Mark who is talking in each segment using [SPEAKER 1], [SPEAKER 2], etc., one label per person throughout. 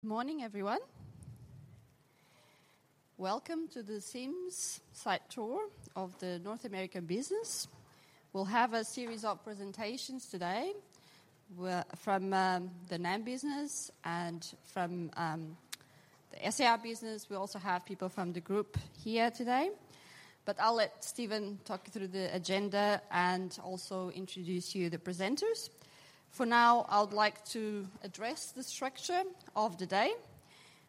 [SPEAKER 1] Good morning, everyone. Welcome to the Sims site tour of the North American business. We'll have a series of presentations today, from the NAM business and from the SAR business. We also have people from the group here today, but I'll let Stephen talk you through the agenda and also introduce you the presenters. For now, I would like to address the structure of the day.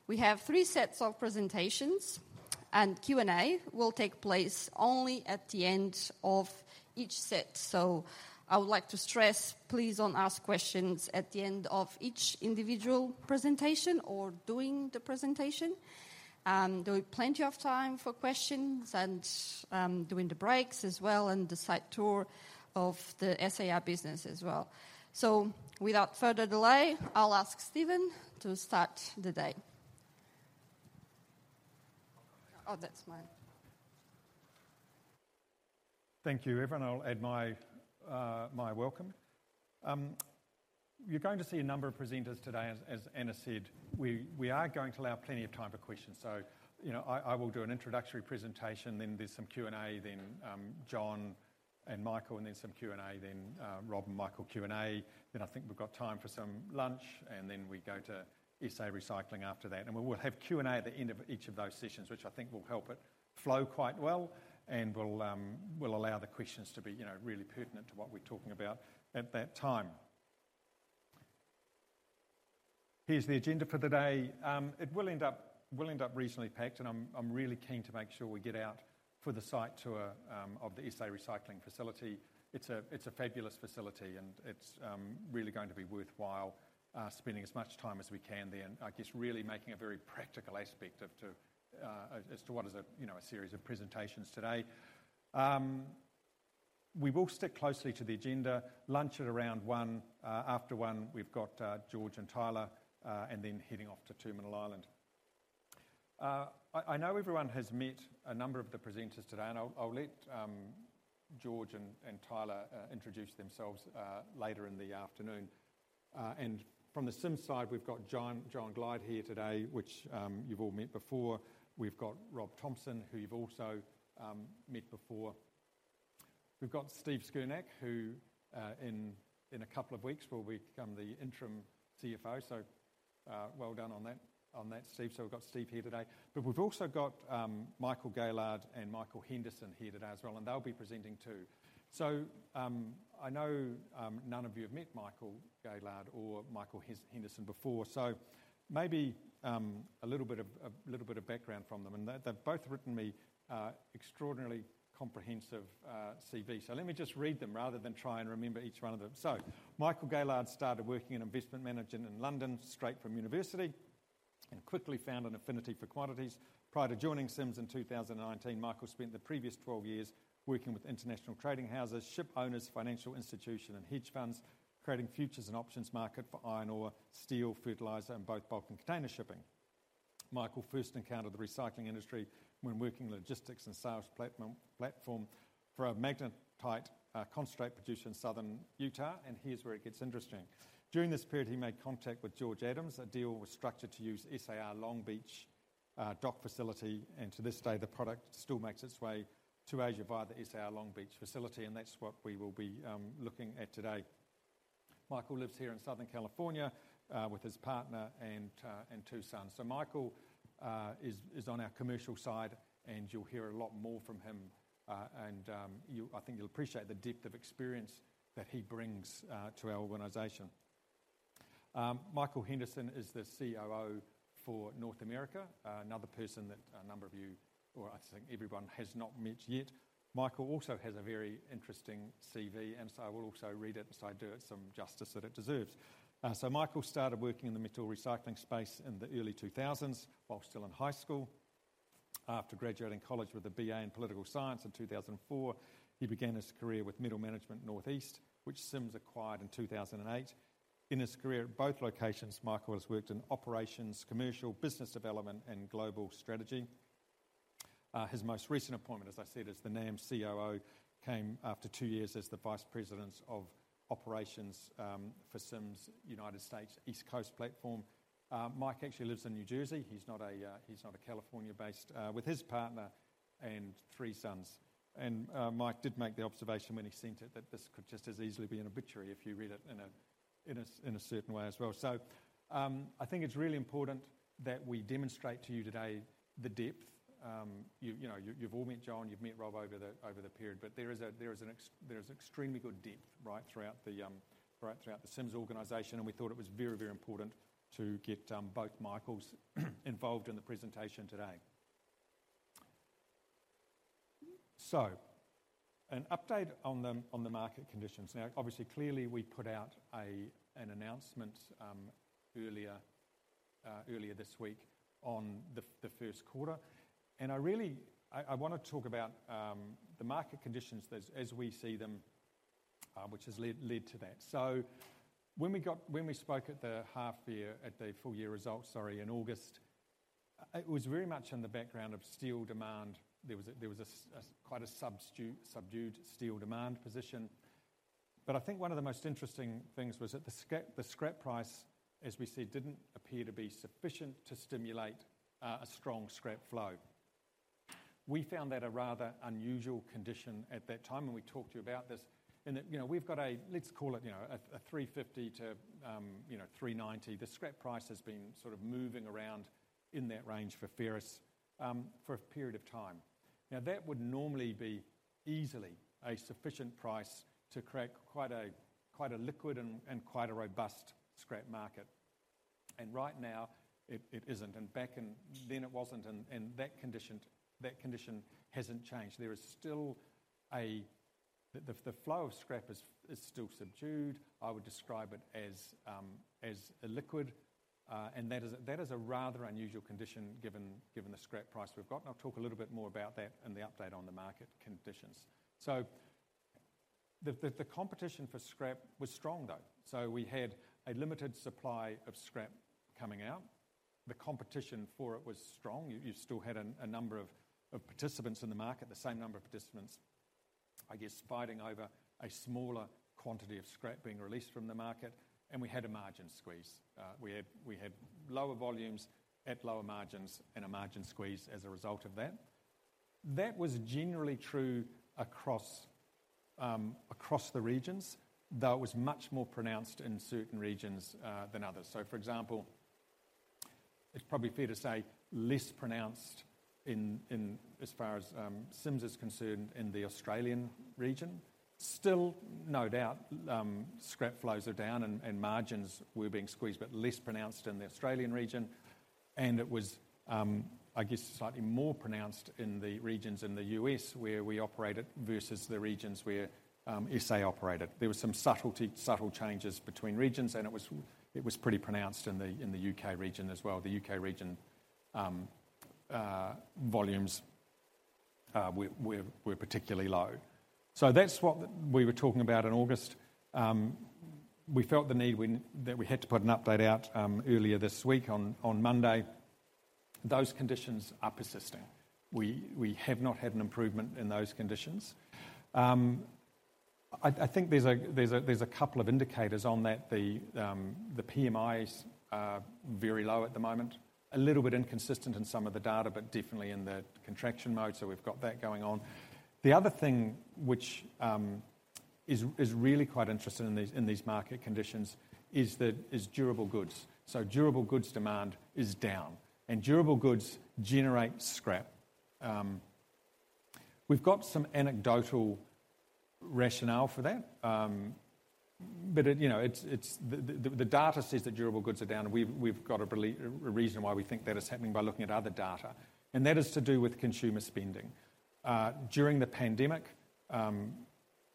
[SPEAKER 1] We have three sets of presentations, and Q&A will take place only at the end of each set. So I would like to stress, please don't ask questions at the end of each individual presentation or during the presentation. There will be plenty of time for questions and during the breaks as well, and the site tour of the SAR business as well. So without further delay, I'll ask Stephen to start the day. Oh, that's mine.
[SPEAKER 2] Thank you, everyone. I'll add my welcome. You're going to see a number of presenters today, as Ana said, we are going to allow plenty of time for questions. So, you know, I will do an introductory presentation, then there's some Q&A, then John and Michael, and then some Q&A, then Rob and Michael, Q&A. Then I think we've got time for some lunch, and then we go to SA Recycling after that. And we will have Q&A at the end of each of those sessions, which I think will help it flow quite well and will allow the questions to be, you know, really pertinent to what we're talking about at that time. Here's the agenda for the day. It will end up, will end up reasonably packed, and I'm, I'm really keen to make sure we get out for the site tour of the SA Recycling facility. It's a, it's a fabulous facility and it's really going to be worthwhile spending as much time as we can there, and I guess, really making a very practical aspect of to as to what is a, you know, a series of presentations today. We will stick closely to the agenda. Lunch at around one, after one, we've got George and Tyler and then heading off to Terminal Island. I, I know everyone has met a number of the presenters today, and I'll, I'll let George and Tyler introduce themselves later in the afternoon. And from the Sims side, we've got John Glyde here today, which you've all met before. We've got Rob Thompson, who you've also met before. We've got Steve Skurnac, who in a couple of weeks will become the interim CFO, so well done on that, Steve. So we've got Steve here today. But we've also got Michael Gaylard and Michael Henderson here today as well, and they'll be presenting, too. So I know none of you have met Michael Gaylard or Michael Henderson before, so maybe a little bit of background from them, and they've both written me extraordinarily comprehensive CV. So let me just read them rather than try and remember each one of them. So Michael Gaylard started working in investment management in London, straight from university, and quickly found an affinity for quantities. Prior to joining Sims in 2019, Michael spent the previous 12 years working with international trading houses, ship owners, financial institution, and hedge funds, creating futures and options market for iron ore, steel, fertilizer, and both bulk and container shipping. Michael first encountered the recycling industry when working logistics and sales platform for a magnetite concentrate produced in Southern Utah, and here's where it gets interesting. During this period, he made contact with George Adams. A deal was structured to use SAR Long Beach dock facility, and to this day, the product still makes its way to Asia via the SAR Long Beach facility, and that's what we will be looking at today. Michael lives here in Southern California, with his partner and two sons. So Michael is on our commercial side, and you'll hear a lot more from him. I think you'll appreciate the depth of experience that he brings to our organization. Michael Henderson is the COO for North America. Another person that a number of you, or I think everyone, has not met yet. Michael also has a very interesting CV, and so I will also read it, and so I do it some justice that it deserves. So Michael started working in the metal recycling space in the early 2000s, while still in high school. After graduating college with a BA in Political Science in 2004, he began his career with Metal Management Northeast, which Sims acquired in 2008. In his career at both locations, Michael has worked in operations, commercial business development, and global strategy. His most recent appointment, as I said, as the NAM COO, came after two years as the Vice President of Operations for Sims' United States East Coast platform. Mike actually lives in New Jersey. He's not a California-based with his partner and three sons. Mike did make the observation when he sent it, that this could just as easily be an obituary if you read it in a certain way as well. I think it's really important that we demonstrate to you today the depth... You know, you've all met John, you've met Rob over the period, but there is extremely good depth right throughout the Sims organization, and we thought it was very, very important to get both Michaels involved in the presentation today. So an update on the market conditions. Now, obviously, clearly, we put out an announcement earlier this week on the first quarter, and I really—I want to talk about the market conditions as we see them, which has led to that. So when we spoke at the half year, at the full year results, sorry, in August. It was very much in the background of steel demand. There was a quite a subdued steel demand position. But I think one of the most interesting things was that the scrap price, as we see, didn't appear to be sufficient to stimulate a strong scrap flow. We found that a rather unusual condition at that time, and we talked to you about this, and that, you know, we've got a, let's call it, you know, a $350-$390. The scrap price has been sort of moving around in that range for ferrous for a period of time. Now, that would normally be easily a sufficient price to create quite a liquid and quite a robust scrap market. And right now, it isn't, and back in then, it wasn't, and that condition hasn't changed. There is still the flow of scrap is still subdued. I would describe it as illiquid, and that is a rather unusual condition, given the scrap price we've got, and I'll talk a little bit more about that in the update on the market conditions. So the competition for scrap was strong, though. So we had a limited supply of scrap coming out. The competition for it was strong. You still had a number of participants in the market, the same number of participants, I guess, fighting over a smaller quantity of scrap being released from the market, and we had a margin squeeze. We had lower volumes at lower margins and a margin squeeze as a result of that. That was generally true across the regions, though it was much more pronounced in certain regions than others. So, for example, it's probably fair to say less pronounced in as far as Sims is concerned in the Australian region. Still, no doubt, scrap flows are down and margins were being squeezed, but less pronounced in the Australian region. And it was, I guess, slightly more pronounced in the regions in the U.S. where we operate it versus the regions where SA operate it. There were some subtle changes between regions, and it was pretty pronounced in the U.K. region as well. The U.K. region volumes were particularly low. So that's what we were talking about in August. We felt the need when... That we had to put an update out, earlier this week on Monday. Those conditions are persisting. We have not had an improvement in those conditions. I think there's a couple of indicators on that. The PMIs are very low at the moment. A little bit inconsistent in some of the data, but definitely in the contraction mode, so we've got that going on. The other thing which is really quite interesting in these market conditions is that durable goods. So durable goods demand is down, and durable goods generate scrap. We've got some anecdotal rationale for that, but you know, it's the data says that durable goods are down, and we've got a really good reason why we think that is happening by looking at other data, and that is to do with consumer spending. During the pandemic,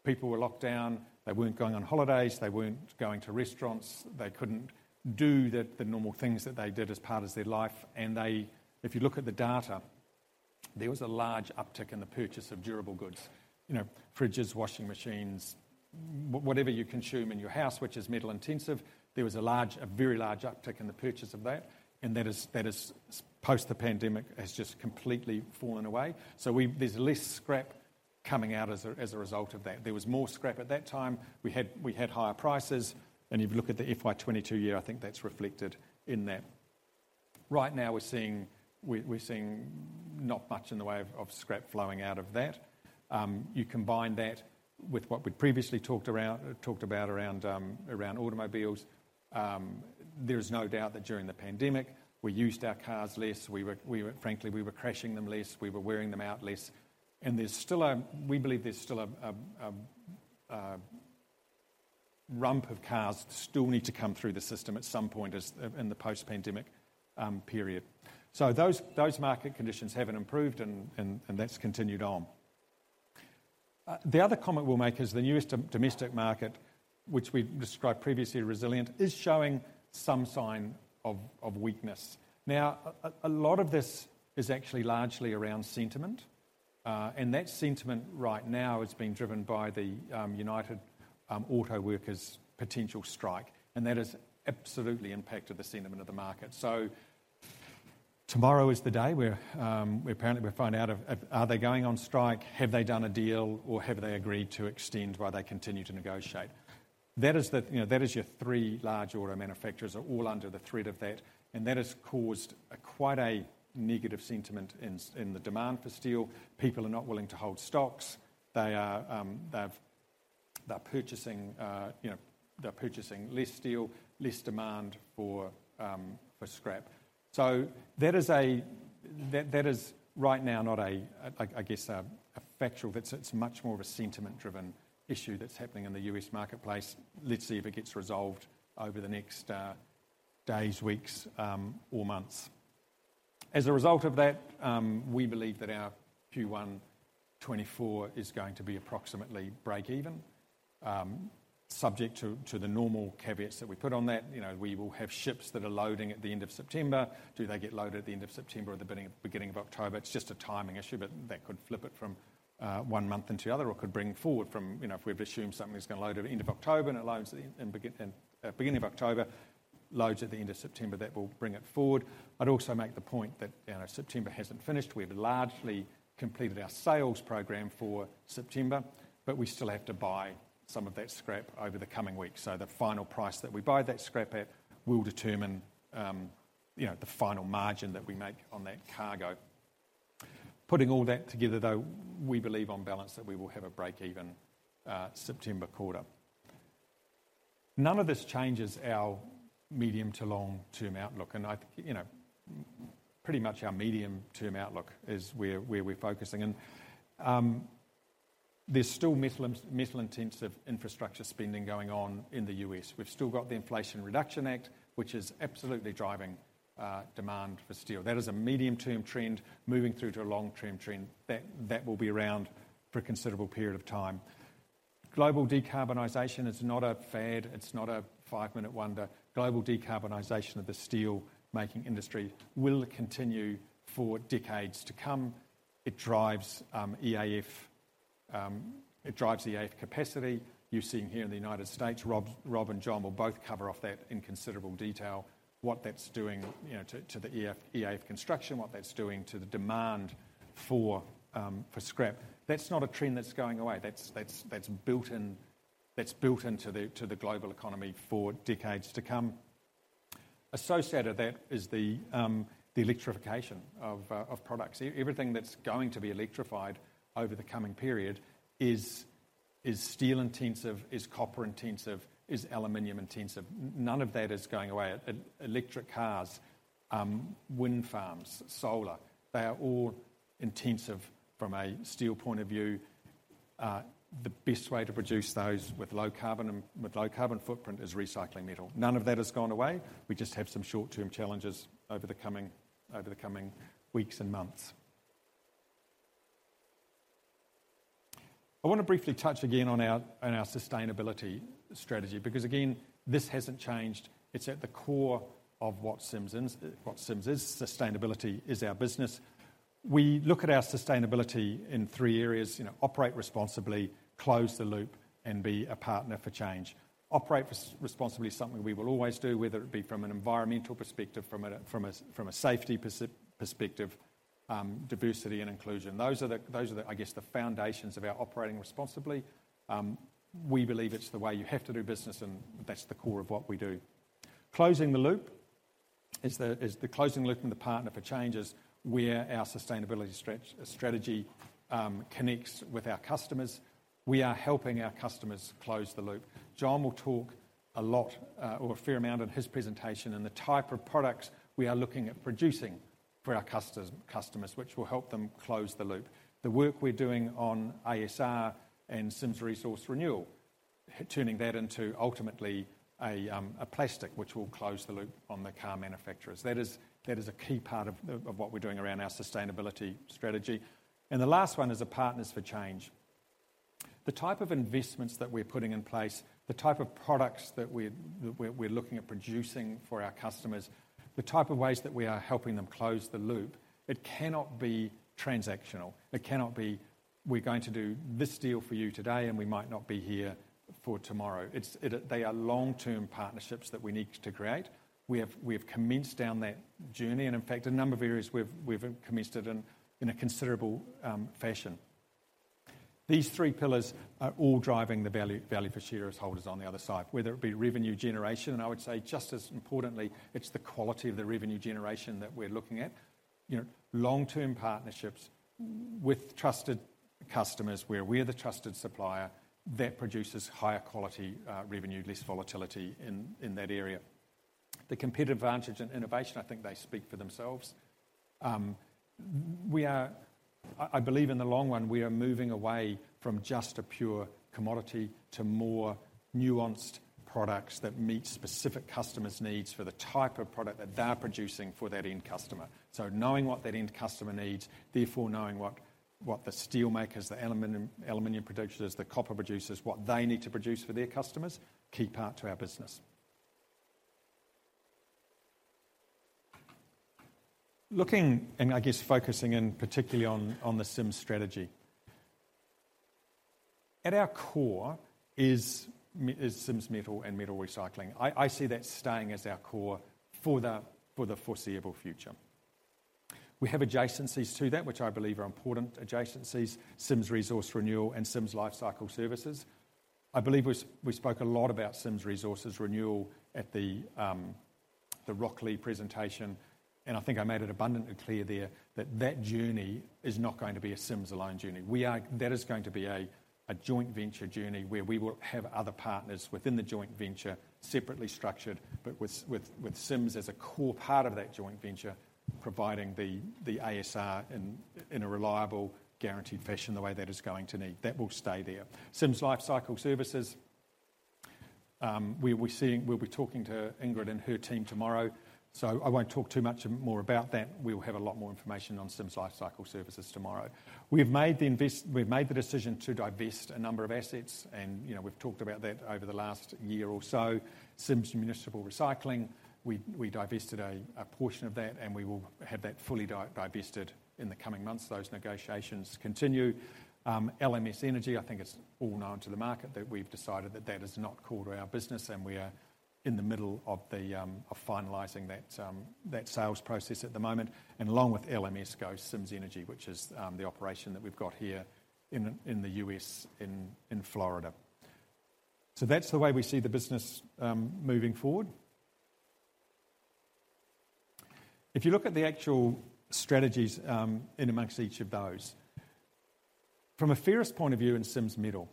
[SPEAKER 2] people were locked down. They weren't going on holidays, they weren't going to restaurants, they couldn't do the normal things that they did as part of their life, and they. If you look at the data, there was a large uptick in the purchase of durable goods. You know, fridges, washing machines, whatever you consume in your house, which is metal intensive. There was a very large uptick in the purchase of that, and that has, post the pandemic, just completely fallen away. So we... There's less scrap coming out as a result of that. There was more scrap at that time. We had higher prices, and if you look at the FY 2022 year, I think that's reflected in that. Right now we're seeing not much in the way of scrap flowing out of that. You combine that with what we previously talked about around automobiles. There is no doubt that during the pandemic, we used our cars less. We were frankly, we were crashing them less, we were wearing them out less, and we believe there's still a rump of cars still need to come through the system at some point as in the post-pandemic period. So those market conditions haven't improved, and that's continued on. The other comment we'll make is the newest domestic market, which we've described previously, resilient, is showing some sign of weakness. Now, a lot of this is actually largely around sentiment, and that sentiment right now is being driven by the United Auto Workers' potential strike, and that has absolutely impacted the sentiment of the market. So tomorrow is the day where we apparently will find out if are they going on strike, have they done a deal, or have they agreed to extend while they continue to negotiate? That is the, you know, that is your three large auto manufacturers are all under the threat of that, and that has caused quite a negative sentiment in the demand for steel. People are not willing to hold stocks. They are, they've-- they're purchasing, you know, they're purchasing less steel, less demand for, for scrap. So that is right now not a factual, but I guess it's much more of a sentiment-driven issue that's happening in the U.S. marketplace. Let's see if it gets resolved over the next days, weeks, or months. As a result of that, we believe that our Q1 2024 is going to be approximately break even, subject to the normal caveats that we put on that. You know, we will have ships that are loading at the end of September. Do they get loaded at the end of September or the beginning of October? It's just a timing issue, but that could flip it from one month into the other or could bring forward from... You know, if we've assumed something is going to load at the end of October, and it loads at the beginning of October, loads at the end of September, that will bring it forward. I'd also make the point that, you know, September hasn't finished. We've largely completed our sales program for September, but we still have to buy some of that scrap over the coming weeks. So the final price that we buy that scrap at will determine, you know, the final margin that we make on that cargo. Putting all that together, though, we believe on balance that we will have a break-even September quarter. None of this changes our medium to long-term outlook, and I think, you know, pretty much our medium-term outlook is where we're focusing in. There's still metal-intensive infrastructure spending going on in the U.S. We've still got the Inflation Reduction Act, which is absolutely driving demand for steel. That is a medium-term trend, moving through to a long-term trend that will be around for a considerable period of time. Global decarbonization is not a fad, it's not a five-minute wonder. Global decarbonization of the steel-making industry will continue for decades to come. It drives EAF capacity. You're seeing here in the United States, Rob, Rob and John will both cover off that in considerable detail, what that's doing, you know, to the EAF construction, what that's doing to the demand for scrap. That's not a trend that's going away. That's built into the global economy for decades to come. Associated with that is the electrification of products. Everything that's going to be electrified over the coming period is steel intensive, is copper intensive, is aluminum intensive. None of that is going away. Electric cars, wind farms, solar, they are all intensive from a steel point of view. The best way to produce those with low carbon and with low carbon footprint is recycling metal. None of that has gone away. We just have some short-term challenges over the coming weeks and months. I want to briefly touch again on our sustainability strategy, because again, this hasn't changed. It's at the core of what Sims is. Sustainability is our business. We look at our sustainability in three areas, you know, operate responsibly, close the loop, and be a partner for change. Operating responsibly is something we will always do, whether it be from an environmental perspective, from a safety perspective, diversity and inclusion. Those are the, I guess, the foundations of our operating responsibly. We believe it's the way you have to do business, and that's the core of what we do. Closing the loop is the closing the loop and the partner for change is where our sustainability strategy connects with our customers. We are helping our customers close the loop. John will talk a lot, or a fair amount in his presentation, and the type of products we are looking at producing for our customers, which will help them close the loop. The work we're doing on ASR and Sims Resource Renewal, turning that into ultimately a plastic, which will close the loop on the car manufacturers. That is, that is a key part of what we're doing around our sustainability strategy. And the last one is the partners for change. The type of investments that we're putting in place, the type of products that we're looking at producing for our customers, the type of ways that we are helping them close the loop, it cannot be transactional. It cannot be, "We're going to do this deal for you today, and we might not be here for tomorrow." It's, they are long-term partnerships that we need to create. We have commenced down that journey, and in fact, a number of areas we've commenced it in a considerable fashion. These three pillars are all driving the value, value for shareholders on the other side, whether it be revenue generation, and I would say just as importantly, it's the quality of the revenue generation that we're looking at. You know, long-term partnerships with trusted customers, where we're the trusted supplier, that produces higher quality, revenue, less volatility in, in that area. The competitive advantage and innovation, I think they speak for themselves. We are. I believe in the long run, we are moving away from just a pure commodity to more nuanced products that meet specific customers' needs for the type of product that they're producing for that end customer. So knowing what that end customer needs, therefore knowing what, what the steel makers, the aluminum, aluminum producers, the copper producers, what they need to produce for their customers, key part to our business. Looking, and I guess, focusing in particularly on the Sims strategy. At our core is Sims Metal and metal recycling. I see that staying as our core for the foreseeable future. We have adjacencies to that, which I believe are important adjacencies, Sims Resource Renewal and Sims Lifecycle Services. I believe we spoke a lot about Sims Resource Renewal at the Rocklea presentation, and I think I made it abundantly clear there that that journey is not going to be a Sims alone journey. That is going to be a joint venture journey, where we will have other partners within the joint venture, separately structured, but with Sims as a core part of that joint venture, providing the ASR in a reliable, guaranteed fashion, the way that is going to need. That will stay there. Sims Lifecycle Services, we will be talking to Ingrid and her team tomorrow, so I won't talk too much more about that. We'll have a lot more information on Sims Lifecycle Services tomorrow. We've made the decision to divest a number of assets, and, you know, we've talked about that over the last year or so. Sims Municipal Recycling, we divested a portion of that, and we will have that fully divested in the coming months. Those negotiations continue. LMS Energy, I think it's all known to the market that we've decided that that is not core to our business, and we are-... In the middle of finalizing that sales process at the moment, and along with LMS goes Sims Energy, which is the operation that we've got here in the U.S., in Florida. So that's the way we see the business moving forward. If you look at the actual strategies in amongst each of those, from a ferrous point of view in Sims Metal,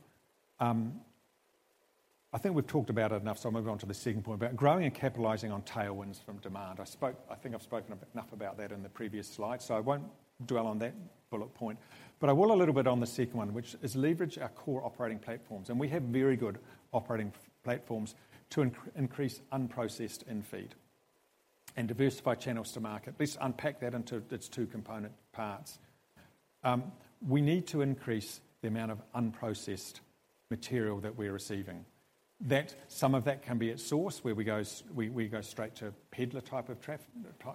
[SPEAKER 2] I think we've talked about it enough, so I'll move on to the second point. But growing and capitalizing on tailwinds from demand. I think I've spoken a bit enough about that in the previous slide, so I won't dwell on that bullet point. But I will a little bit on the second one, which is leverage our core operating platforms, and we have very good operating platforms to increase unprocessed infeed and diversify channels to market. Let's unpack that into its two component parts. We need to increase the amount of unprocessed material that we're receiving. That, some of that can be at source, where we go straight to peddler type of traffic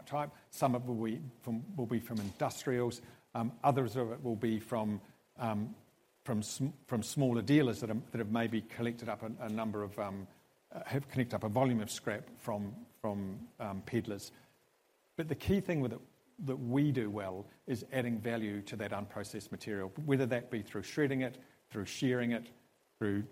[SPEAKER 2] type. Some of it will be from industrials, others of it will be from smaller dealers that have maybe collected up a volume of scrap from peddlers. But the key thing with it that we do well is adding value to that unprocessed material, whether that be through shredding it, through shearing it, through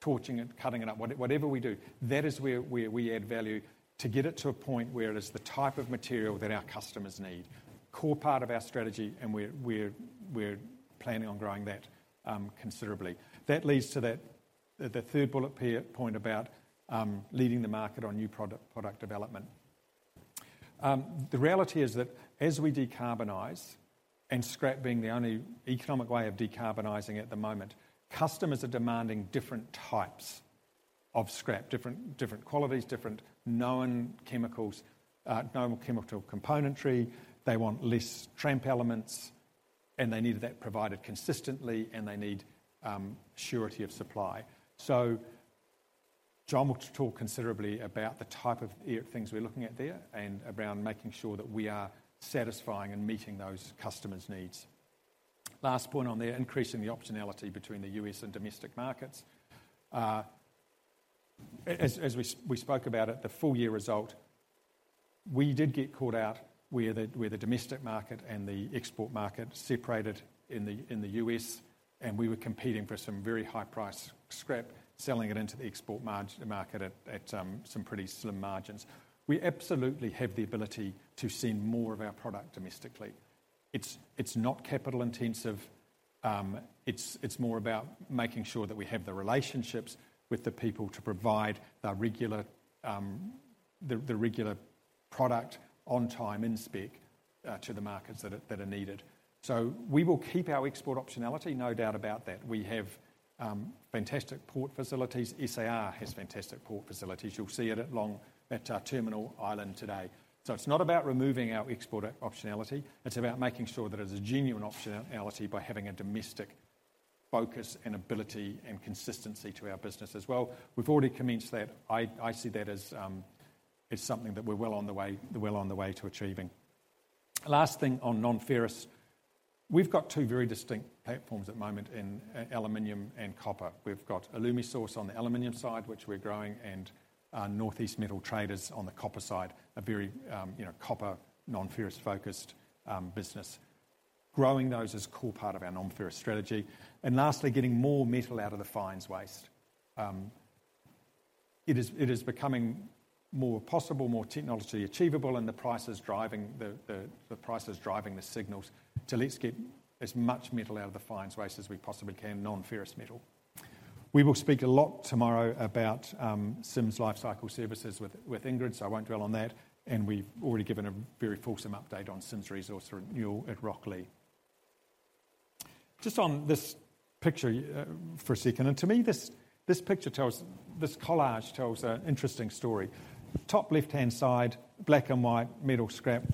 [SPEAKER 2] torching it, cutting it up, whatever we do, that is where we add value to get it to a point where it is the type of material that our customers need. Core part of our strategy and we're planning on growing that considerably. That leads to the third bullet point about leading the market on new product development. The reality is that as we decarbonize, and scrap being the only economic way of decarbonizing at the moment, customers are demanding different types of scrap, different qualities, different known chemicals, normal chemical componentry. They want less tramp elements, and they need that provided consistently, and they need surety of supply. So John will talk considerably about the type of things we're looking at there and around making sure that we are satisfying and meeting those customers' needs. Last point on there, increasing the optionality between the U.S. and domestic markets. As we spoke about at the full year result, we did get caught out where the domestic market and the export market separated in the U.S., and we were competing for some very high-price scrap, selling it into the export market at some pretty slim margins. We absolutely have the ability to send more of our product domestically. It's not capital intensive. It's more about making sure that we have the relationships with the people to provide the regular product on time, in spec, to the markets that are needed. So we will keep our export optionality, no doubt about that. We have fantastic port facilities. SAR has fantastic port facilities. You'll see it at Long Beach at Terminal Island today. So it's not about removing our export optionality, it's about making sure that it's a genuine optionality by having a domestic focus and ability and consistency to our business as well. We've already commenced that. I see that as something that we're well on the way to achieving. Last thing on non-ferrous. We've got two very distinct platforms at the moment in aluminum and copper. We've got Alumisource on the aluminum side, which we're growing, and Northeast Metal Traders on the copper side, a very you know, copper, non-ferrous focused business. Growing those is core part of our non-ferrous strategy. And lastly, getting more metal out of the fines waste. It is becoming more possible, more technologically achievable, and the price is driving the signals to let's get as much metal out of the fines waste as we possibly can, non-ferrous metal. We will speak a lot tomorrow about Sims Lifecycle Services with Ingrid, so I won't dwell on that, and we've already given a very fulsome update on Sims Resource Renewal at Rocklea. Just on this picture for a second, and to me, this picture tells, this collage tells an interesting story. Top left-hand side, black and white, metal scrap.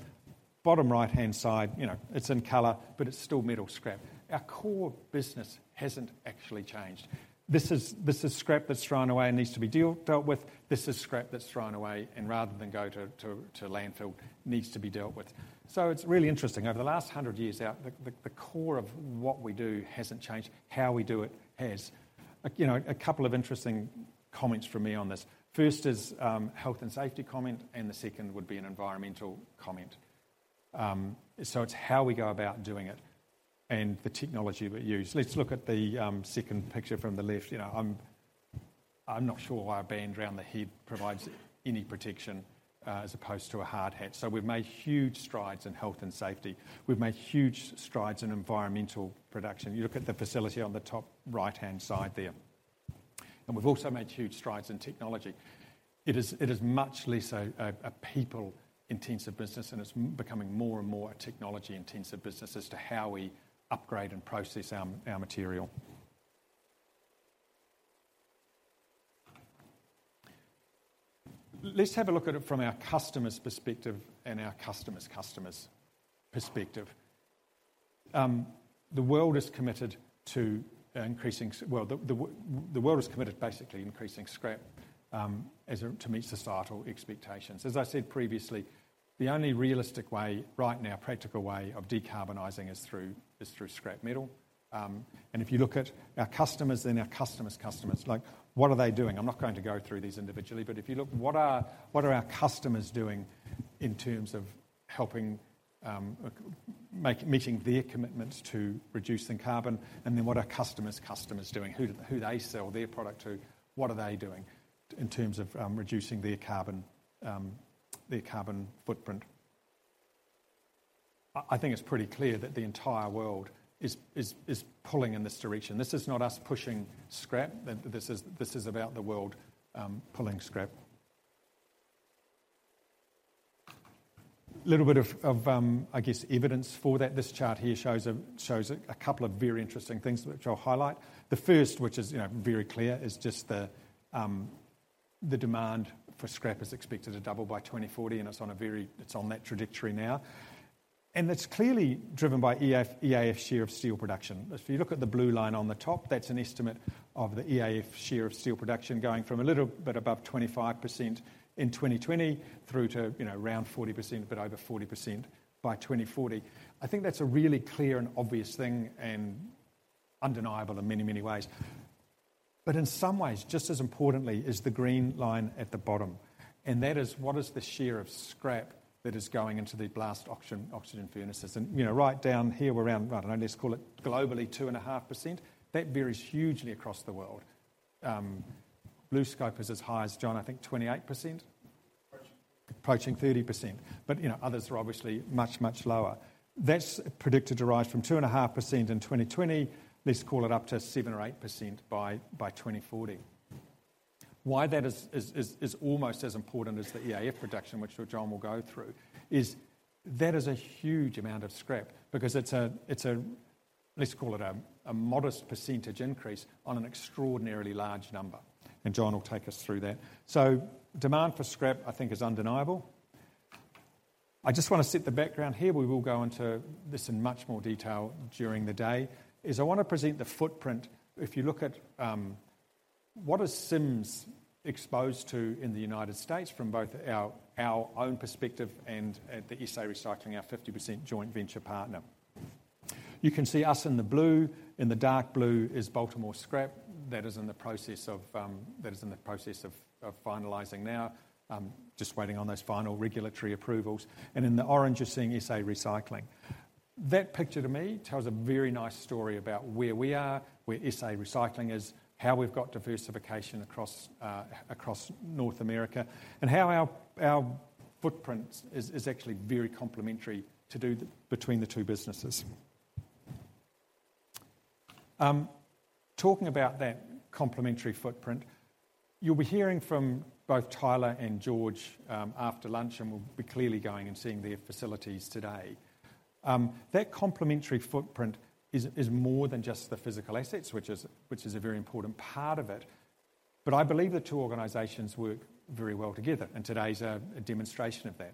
[SPEAKER 2] Bottom right-hand side, you know, it's in color, but it's still metal scrap. Our core business hasn't actually changed. This is scrap that's thrown away and needs to be dealt with. This is scrap that's thrown away, and rather than go to landfill, needs to be dealt with. So it's really interesting. Over the last 100 years, the core of what we do hasn't changed. How we do it has. You know, a couple of interesting comments from me on this. First is, health and safety comment, and the second would be an environmental comment. So it's how we go about doing it and the technology that we use. Let's look at the second picture from the left. You know, I'm not sure why a band around the head provides any protection as opposed to a hard hat. So we've made huge strides in health and safety. We've made huge strides in environmental production. You look at the facility on the top right-hand side there. And we've also made huge strides in technology. It is much less a people-intensive business, and it's becoming more and more a technology-intensive business as to how we upgrade and process our material. Let's have a look at it from our customer's perspective and our customer's customer's perspective. The world is committed basically to increasing scrap as a to meet societal expectations. As I said previously, the only realistic way right now, practical way of decarbonizing is through scrap metal. And if you look at our customers and our customers' customers, like, what are they doing? I'm not going to go through these individually, but if you look, what are our customers doing in terms of helping meet their commitments to reducing carbon? And then what are customers' customers doing? Who they sell their product to, what are they doing in terms of reducing their carbon, their carbon footprint? I think it's pretty clear that the entire world is pulling in this direction. This is not us pushing scrap. This is about the world pulling scrap. Little bit of, I guess, evidence for that. This chart here shows a couple of very interesting things, which I'll highlight. The first, which is, you know, very clear, is just the, the demand for scrap is expected to double by 2040, and it's on a very-- it's on that trajectory now. And it's clearly driven by EAF share of steel production. If you look at the blue line on the top, that's an estimate of the EAF share of steel production going from a little bit above 25% in 2020 through to, you know, around 40%, a bit over 40% by 2040. I think that's a really clear and obvious thing and undeniable in many, many ways. But in some ways, just as importantly is the green line at the bottom, and that is, what is the share of scrap that is going into the blast oxygen furnaces? You know, right down here, we're around, I don't know, let's call it globally 2.5%. That varies hugely across the world. BlueScope is as high as John, I think, 28%?
[SPEAKER 3] Approaching.
[SPEAKER 2] Approaching 30%. But, you know, others are obviously much, much lower. That's predicted to rise from 2.5% in 2020, let's call it, up to 7%-8% by 2040. Why that is is almost as important as the EAF production, which John will go through, is that is a huge amount of scrap because it's a... Let's call it a modest percentage increase on an extraordinarily large number, and John will take us through that. So demand for scrap, I think, is undeniable. I just want to set the background here. We will go into this in much more detail during the day, is I want to present the footprint. If you look at what is Sims exposed to in the United States from both our own perspective and at the SA Recycling, our 50% joint venture partner. You can see us in the blue. In the dark blue is Baltimore Scrap. That is in the process of finalizing now, just waiting on those final regulatory approvals. And in the orange, you're seeing SA Recycling. That picture to me tells a very nice story about where we are, where SA Recycling is, how we've got diversification across North America, and how our footprint is actually very complementary to do between the two businesses. Talking about that complementary footprint, you'll be hearing from both Tyler and George after lunch, and we'll be clearly going and seeing their facilities today. That complementary footprint is more than just the physical assets, which is a very important part of it, but I believe the two organizations work very well together, and today is a demonstration of that.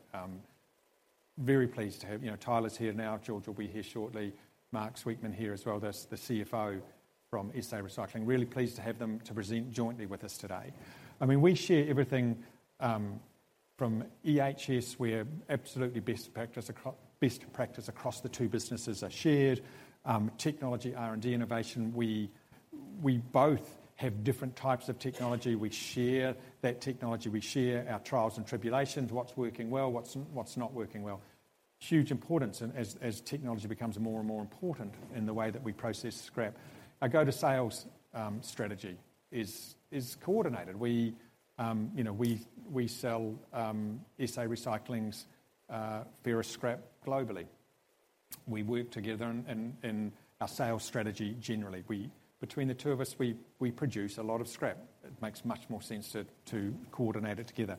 [SPEAKER 2] Very pleased to have... You know, Tyler's here now. George will be here shortly. Mark Sweetman here as well, that's the CFO from SA Recycling. Really pleased to have them to present jointly with us today. I mean, we share everything, from EHS, we are absolutely best practice across the two businesses are shared. Technology, R&D, innovation, we both have different types of technology. We share that technology. We share our trials and tribulations, what's working well, what's not working well. Huge importance and as technology becomes more and more important in the way that we process scrap. Our go-to sales strategy is coordinated. We, you know, we sell SA Recycling's ferrous scrap globally. We work together in our sales strategy generally. We, between the two of us, we produce a lot of scrap. It makes much more sense to coordinate it together.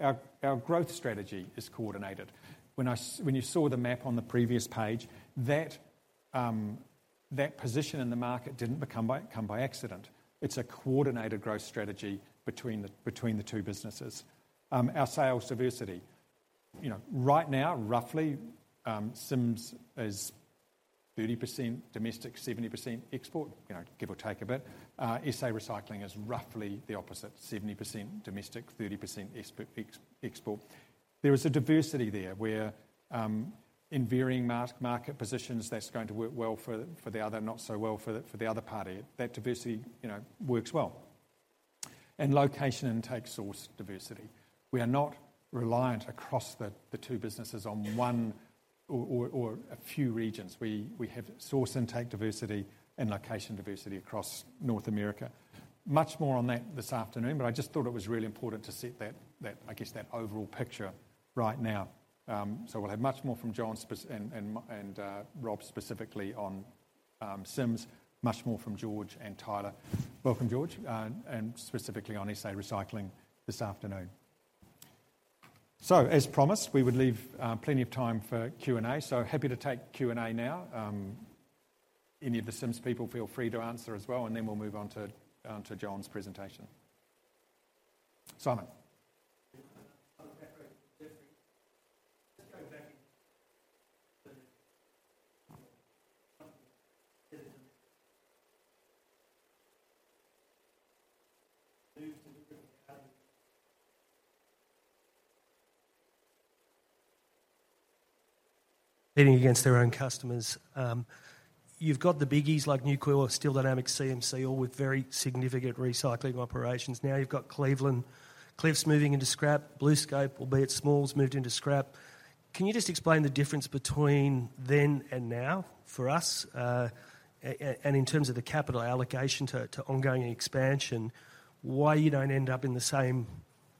[SPEAKER 2] Our growth strategy is coordinated. When you saw the map on the previous page, that position in the market didn't come by accident. It's a coordinated growth strategy between the two businesses. Our sales diversity. You know, right now, roughly, Sims is 30% domestic, 70% export, you know, give or take a bit. SA Recycling is roughly the opposite, 70% domestic, 30% export. There is a diversity there, where in varying market positions, that's going to work well for the other, not so well for the other party. That diversity, you know, works well. And location and intake source diversity. We are not reliant across the two businesses on one or a few regions. We have source intake diversity and location diversity across North America. Much more on that this afternoon, but I just thought it was really important to set that, I guess, that overall picture right now. So we'll have much more from John and Rob, specifically on Sims. Much more from George and Tyler. Welcome, George, and specifically on SA Recycling this afternoon. So, as promised, we would leave plenty of time for Q&A. So happy to take Q&A now. Any of the Sims people feel free to answer as well, and then we'll move on to John's presentation. Simon? ......
[SPEAKER 4] competing against their own customers. You've got the biggies like Nucor, Steel Dynamics, CMC, all with very significant recycling operations. Now, you've got Cleveland-Cliffs moving into scrap, BlueScope, albeit small, has moved into scrap. Can you just explain the difference between then and now for us, and in terms of the capital allocation to ongoing expansion, why you don't end up in the same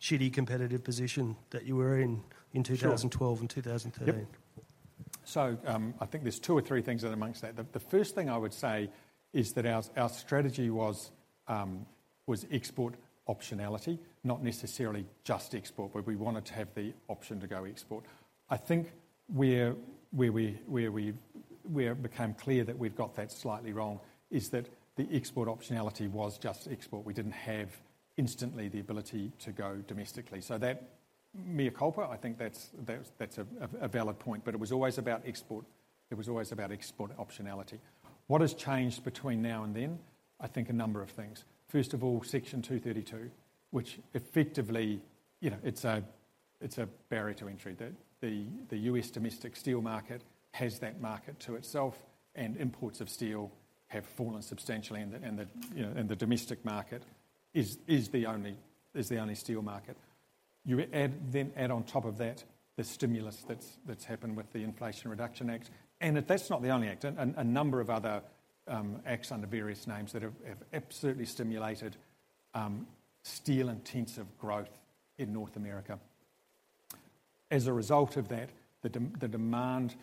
[SPEAKER 4] shitty competitive position that you were in, in 2012?
[SPEAKER 2] Sure.
[SPEAKER 4] -and 2013?
[SPEAKER 2] Yep. So, I think there's two or three things that amongst that. The first thing I would say is that our strategy was export optionality, not necessarily just export, but we wanted to have the option to go export. I think where it became clear that we've got that slightly wrong is that the export optionality was just export. We didn't have instantly the ability to go domestically. So that mea culpa, I think that's a valid point, but it was always about export. It was always about export optionality. What has changed between now and then? I think a number of things. First of all, Section 232, which effectively, you know, it's a barrier to entry, that the U.S. domestic steel market has that market to itself, and imports of steel have fallen substantially, and the, you know, and the domestic market is the only steel market. Then add on top of that, the stimulus that's happened with the Inflation Reduction Act, and that's not the only act, and a number of other acts under various names that have absolutely stimulated steel-intensive growth in North America. As a result of that, the demand.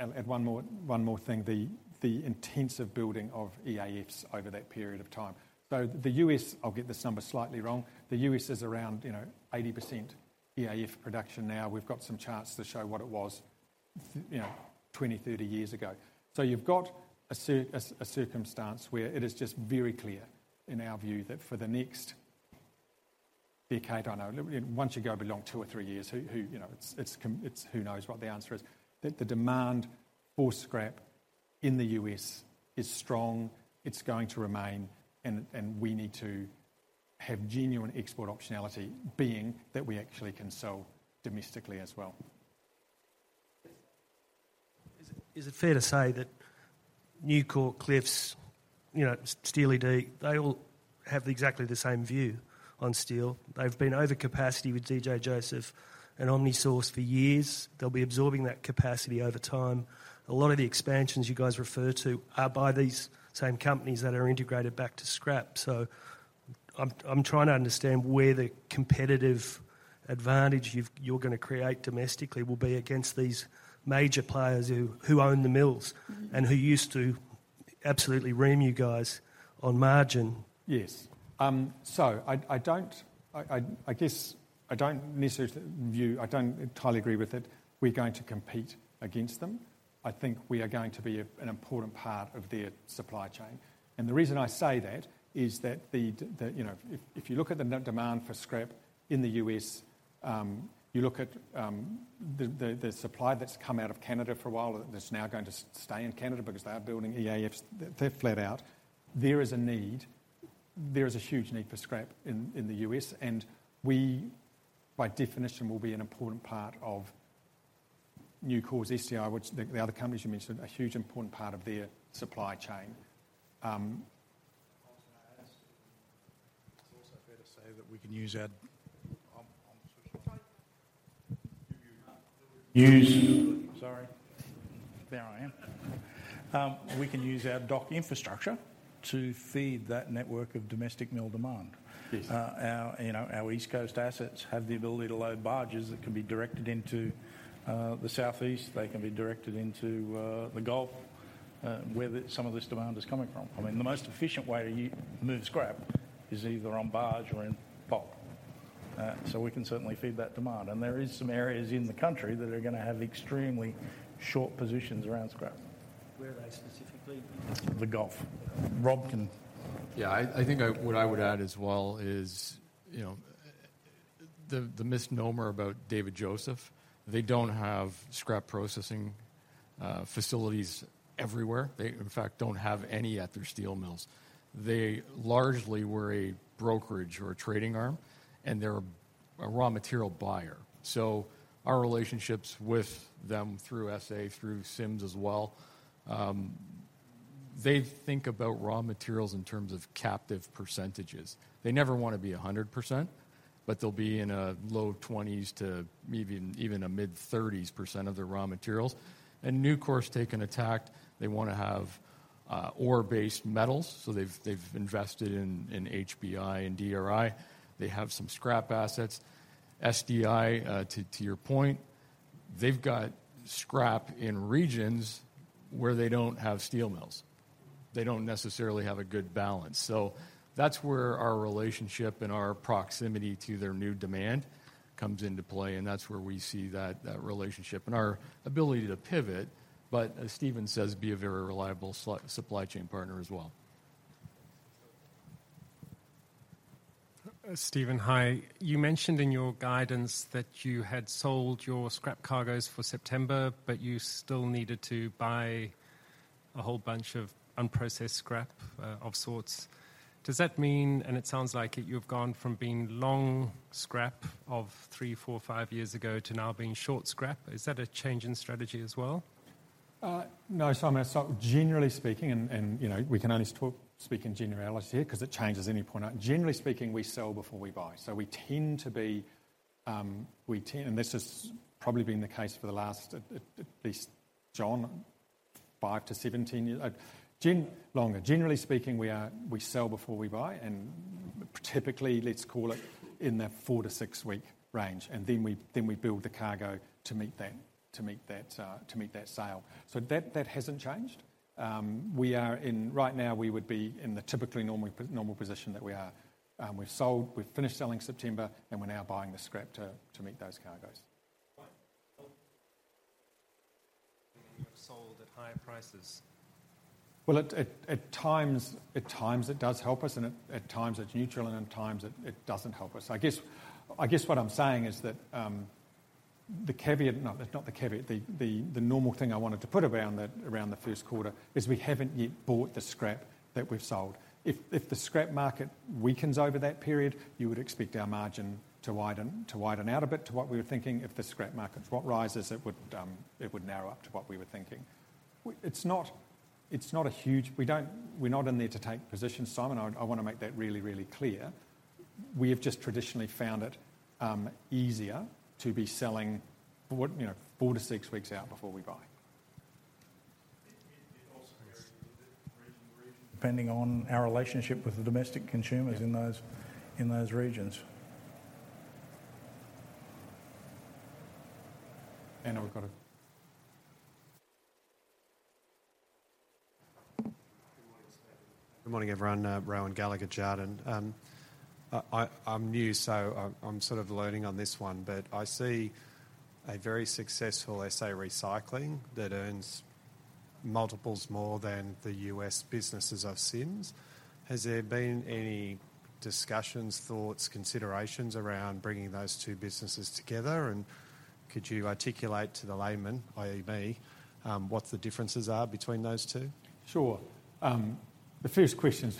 [SPEAKER 2] I'll add one more thing, the intensive building of EAFs over that period of time. So the U.S., I'll get this number slightly wrong, the U.S. is around, you know, 80% EAF production now. We've got some charts that show what it was, you know, 20, 30 years ago. So you've got a circumstance where it is just very clear, in our view, that for the next decade, I know, once you go beyond two or three years, who, you know, it's, it's who knows what the answer is. That the demand for scrap in the U.S. is strong, it's going to remain, and, and we need to have genuine export optionality, being that we actually can sell domestically as well.
[SPEAKER 4] Is it, is it fair to say that Nucor, Cliffs, you know, Steel Dy, they all have exactly the same view on steel? They've been over capacity with D.J. Joseph and OmniSource for years. They'll be absorbing that capacity over time. A lot of the expansions you guys refer to are by these same companies that are integrated back to scrap. So I'm, I'm trying to understand where the competitive advantage you've, you're gonna create domestically will be against these major players who, who own the mills-
[SPEAKER 2] Mm-hmm.
[SPEAKER 4] and who used to absolutely ream you guys on margin.
[SPEAKER 2] Yes. So I guess I don't necessarily view - I don't entirely agree with it. We're going to compete against them. I think we are going to be an important part of their supply chain. And the reason I say that is that the you know, if you look at the demand for scrap in the U.S., you look at the supply that's come out of Canada for a while, that's now going to stay in Canada because they are building EAFs, they're flat out. There is a need, there is a huge need for scrap in the U.S., and we, by definition, will be an important part of Nucor's SDI, which the other companies you mentioned, a huge important part of their supply chain.
[SPEAKER 5] I was gonna add, it's also fair to say that we can use our, on social-
[SPEAKER 4] Sorry.
[SPEAKER 5] We can use our dock infrastructure to feed that network of domestic mill demand.
[SPEAKER 2] Yes.
[SPEAKER 5] You know, our East Coast assets have the ability to load barges that can be directed into the Southeast. They can be directed into the Gulf, where some of this demand is coming from. I mean, the most efficient way to move scrap is either on barge or in bulk. So we can certainly feed that demand. And there is some areas in the country that are gonna have extremely short positions around scrap.
[SPEAKER 4] Where are they specifically?
[SPEAKER 5] The Gulf. Rob can-
[SPEAKER 6] Yeah, I think what I would add as well is, you know, the misnomer about David Joseph, they don't have scrap processing facilities everywhere. They, in fact, don't have any at their steel mills. They largely were a brokerage or a trading arm, and they're a raw material buyer. So our relationships with them through SA, through Sims as well, they think about raw materials in terms of captive percentages. They never wanna be 100%, but they'll be in a low 20s to maybe even a mid-30s% of their raw materials. And Nucor's taken a tack, they wanna have ore-based metals, so they've invested in HBI and DRI. They have some scrap assets. SDI, to your point, they've got scrap in regions where they don't have steel mills. They don't necessarily have a good balance. So that's where our relationship and our proximity to their new demand comes into play, and that's where we see that, that relationship and our ability to pivot, but as Stephen says, be a very reliable supply chain partner as well.
[SPEAKER 7] Stephen, hi. You mentioned in your guidance that you had sold your scrap cargoes for September, but you still needed to buy a whole bunch of unprocessed scrap, of sorts. Does that mean, and it sounds like it, you've gone from being long scrap of three, four, five years ago to now being short scrap? Is that a change in strategy as well?
[SPEAKER 2] No, Simon, so generally speaking, and, and you know, we can only talk, speak in generalities here because it changes any point out. Generally speaking, we sell before we buy. So we tend to be, we tend. And this has probably been the case for the last, at least, John, five to 17 years. Longer. Generally speaking, we are, we sell before we buy, and typically, let's call it in the four to six-week range, and then we, then we build the cargo to meet that, to meet that, to meet that sale. So that, that hasn't changed. We are. Right now, we would be in the typically normal normal position that we are. We've sold, we've finished selling September, and we're now buying the scrap to, to meet those cargoes.
[SPEAKER 7] Right. Well, you have sold at higher prices.
[SPEAKER 2] Well, at times it does help us, and at times it's neutral, and at times it doesn't help us. I guess what I'm saying is that the caveat... No, not the caveat. The normal thing I wanted to put around the first quarter is we haven't yet bought the scrap that we've sold. If the scrap market weakens over that period, you would expect our margin to widen out a bit to what we were thinking. If the scrap market rises, it would narrow up to what we were thinking. It's not a huge... We don't, we're not in there to take positions, Simon. I wanna make that really, really clear. We have just traditionally found it easier to be selling what, you know, four to six weeks out before we buy.
[SPEAKER 5] It also varies a little bit region to region, depending on our relationship with the domestic consumers.
[SPEAKER 2] Yeah.
[SPEAKER 5] - in those regions.
[SPEAKER 2] Now we've got.
[SPEAKER 8] Good morning, everyone. Rohan Gallagher, Jarden. I'm new, so I'm sort of learning on this one, but I see a very successful SA Recycling that earns multiples more than the U.S. businesses of Sims. Has there been any discussions, thoughts, considerations around bringing those two businesses together, and could you articulate to the layman, i.e., me, what the differences are between those two?
[SPEAKER 2] Sure. The first question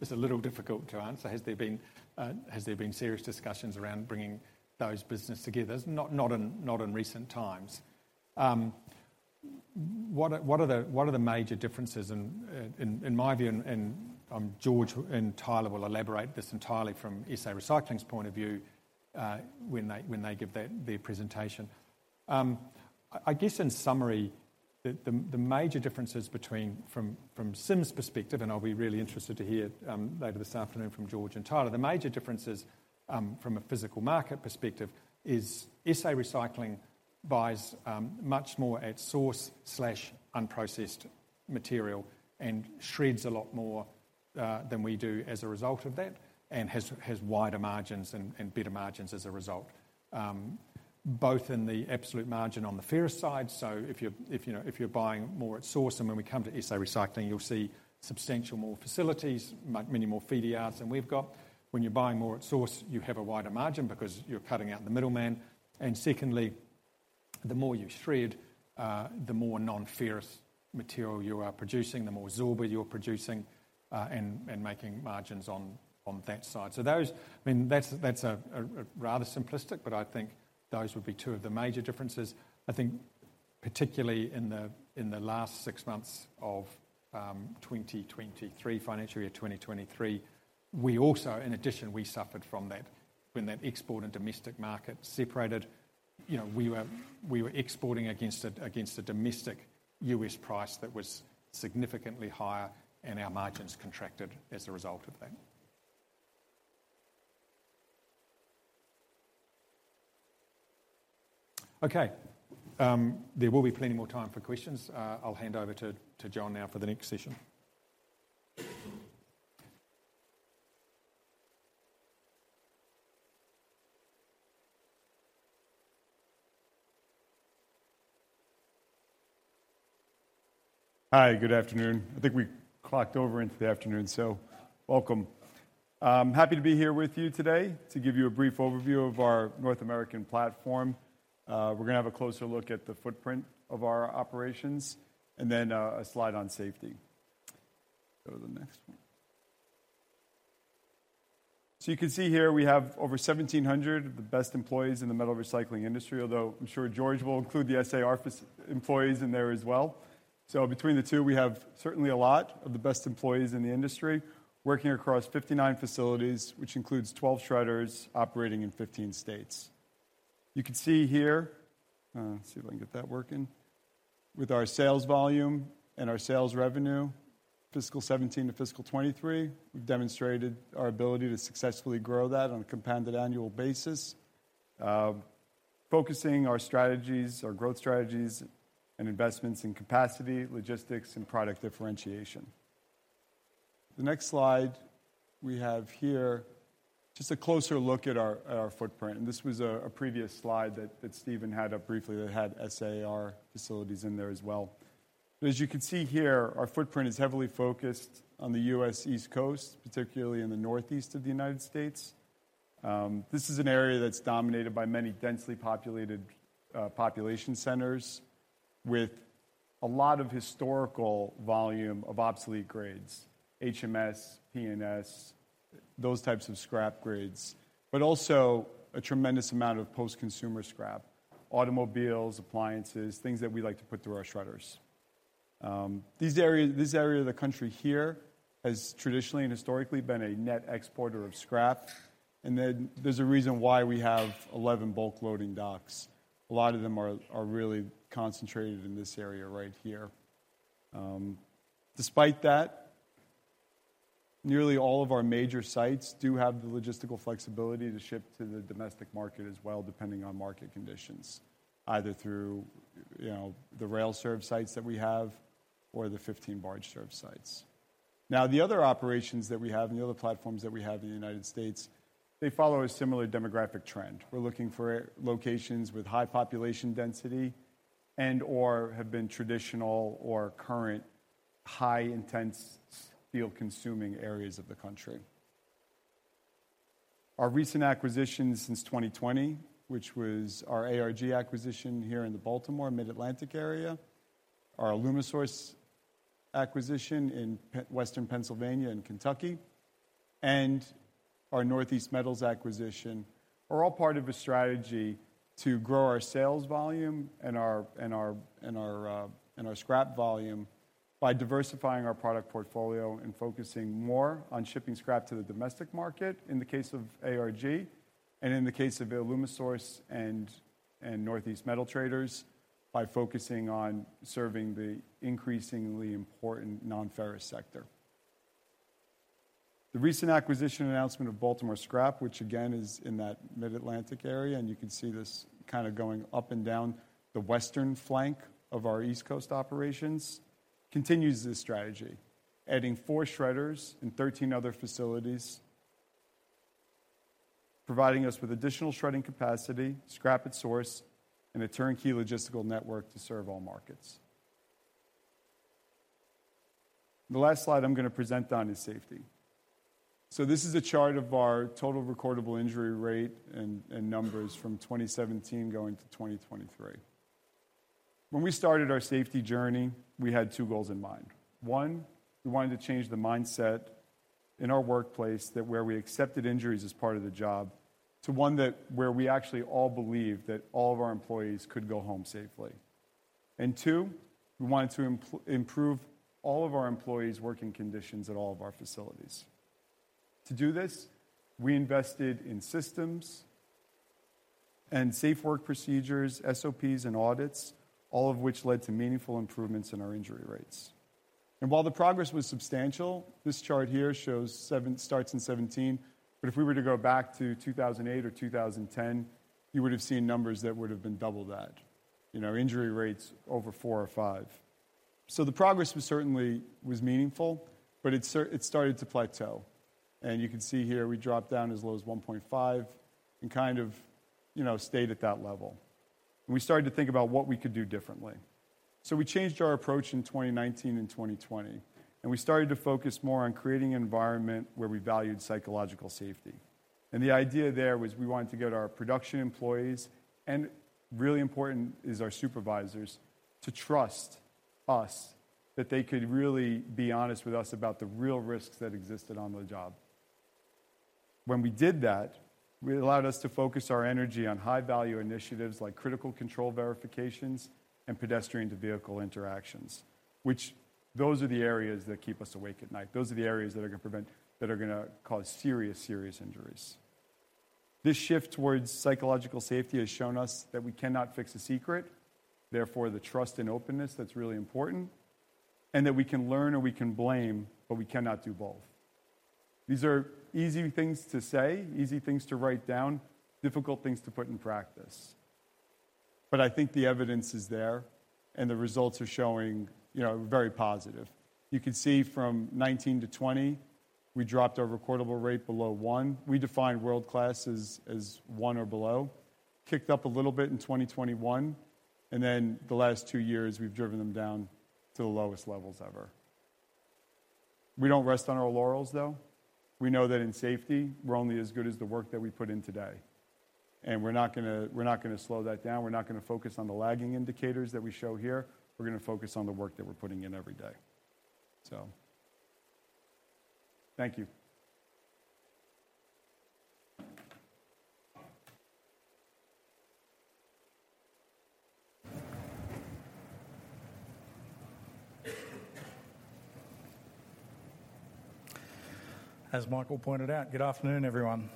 [SPEAKER 2] is a little difficult to answer. Has there been serious discussions around bringing those business together? Not in recent times. What are the major differences in my view, and George and Tyler will elaborate this entirely from SA Recycling's point of view, when they give their presentation. I guess, in summary, the major differences between from Sims perspective, and I'll be really interested to hear later this afternoon from George and Tyler. The major differences from a physical market perspective is SA Recycling buys much more at source slash unprocessed material and shreds a lot more than we do as a result of that, and has wider margins and better margins as a result. Both in the absolute margin on the ferrous side, so if you're you know if you're buying more at source, and when we come to SA Recycling, you'll see substantial more facilities, many more feeder yards than we've got. When you're buying more at source, you have a wider margin because you're cutting out the middleman, and secondly, the more you shred, the more non-ferrous material you are producing, the more zorba you're producing, and making margins on that side. So those... I mean, that's a rather simplistic, but I think those would be two of the major differences. I think particularly in the last six months of 2023, financial year 2023, we also, in addition, suffered from that. When that export and domestic market separated, you know, we were exporting against a domestic U.S. price that was significantly higher, and our margins contracted as a result of that. Okay, there will be plenty more time for questions. I'll hand over to John now for the next session.
[SPEAKER 3] Hi, good afternoon. I think we clocked over into the afternoon, so welcome. I'm happy to be here with you today to give you a brief overview of our North American platform. We're gonna have a closer look at the footprint of our operations and then a slide on safety. Go to the next one. So you can see here we have over 1,700 of the best employees in the metal recycling industry, although I'm sure George will include the SAR employees in there as well. So between the two, we have certainly a lot of the best employees in the industry, working across 59 facilities, which includes 12 shredders operating in 15 states. You can see here, see if I can get that working, with our sales volume and our sales revenue, fiscal 2017 to fiscal 2023, we've demonstrated our ability to successfully grow that on a compounded annual basis. Focusing our strategies, our growth strategies and investments in capacity, logistics, and product differentiation. The next slide we have here, just a closer look at our, at our footprint, and this was a previous slide that Stephen had up briefly that had SAR facilities in there as well. But as you can see here, our footprint is heavily focused on the U.S. East Coast, particularly in the Northeast of the United States. This is an area that's dominated by many densely populated population centers with a lot of historical volume of obsolete grades, HMS, P&S, those types of scrap grades, but also a tremendous amount of post-consumer scrap, automobiles, appliances, things that we like to put through our shredders. This area of the country here has traditionally and historically been a net exporter of scrap, and then there's a reason why we have 11 bulk loading docks. A lot of them are really concentrated in this area right here. Despite that, nearly all of our major sites do have the logistical flexibility to ship to the domestic market as well, depending on market conditions, either through, you know, the rail serve sites that we have or the 15 barge serve sites. Now, the other operations that we have and the other platforms that we have in the United States, they follow a similar demographic trend. We're looking for locations with high population density and/or have been traditional or current high intense steel consuming areas of the country. Our recent acquisitions since 2020, which was our ARG acquisition here in the Baltimore mid-Atlantic area, our Alumisource acquisition in western Pennsylvania and Kentucky, and our Northeast Metal Traders acquisition, are all part of a strategy to grow our sales volume and our scrap volume by diversifying our product portfolio and focusing more on shipping scrap to the domestic market in the case of ARG, and in the case of Alumisource and Northeast Metal Traders, by focusing on serving the increasingly important non-ferrous sector. The recent acquisition announcement of Baltimore Scrap, which again, is in that mid-Atlantic area, and you can see this kind of going up and down the western flank of our East Coast operations, continues this strategy, adding four shredders and 13 other facilities, providing us with additional shredding capacity, scrap at source, and a turnkey logistical network to serve all markets. The last slide I'm gonna present on is safety. So this is a chart of our total recordable injury rate and numbers from 2017 going to 2023. When we started our safety journey, we had two goals in mind. One, we wanted to change the mindset in our workplace that where we accepted injuries as part of the job, to one that where we actually all believed that all of our employees could go home safely. And two, we wanted to improve all of our employees' working conditions at all of our facilities. To do this, we invested in systems and safe work procedures, SOPs, and audits, all of which led to meaningful improvements in our injury rates. And while the progress was substantial, this chart here shows seven, starts in 2017, but if we were to go back to 2008 or 2010, you would have seen numbers that would have been double that. You know, injury rates over four or five. So the progress was certainly meaningful, but it certainly started to plateau. And you can see here, we dropped down as low as one point five and kind of, you know, stayed at that level. We started to think about what we could do differently. So we changed our approach in 2019 and 2020, and we started to focus more on creating an environment where we valued psychological safety. And the idea there was we wanted to get our production employees, and really important is our supervisors, to trust us, that they could really be honest with us about the real risks that existed on the job. When we did that, it allowed us to focus our energy on high-value initiatives like critical control verifications and pedestrian-to-vehicle interactions, which those are the areas that keep us awake at night. Those are the areas that are gonna prevent--that are gonna cause serious, serious injuries. This shift towards psychological safety has shown us that we cannot fix a secret. Therefore, the trust and openness, that's really important, and that we can learn or we can blame, but we cannot do both. These are easy things to say, easy things to write down, difficult things to put in practice. But I think the evidence is there, and the results are showing, you know, very positive. You can see from 2019 to 2020, we dropped our recordable rate below one. We define world-class as one or below. Kicked up a little bit in 2021, and then the last two years, we've driven them down to the lowest levels ever. We don't rest on our laurels, though. We know that in safety, we're only as good as the work that we put in today, and we're not gonna, we're not gonna slow that down. We're not gonna focus on the lagging indicators that we show here. We're gonna focus on the work that we're putting in every day. So thank you.
[SPEAKER 5] As Michael pointed out, good afternoon, everyone.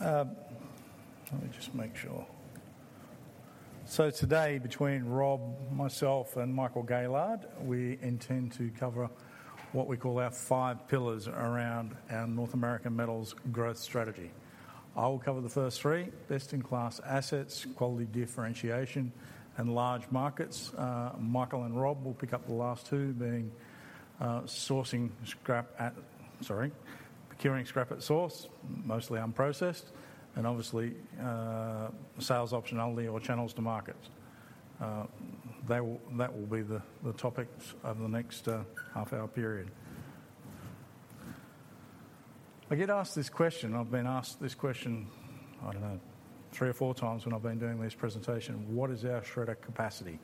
[SPEAKER 5] Let me just make sure. So today, between Rob, myself, and Michael Gaylard, we intend to cover what we call our five pillars around our North American Metals growth strategy. I will cover the first three, best-in-class assets, quality differentiation, and large markets. Michael and Rob will pick up the last two, being, sourcing scrap at... Sorry, procuring scrap at source, mostly unprocessed, and obviously, sales optionality or channels to market. That will, that will be the, the topics of the next, half hour period. I get asked this question, I've been asked this question, I don't know, three or four times when I've been doing this presentation: What is our shredder capacity?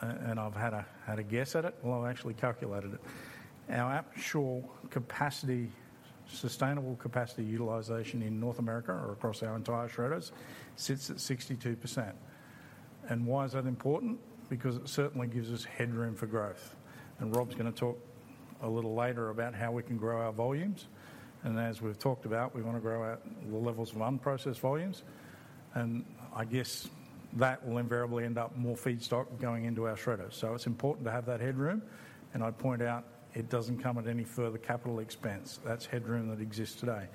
[SPEAKER 5] And I've had a guess at it. Well, I've actually calculated it. Our actual capacity, sustainable capacity utilization in North America or across our entire shredders, sits at 62%. And why is that important? Because it certainly gives us headroom for growth, and Rob's going to talk a little later about how we can grow our volumes. And as we've talked about, we want to grow our, the levels of unprocessed volumes, and I guess that will invariably end up more feedstock going into our shredders. So it's important to have that headroom, and I'd point out it doesn't come at any further capital expense. That's headroom that exists today.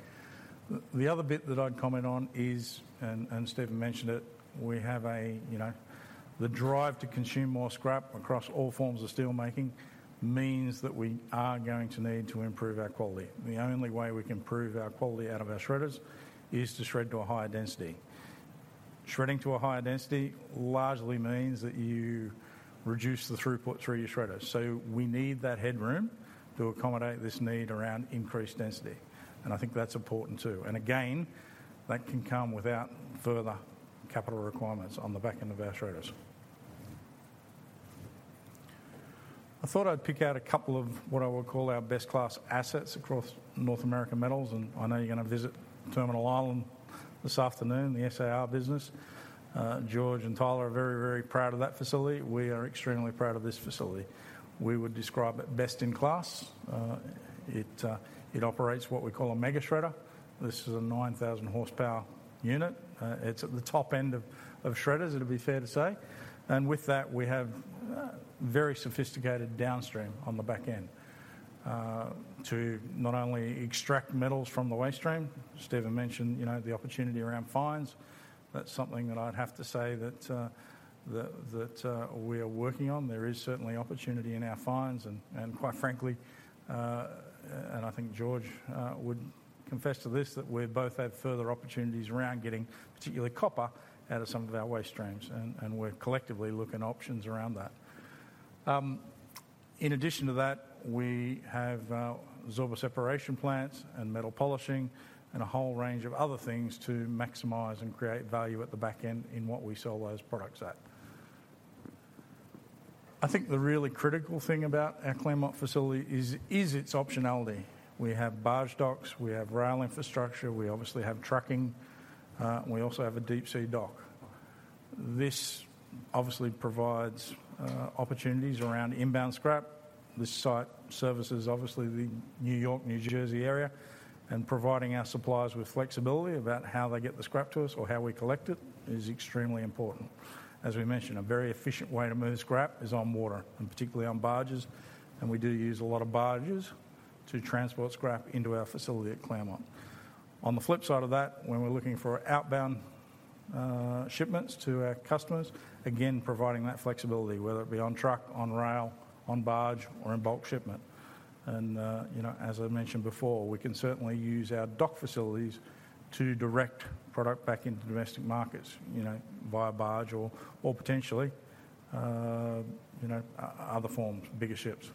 [SPEAKER 5] The other bit that I'd comment on is, and, and Stephen mentioned it, we have a, you know. The drive to consume more scrap across all forms of steelmaking means that we are going to need to improve our quality. The only way we can improve our quality out of our shredders is to shred to a higher density. Shredding to a higher density largely means that you reduce the throughput through your shredders. So we need that headroom to accommodate this need around increased density, and I think that's important, too. And again, that can come without further capital requirements on the back end of our shredders. I thought I'd pick out a couple of what I would call our best-class assets across North American Metals, and I know you're going to visit Terminal Island this afternoon, the SAR business. George and Tyler are very, very proud of that facility. We are extremely proud of this facility. We would describe it best-in-class. It operates what we call a Mega Shredder. This is a 9,000-horsepower unit. It's at the top end of shredders, it'll be fair to say. With that, we have very sophisticated downstream on the back end to not only extract metals from the waste stream. Stephen mentioned, you know, the opportunity around fines. That's something that I'd have to say that we are working on. There is certainly opportunity in our fines and, quite frankly, I think George would confess to this, that we both have further opportunities around getting, particularly copper, out of some of our waste streams, and we're collectively looking at options around that. In addition to that, we have our zorba separation plants and metal polishing and a whole range of other things to maximize and create value at the back end in what we sell those products at. I think the really critical thing about our Claremont facility is its optionality. We have barge docks, we have rail infrastructure, we obviously have trucking, and we also have a deep-sea dock. This obviously provides opportunities around inbound scrap. This site services, obviously, the New York-New Jersey area, and providing our suppliers with flexibility about how they get the scrap to us or how we collect it is extremely important. As we mentioned, a very efficient way to move scrap is on water, and particularly on barges, and we do use a lot of barges to transport scrap into our facility at Claremont. On the flip side of that, when we're looking for outbound shipments to our customers, again, providing that flexibility, whether it be on truck, on rail, on barge, or in bulk shipment. You know, as I mentioned before, we can certainly use our dock facilities to direct product back into domestic markets, you know, via barge or, or potentially, you know, other forms, bigger ships.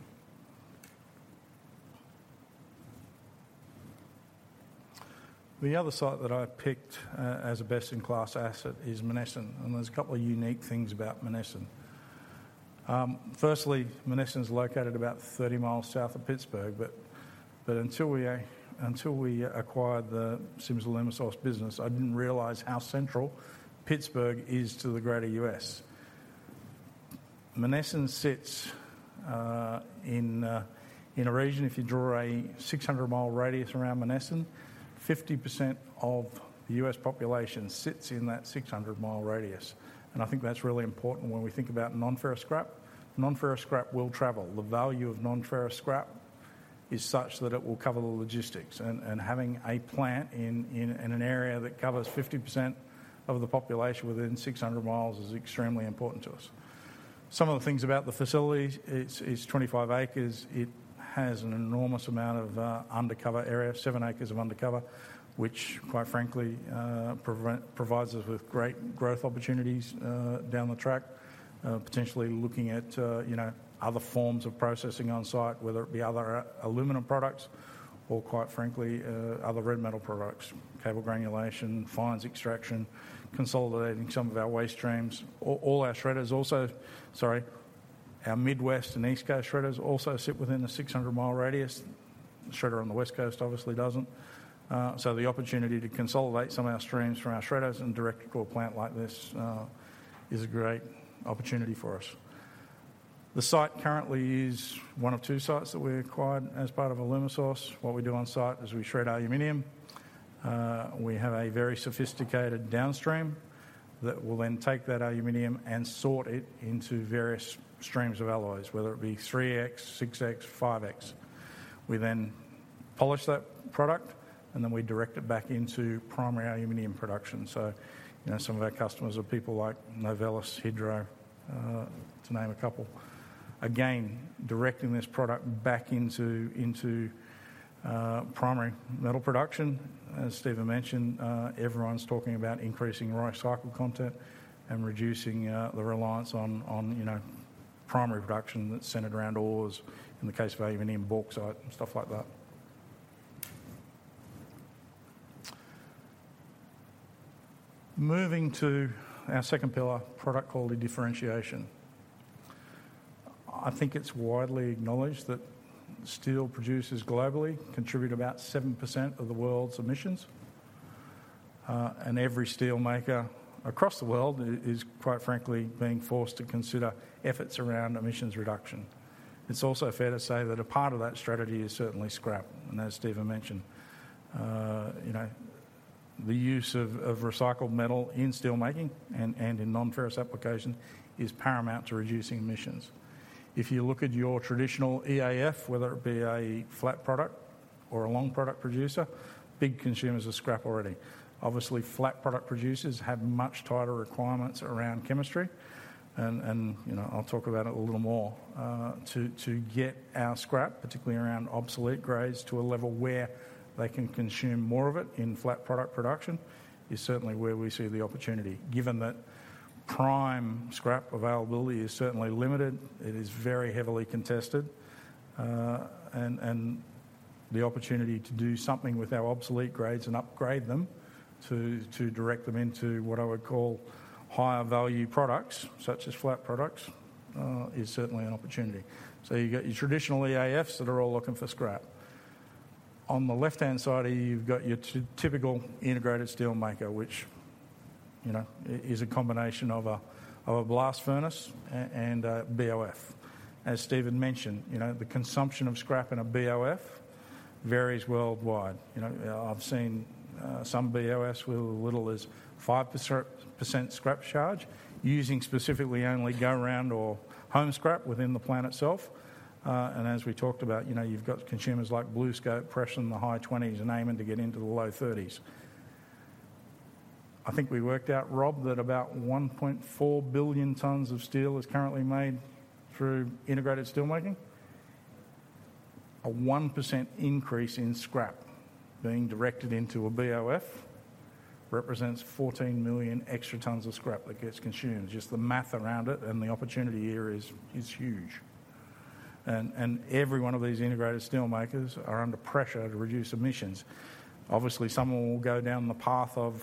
[SPEAKER 5] The other site that I picked as a best-in-class asset is Monessen, and there's a couple of unique things about Monessen. Firstly, Monessen is located about 30 mi south of Pittsburgh, but until we acquired the Sims Alumisource business, I didn't realize how central Pittsburgh is to the greater U.S. Monessen sits in a region, if you draw a 600-mi radius around Monessen, 50% of the U.S. population sits in that 600-mi radius. And I think that's really important when we think about non-ferrous scrap. Non-ferrous scrap will travel. The value of non-ferrous scrap is such that it will cover the logistics, and having a plant in an area that covers 50% of the population within 600 mi is extremely important to us. Some of the things about the facility, it's 25 acres. It has an enormous amount of undercover area, 7 acres of undercover, which quite frankly provides us with great growth opportunities down the track. Potentially looking at, you know, other forms of processing on-site, whether it be other aluminum products or quite frankly other red metal products, cable granulation, fines extraction, consolidating some of our waste streams. Our Midwest and East Coast shredders also sit within the 600-mi radius. The shredder on the West Coast obviously doesn't. So the opportunity to consolidate some of our streams from our shredders and direct to a plant like this is a great opportunity for us. The site currently is one of two sites that we acquired as part of Alumisource. What we do on site is we shred aluminum. We have a very sophisticated downstream that will then take that aluminum and sort it into various streams of alloys, whether it be 3X, 6X, 5X. We then polish that product, and then we direct it back into primary aluminum production. So you know, some of our customers are people like Novelis, Hydro, to name a couple... again, directing this product back into primary metal production. As Stephen mentioned, everyone's talking about increasing recycled content and reducing the reliance on, on, you know, primary production that's centered around ores, in the case of aluminum, bauxite, and stuff like that. Moving to our second pillar, product quality differentiation. I think it's widely acknowledged that steel producers globally contribute about 7% of the world's emissions, and every steelmaker across the world is, quite frankly, being forced to consider efforts around emissions reduction. It's also fair to say that a part of that strategy is certainly scrap, and as Stephen mentioned, you know, the use of, of recycled metal in steelmaking and, and in non-ferrous application is paramount to reducing emissions. If you look at your traditional EAF, whether it be a flat product or a long product producer, big consumers of scrap already. Obviously, flat product producers have much tighter requirements around chemistry, and, you know, I'll talk about it a little more. To get our scrap, particularly around obsolete grades, to a level where they can consume more of it in flat product production, is certainly where we see the opportunity. Given that prime scrap availability is certainly limited, it is very heavily contested, and the opportunity to do something with our obsolete grades and upgrade them to direct them into what I would call higher value products, such as flat products, is certainly an opportunity. So you got your traditional EAFs that are all looking for scrap. On the left-hand side here, you've got your typical integrated steelmaker, which, you know, is a combination of a blast furnace and a BOF. As Stephen mentioned, you know, the consumption of scrap in a BOF varies worldwide. You know, I've seen some BOFs with as little as 5% scrap charge, using specifically only go around or home scrap within the plant itself. And as we talked about, you know, you've got consumers like BlueScope pressing the high 20s and aiming to get into the low 30s. I think we worked out, Rob, that about 1.4 billion tons of steel is currently made through integrated steelmaking. A 1% increase in scrap being directed into a BOF represents 14 million extra tons of scrap that gets consumed. Just the math around it and the opportunity here is huge. And every one of these integrated steelmakers are under pressure to reduce emissions. Obviously, some will go down the path of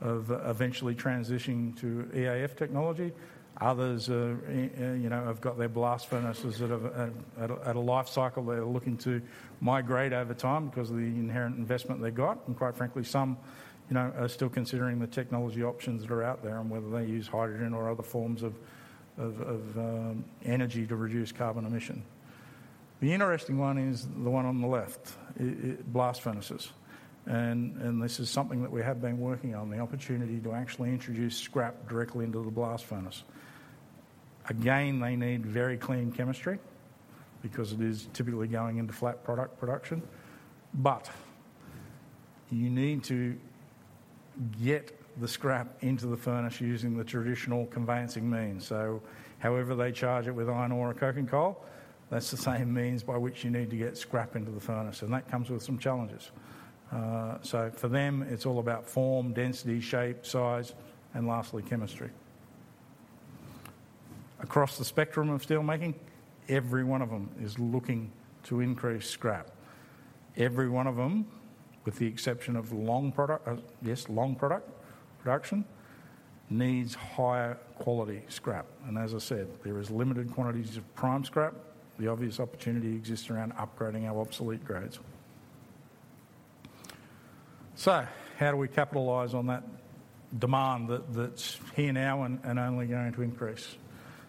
[SPEAKER 5] eventually transitioning to EAF technology. Others, you know, have got their blast furnaces that are at a life cycle they're looking to migrate over time because of the inherent investment they've got, and quite frankly, some, you know, are still considering the technology options that are out there and whether they use hydrogen or other forms of energy to reduce carbon emission. The interesting one is the one on the left, blast furnaces. And this is something that we have been working on, the opportunity to actually introduce scrap directly into the blast furnace. Again, they need very clean chemistry because it is typically going into flat product production, but you need to get the scrap into the furnace using the traditional conveying means. So however they charge it with iron ore or coking coal, that's the same means by which you need to get scrap into the furnace, and that comes with some challenges. So for them, it's all about form, density, shape, size, and lastly, chemistry. Across the spectrum of steelmaking, every one of them is looking to increase scrap. Every one of them, with the exception of long product, yes, long product production, needs higher quality scrap. And as I said, there is limited quantities of prime scrap. The obvious opportunity exists around upgrading our obsolete grades. So how do we capitalize on that demand that's here now and only going to increase?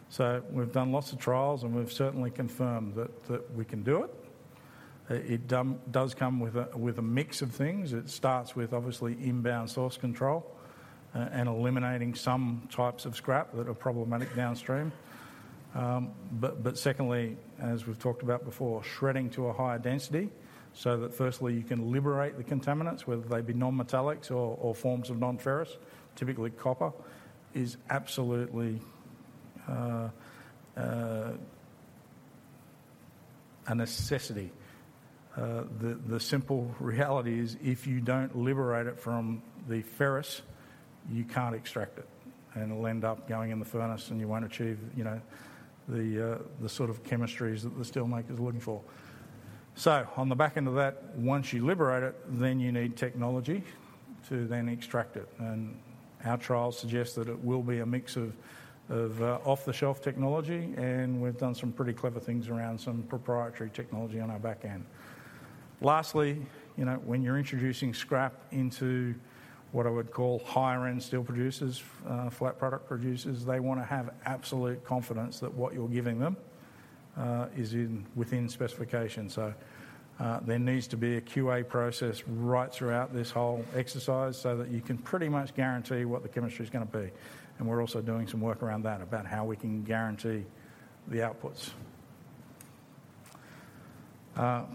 [SPEAKER 5] So we've done lots of trials, and we've certainly confirmed that we can do it. It does come with a mix of things. It starts with, obviously, inbound source control, and eliminating some types of scrap that are problematic downstream. But secondly, as we've talked about before, shredding to a higher density so that firstly, you can liberate the contaminants, whether they be non-metallics or forms of non-ferrous, typically copper, is absolutely a necessity. The simple reality is, if you don't liberate it from the ferrous, you can't extract it, and it'll end up going in the furnace, and you won't achieve, you know, the sort of chemistries that the steelmaker is looking for. So on the back end of that, once you liberate it, then you need technology to then extract it. And our trials suggest that it will be a mix of off-the-shelf technology, and we've done some pretty clever things around some proprietary technology on our back end. Lastly, you know, when you're introducing scrap into what I would call higher end steel producers, flat product producers, they want to have absolute confidence that what you're giving them is within specification. So there needs to be a QA process right throughout this whole exercise so that you can pretty much guarantee what the chemistry is gonna be. And we're also doing some work around that, about how we can guarantee the outputs.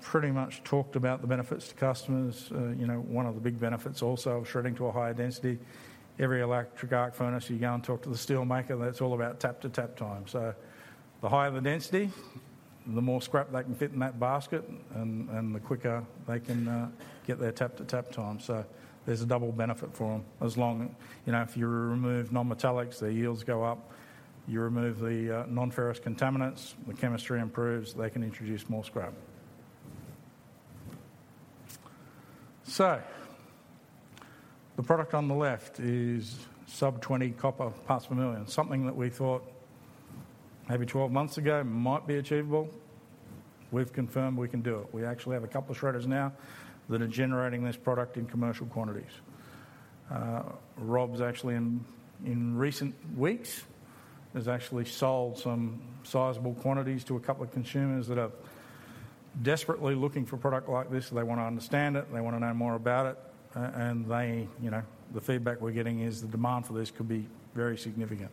[SPEAKER 5] Pretty much talked about the benefits to customers. You know, one of the big benefits also of shredding to a higher density, every electric arc furnace, you go and talk to the steelmaker, that's all about tap-to-tap time. So the higher the density, the more scrap they can fit in that basket and the quicker they can get their tap-to-tap time. So there's a double benefit for them. As long, you know, if you remove non-metallics, their yields go up, you remove the, non-ferrous contaminants, the chemistry improves, they can introduce more scrap. So, the product on the left is sub-20 copper parts per million, something that we thought maybe 12 months ago might be achievable. We've confirmed we can do it. We actually have a couple of shredders now that are generating this product in commercial quantities. Rob's actually in recent weeks has actually sold some sizable quantities to a couple of consumers that are desperately looking for product like this. They want to understand it, and they want to know more about it. And they, you know, the feedback we're getting is the demand for this could be very significant.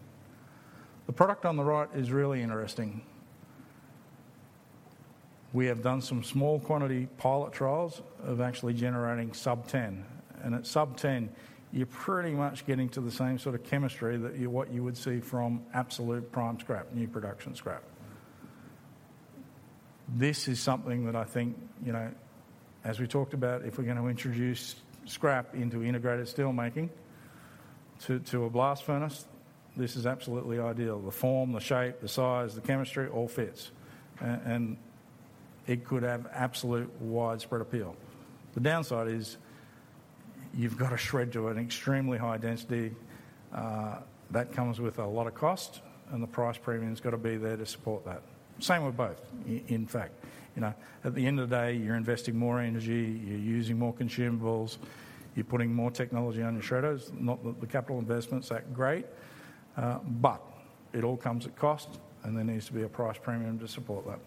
[SPEAKER 5] The product on the right is really interesting. We have done some small quantity pilot trials of actually generating sub-10, and at sub-10, you're pretty much getting to the same sort of chemistry that you... what you would see from absolute prime scrap, new production scrap. This is something that I think, you know, as we talked about, if we're going to introduce scrap into integrated steelmaking, to a blast furnace, this is absolutely ideal. The form, the shape, the size, the chemistry, all fits. And it could have absolute widespread appeal. The downside is you've got to shred to an extremely high density that comes with a lot of cost, and the price premium has got to be there to support that. Same with both, in fact, you know, at the end of the day, you're investing more energy, you're using more consumables, you're putting more technology on your shredders, not that the capital investments that great, but it all comes at cost, and there needs to be a price premium to support that.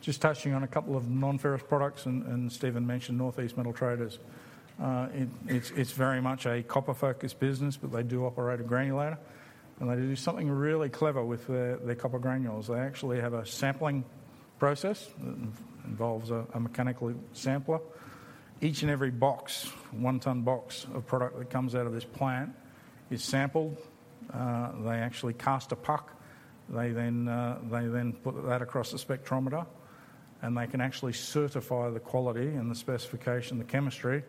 [SPEAKER 5] Just touching on a couple of non-ferrous products, and Stephen mentioned Northeast Metal Traders. It's very much a copper-focused business, but they do operate a granulator, and they do something really clever with their copper granules. They actually have a sampling process that involves a mechanical sampler. Each and every box, 1-ton box of product that comes out of this plant is sampled. They actually cast a puck. They then put that across the spectrometer, and they can actually certify the quality and the specification, the chemistry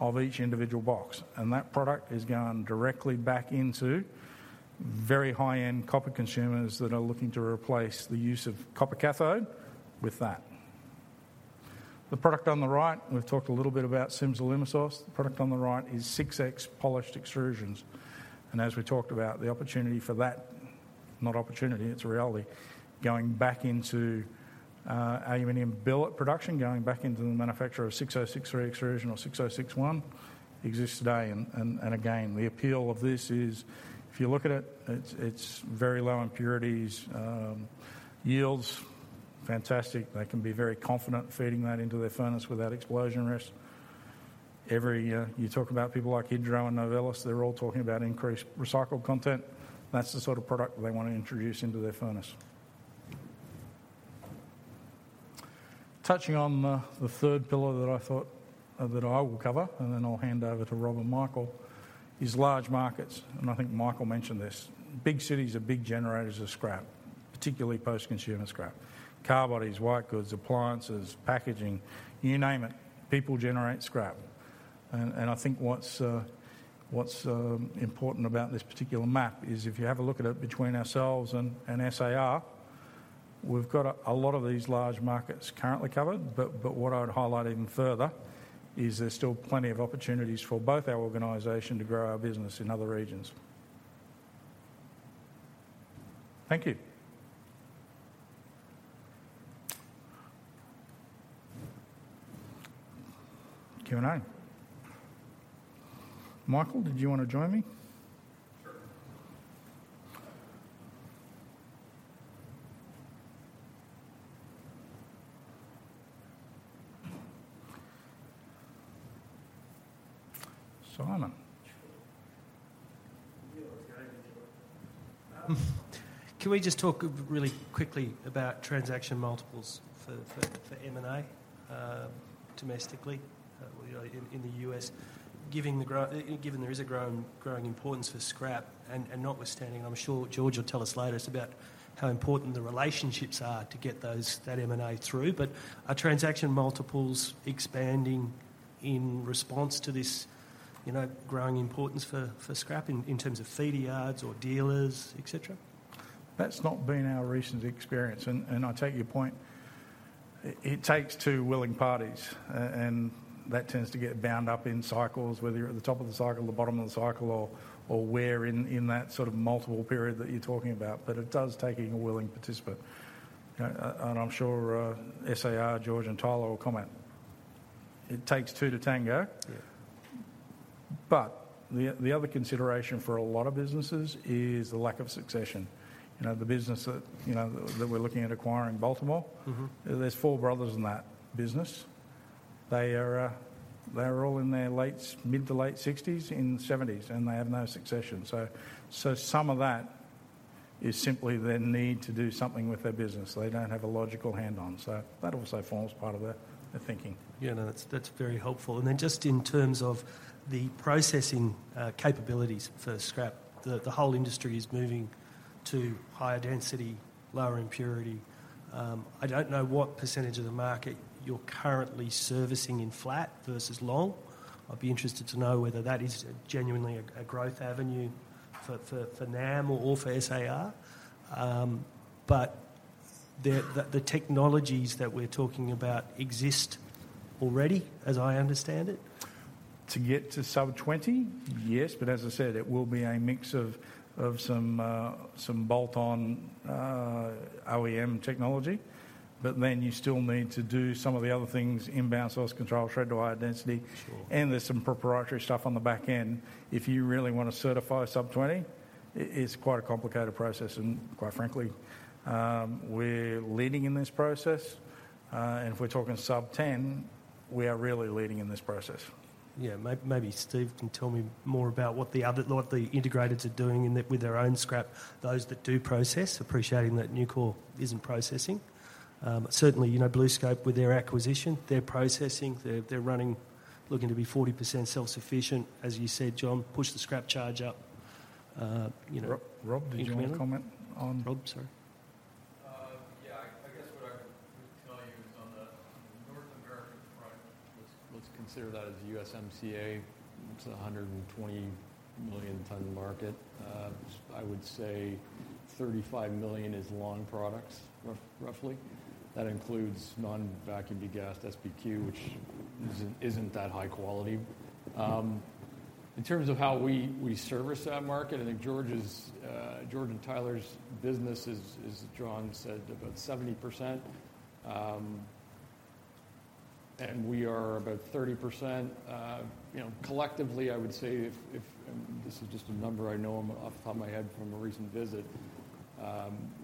[SPEAKER 5] of each individual box. And that product is going directly back into very high-end copper consumers that are looking to replace the use of copper cathode with that. The product on the right, we've talked a little bit about Sims Alumisource. The product on the right is 6X polished extrusions, and as we talked about, the opportunity for that, not opportunity, it's a reality, going back into aluminum billet production, going back into the manufacture of 6063 extrusion or 6061 exists today. And, and, and again, the appeal of this is, if you look at it, it's very low impurities, yields, fantastic. They can be very confident feeding that into their furnace without explosion risk. Every, you talk about people like Hydro and Novelis, they're all talking about increased recycled content. That's the sort of product they want to introduce into their furnace. Touching on the third pillar that I thought that I will cover, and then I'll hand over to Rob and Michael, is large markets, and I think Michael mentioned this. Big cities are big generators of scrap, particularly post-consumer scrap. Car bodies, white goods, appliances, packaging, you name it, people generate scrap. And I think what's important about this particular map is, if you have a look at it between ourselves and SAR, we've got a lot of these large markets currently covered. But what I would highlight even further is there's still plenty of opportunities for both our organization to grow our business in other regions. Thank you. Q&A. Michael, did you want to join me?
[SPEAKER 9] Sure.
[SPEAKER 5] Simon?
[SPEAKER 4] Sure. Can we just talk really quickly about transaction multiples for, for, for M&A, domestically, you know, in, in the U.S.? Given there is a growing, growing importance for scrap, and, and notwithstanding, I'm sure George will tell us later, it's about how important the relationships are to get those, that M&A through. But are transaction multiples expanding in response to this, you know, growing importance for, for scrap in, in terms of feeder yards or dealers, et cetera?
[SPEAKER 5] That's not been our recent experience, and I take your point. It takes two willing parties, and that tends to get bound up in cycles, whether you're at the top of the cycle, the bottom of the cycle, or where in that sort of multiple period that you're talking about, but it does take a willing participant. And I'm sure SAR, George, and Tyler will comment. It takes two to tango.
[SPEAKER 4] Yeah.
[SPEAKER 5] But the other consideration for a lot of businesses is the lack of succession. You know, the business that, you know, that we're looking at acquiring, Baltimore-
[SPEAKER 4] Mm-hmm.
[SPEAKER 5] There's four brothers in that business. They are all in their late, mid- to late 60s and 70s, and they have no succession. So some of that is simply their need to do something with their business they don't have a logical hand on. So that also forms part of their thinking.
[SPEAKER 4] Yeah, no, that's very helpful. Then just in terms of the processing capabilities for scrap, the whole industry is moving to higher density, lower impurity. I don't know what percentage of the market you're currently servicing in flat versus long. I'd be interested to know whether that is genuinely a growth avenue for NAM or for SAR. But the technologies that we're talking about exist already, as I understand it?
[SPEAKER 5] To get to sub-20, yes. But as I said, it will be a mix of some bolt-on OEM technology. But then you still need to do some of the other things, inbound source control, shred to higher density-
[SPEAKER 4] Sure.
[SPEAKER 5] and there's some proprietary stuff on the back end. If you really want to certify sub-20, it, it's quite a complicated process, and quite frankly, we're leading in this process. And if we're talking sub-10, we are really leading in this process.
[SPEAKER 4] Yeah. Maybe Steve can tell me more about what the other... what the integrators are doing in that with their own scrap, those that do process, appreciating that Nucor isn't processing. Certainly, you know, BlueScope, with their acquisition, they're processing, they're running, looking to be 40% self-sufficient. As you said, John, push the scrap charge up, you know-
[SPEAKER 5] Rob, Rob, did you want to comment on- Rob, sorry.
[SPEAKER 6] Yeah, I guess what I would tell you is on the North American front, let's consider that as USMCA. It's a 120 million ton market. I would say 35 million is long products, roughly. That includes non-vacuum degassed SBQ, which isn't that high quality. In terms of how we service that market, I think George's, George and Tyler's business is, as John said, about 70%, and we are about 30%. You know, collectively, I would say, and this is just a number I know off the top of my head from a recent visit,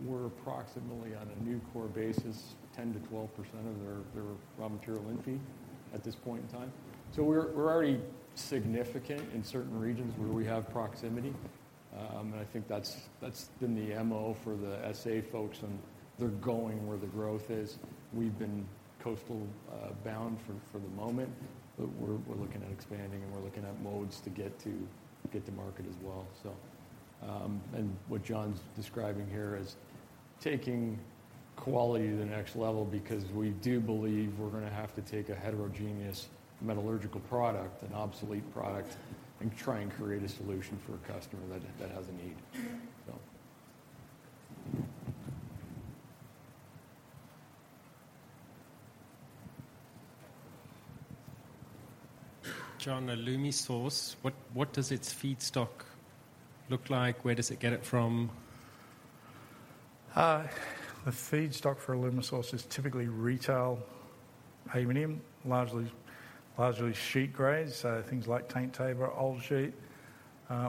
[SPEAKER 6] we're approximately on a Nucor basis, 10%-12% of their raw material in-feed at this point in time. So we're already significant in certain regions where we have proximity. I think that's been the MO for the SA folks, and they're going where the growth is. We've been coastal bound for the moment, but we're looking at expanding, and we're looking at modes to get to market as well, so. What John's describing here is taking quality to the next level because we do believe we're going to have to take a heterogeneous metallurgical product, an obsolete product, and try and create a solution for a customer that has a need. So...
[SPEAKER 7] John, Alumisource, what does its feedstock look like? Where does it get it from?
[SPEAKER 5] The feedstock for Alumisource is typically retail aluminum, largely, largely sheet grades, so things like taint/tabor or old sheet,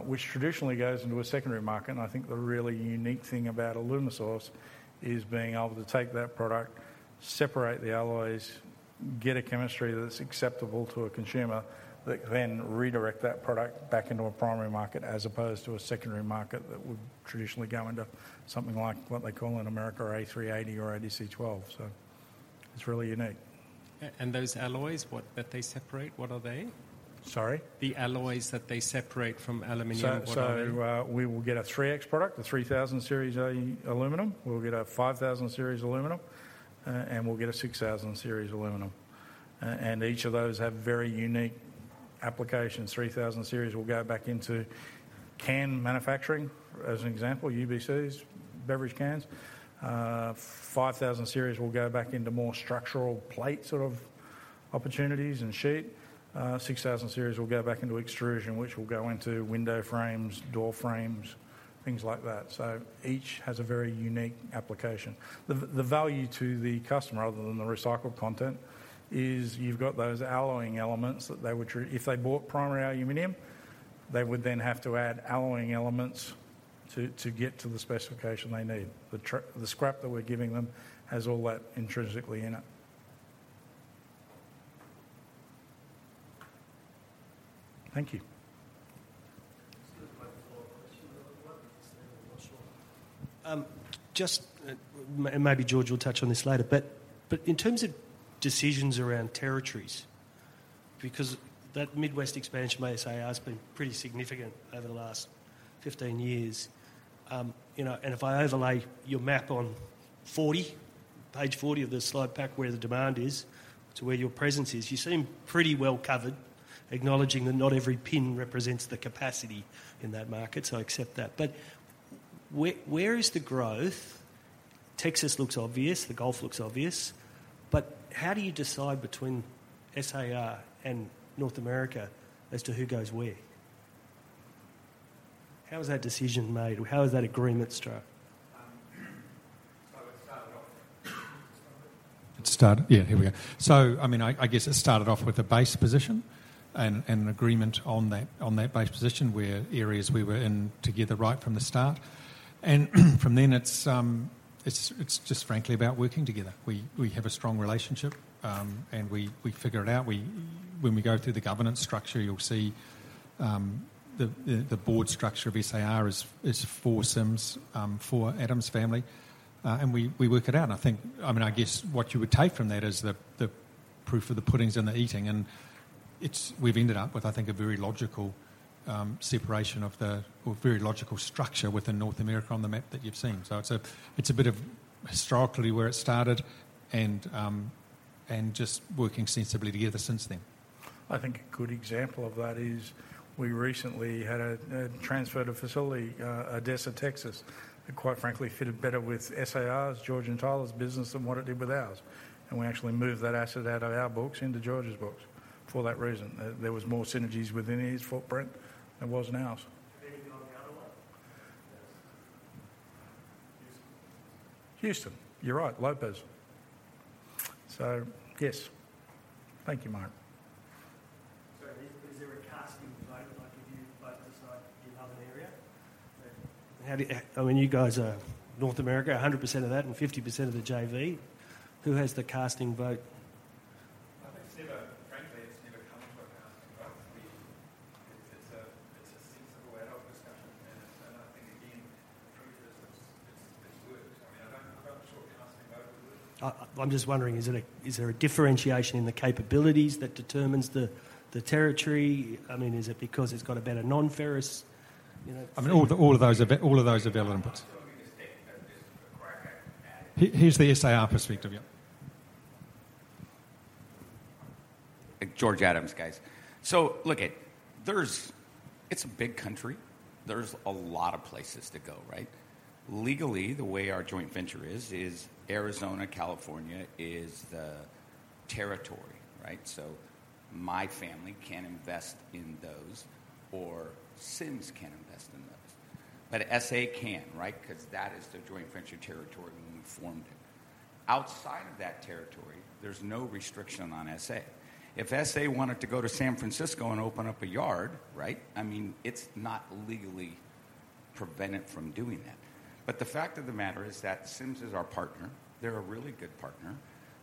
[SPEAKER 5] which traditionally goes into a secondary market. I think the really unique thing about Alumisource is being able to take that product, separate the alloys, get a chemistry that's acceptable to a consumer, that then redirect that product back into a primary market, as opposed to a secondary market that would traditionally go into something like what they call in America, A380 or ADC-12. So it's really unique.
[SPEAKER 7] And those alloys that they separate, what are they?
[SPEAKER 5] Sorry?
[SPEAKER 7] The alloys that they separate from aluminum, what are they?
[SPEAKER 5] So, we will get a 3X product, a 3000 series aluminum. We'll get a 5000 series aluminum, and we'll get a 6000 series aluminum. And each of those have very unique applications. 3000 series will go back into can manufacturing, as an example, UBCs, beverage cans. 5000 series will go back into more structural plate sort of opportunities and sheet. 6000 series will go back into extrusion, which will go into window frames, door frames, things like that. So each has a very unique application. The value to the customer, other than the recycled content, is you've got those alloying elements that they would if they bought primary aluminum, they would then have to add alloying elements to get to the specification they need. The scrap that we're giving them has all that intrinsically in it. Thank you.
[SPEAKER 4] Just a quick follow-up question on that one, just and maybe George will touch on this later, but in terms of decisions around territories, because that Midwest expansion by SAR has been pretty significant over the last 15 years. You know, and if I overlay your map on page 40 of the slide pack, where the demand is to where your presence is, you seem pretty well covered, acknowledging that not every pin represents the capacity in that market, so I accept that. But where is the growth? Texas looks obvious, the Gulf looks obvious, but how do you decide between SAR and North America as to who goes where? How is that decision made, or how is that agreement struck?
[SPEAKER 2] So I mean, I guess it started off with a base position and an agreement on that base position where areas we were in together right from the start. And from then, it's just frankly about working together. We have a strong relationship, and we figure it out. When we go through the governance structure, you'll see the board structure of SAR is four Sims, four Adams Family, and we work it out. I think, I mean, I guess what you would take from that is the proof of the pudding is in the eating, and it's. We've ended up with, I think, a very logical separation or very logical structure within North America on the map that you've seen. So it's a bit of historically where it started and just working sensibly together since then.
[SPEAKER 5] I think a good example of that is we recently had a transfer to facility, Odessa, Texas, that quite frankly, fitted better with SAR, George and Tyler's business than what it did with ours, and we actually moved that asset out of our books into George's books. For that reason, there was more synergies within his footprint than was in ours.
[SPEAKER 4] Did he go on the other one?
[SPEAKER 5] Houston. You're right, Lopez. So, yes. Thank you, Mark.
[SPEAKER 4] Sorry, is there a casting vote, like if you both decide you love an area? How do you... I mean, you guys are North America, 100% of that and 50% of the JV. Who has the casting vote?
[SPEAKER 2] I think frankly, it's never come to a casting vote. It's a sensible way of discussion, and I think again from this it's worked. I mean, I don't, I'm not sure casting vote would-
[SPEAKER 4] I'm just wondering, is there a differentiation in the capabilities that determines the territory? I mean, is it because it's got a better non-ferrous, you know-
[SPEAKER 2] I mean, all of those are relevant.
[SPEAKER 4] So let me just take this as a correct, I-
[SPEAKER 2] Here's the SAR perspective, yeah.
[SPEAKER 10] George Adams, guys. So look, it's a big country. There's a lot of places to go, right? Legally, the way our joint venture is, is Arizona, California is the territory, right? So my family can invest in those, or Sims can invest in those. But SA can, right? 'Cause that is the joint venture territory when we formed it. Outside of that territory, there's no restriction on SA. If SA wanted to go to San Francisco and open up a yard, right? I mean, it's not legally prevented from doing that. But the fact of the matter is that Sims is our partner. They're a really good partner.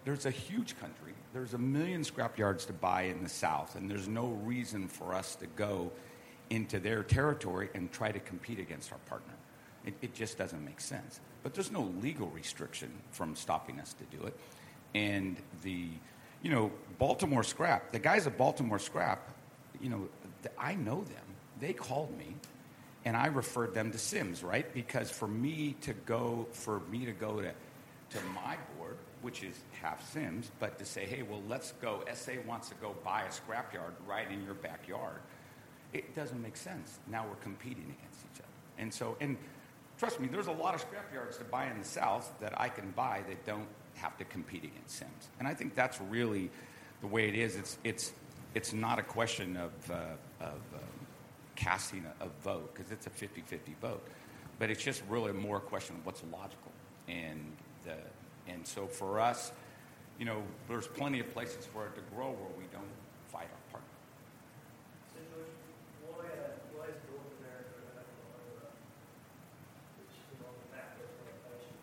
[SPEAKER 10] There's a huge country. There's 1 million scrap yards to buy in the South, and there's no reason for us to go into their territory and try to compete against our partner. It just doesn't make sense. But there's no legal restriction from stopping us to do it. And you know, Baltimore Scrap, the guys at Baltimore Scrap, you know, I know them. They called me, and I referred them to Sims, right? Because for me to go to my board, which is half Sims, but to say, "Hey, well, let's go. SA wants to go buy a scrap yard right in your backyard," it doesn't make sense. Now we're competing against each other. And trust me, there's a lot of scrap yards to buy in the South that I can buy that don't have to compete against Sims. And I think that's really the way it is. It's not a question of casting a vote because it's a 50/50 vote, but it's just really more a question of what's logical. So for us, you know, there's plenty of places for it to grow where we don't fight our partner.
[SPEAKER 4] So George, why is North America not on the back of locations?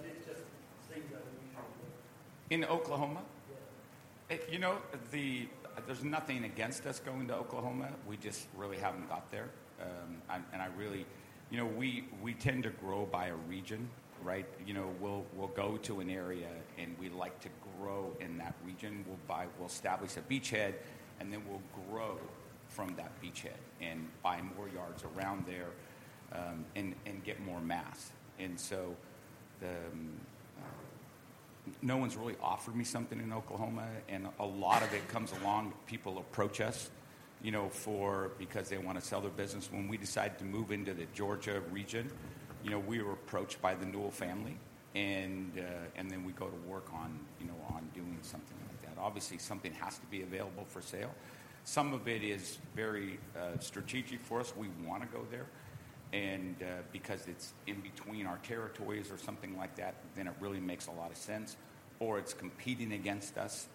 [SPEAKER 4] It just seems unusual but-
[SPEAKER 10] In Oklahoma?
[SPEAKER 4] Yeah.
[SPEAKER 10] If you know, there's nothing against us going to Oklahoma. We just really haven't got there. You know, we tend to grow by a region, right? You know, we'll go to an area, and we like to grow in that region. We'll buy, we'll establish a beachhead, and then we'll grow from that beachhead and buy more yards around there, and get more mass. And so, no one's really offered me something in Oklahoma, and a lot of it comes along, people approach us, you know, for because they want to sell their business. When we decided to move into the Georgia region, you know, we were approached by the Newell family, and then we go to work on, you know, on doing something like that. Obviously, something has to be available for sale. Some of it is very strategic for us. We want to go there, and because it's in between our territories or something like that, then it really makes a lot of sense, or it's competing against us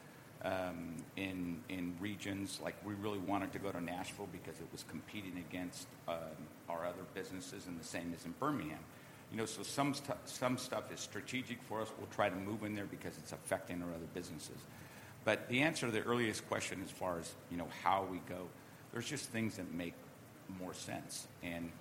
[SPEAKER 10] in regions. Like we really wanted to go to Nashville because it was competing against our other businesses, and the same as in Birmingham. You know, so some stuff is strategic for us. We'll try to move in there because it's affecting our other businesses. But the answer to the earliest question as far as you know, how we go, there's just things that make more sense.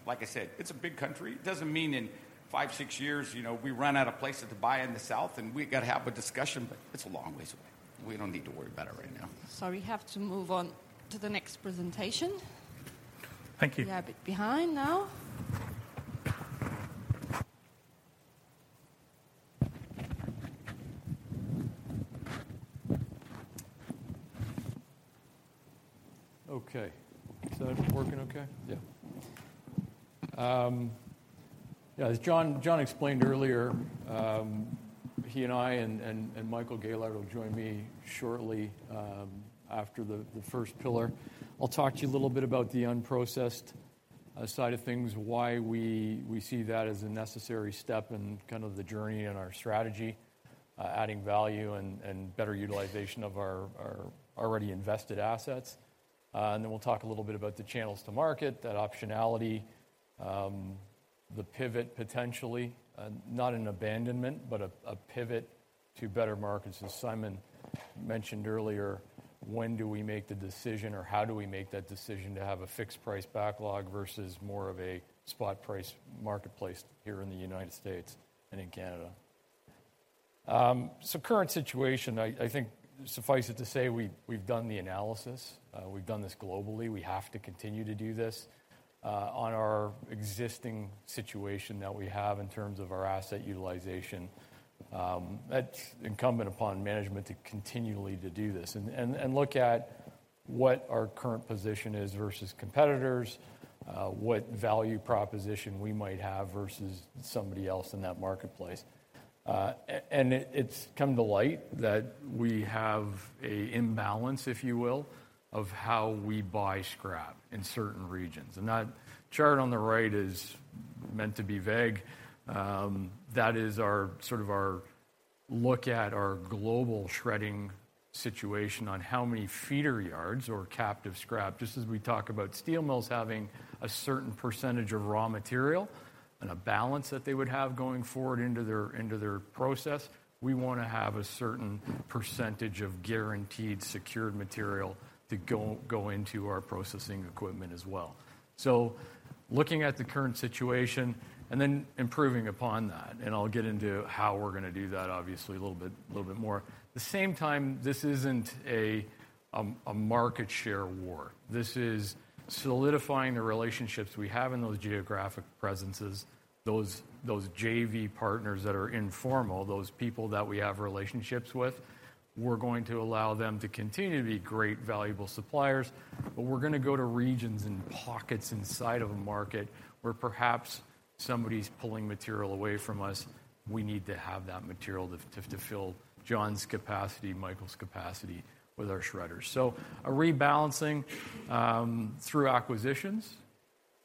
[SPEAKER 10] Like I said, it's a big country. It doesn't mean in five, six years, you know, we run out of places to buy in the South, and we've got to have a discussion, but it's a long ways away. We don't need to worry about it right now.
[SPEAKER 1] Sorry, we have to move on to the next presentation.
[SPEAKER 2] Thank you.
[SPEAKER 1] We are a bit behind now.
[SPEAKER 6] Okay. Is that working okay? Yeah. Yeah, as John, John explained earlier, he and I and Michael Gaylard will join me shortly, after the first pillar. I'll talk to you a little bit about the unprocessed side of things, why we see that as a necessary step in kind of the journey and our strategy, adding value and better utilization of our already invested assets. And then we'll talk a little bit about the channels to market, that optionality, the pivot potentially, not an abandonment, but a pivot to better markets. As Simon mentioned earlier, when do we make the decision or how do we make that decision to have a fixed price backlog versus more of a spot price marketplace here in the United States and in Canada? So, current situation, I think, suffice it to say, we've done the analysis. We've done this globally. We have to continue to do this on our existing situation that we have in terms of our asset utilization. That's incumbent upon management to continually do this, and look at what our current position is versus competitors, what value proposition we might have versus somebody else in that marketplace. And it's come to light that we have an imbalance, if you will, of how we buy scrap in certain regions. And that chart on the right is meant to be vague. That is our, sort of our look at our global shredding situation on how many feeder yards or captive scrap, just as we talk about steel mills having a certain percentage of raw material and a balance that they would have going forward into their, into their process, we wanna have a certain percentage of guaranteed, secured material to go, go into our processing equipment as well. So looking at the current situation and then improving upon that, and I'll get into how we're gonna do that, obviously, a little bit, little bit more. At the same time, this isn't a, a market share war. This is solidifying the relationships we have in those geographic presences, those, those JV partners that are informal, those people that we have relationships with. We're going to allow them to continue to be great, valuable suppliers, but we're gonna go to regions and pockets inside of a market where perhaps somebody's pulling material away from us. We need to have that material to fill John's capacity, Michael's capacity with our shredders. So a rebalancing through acquisitions,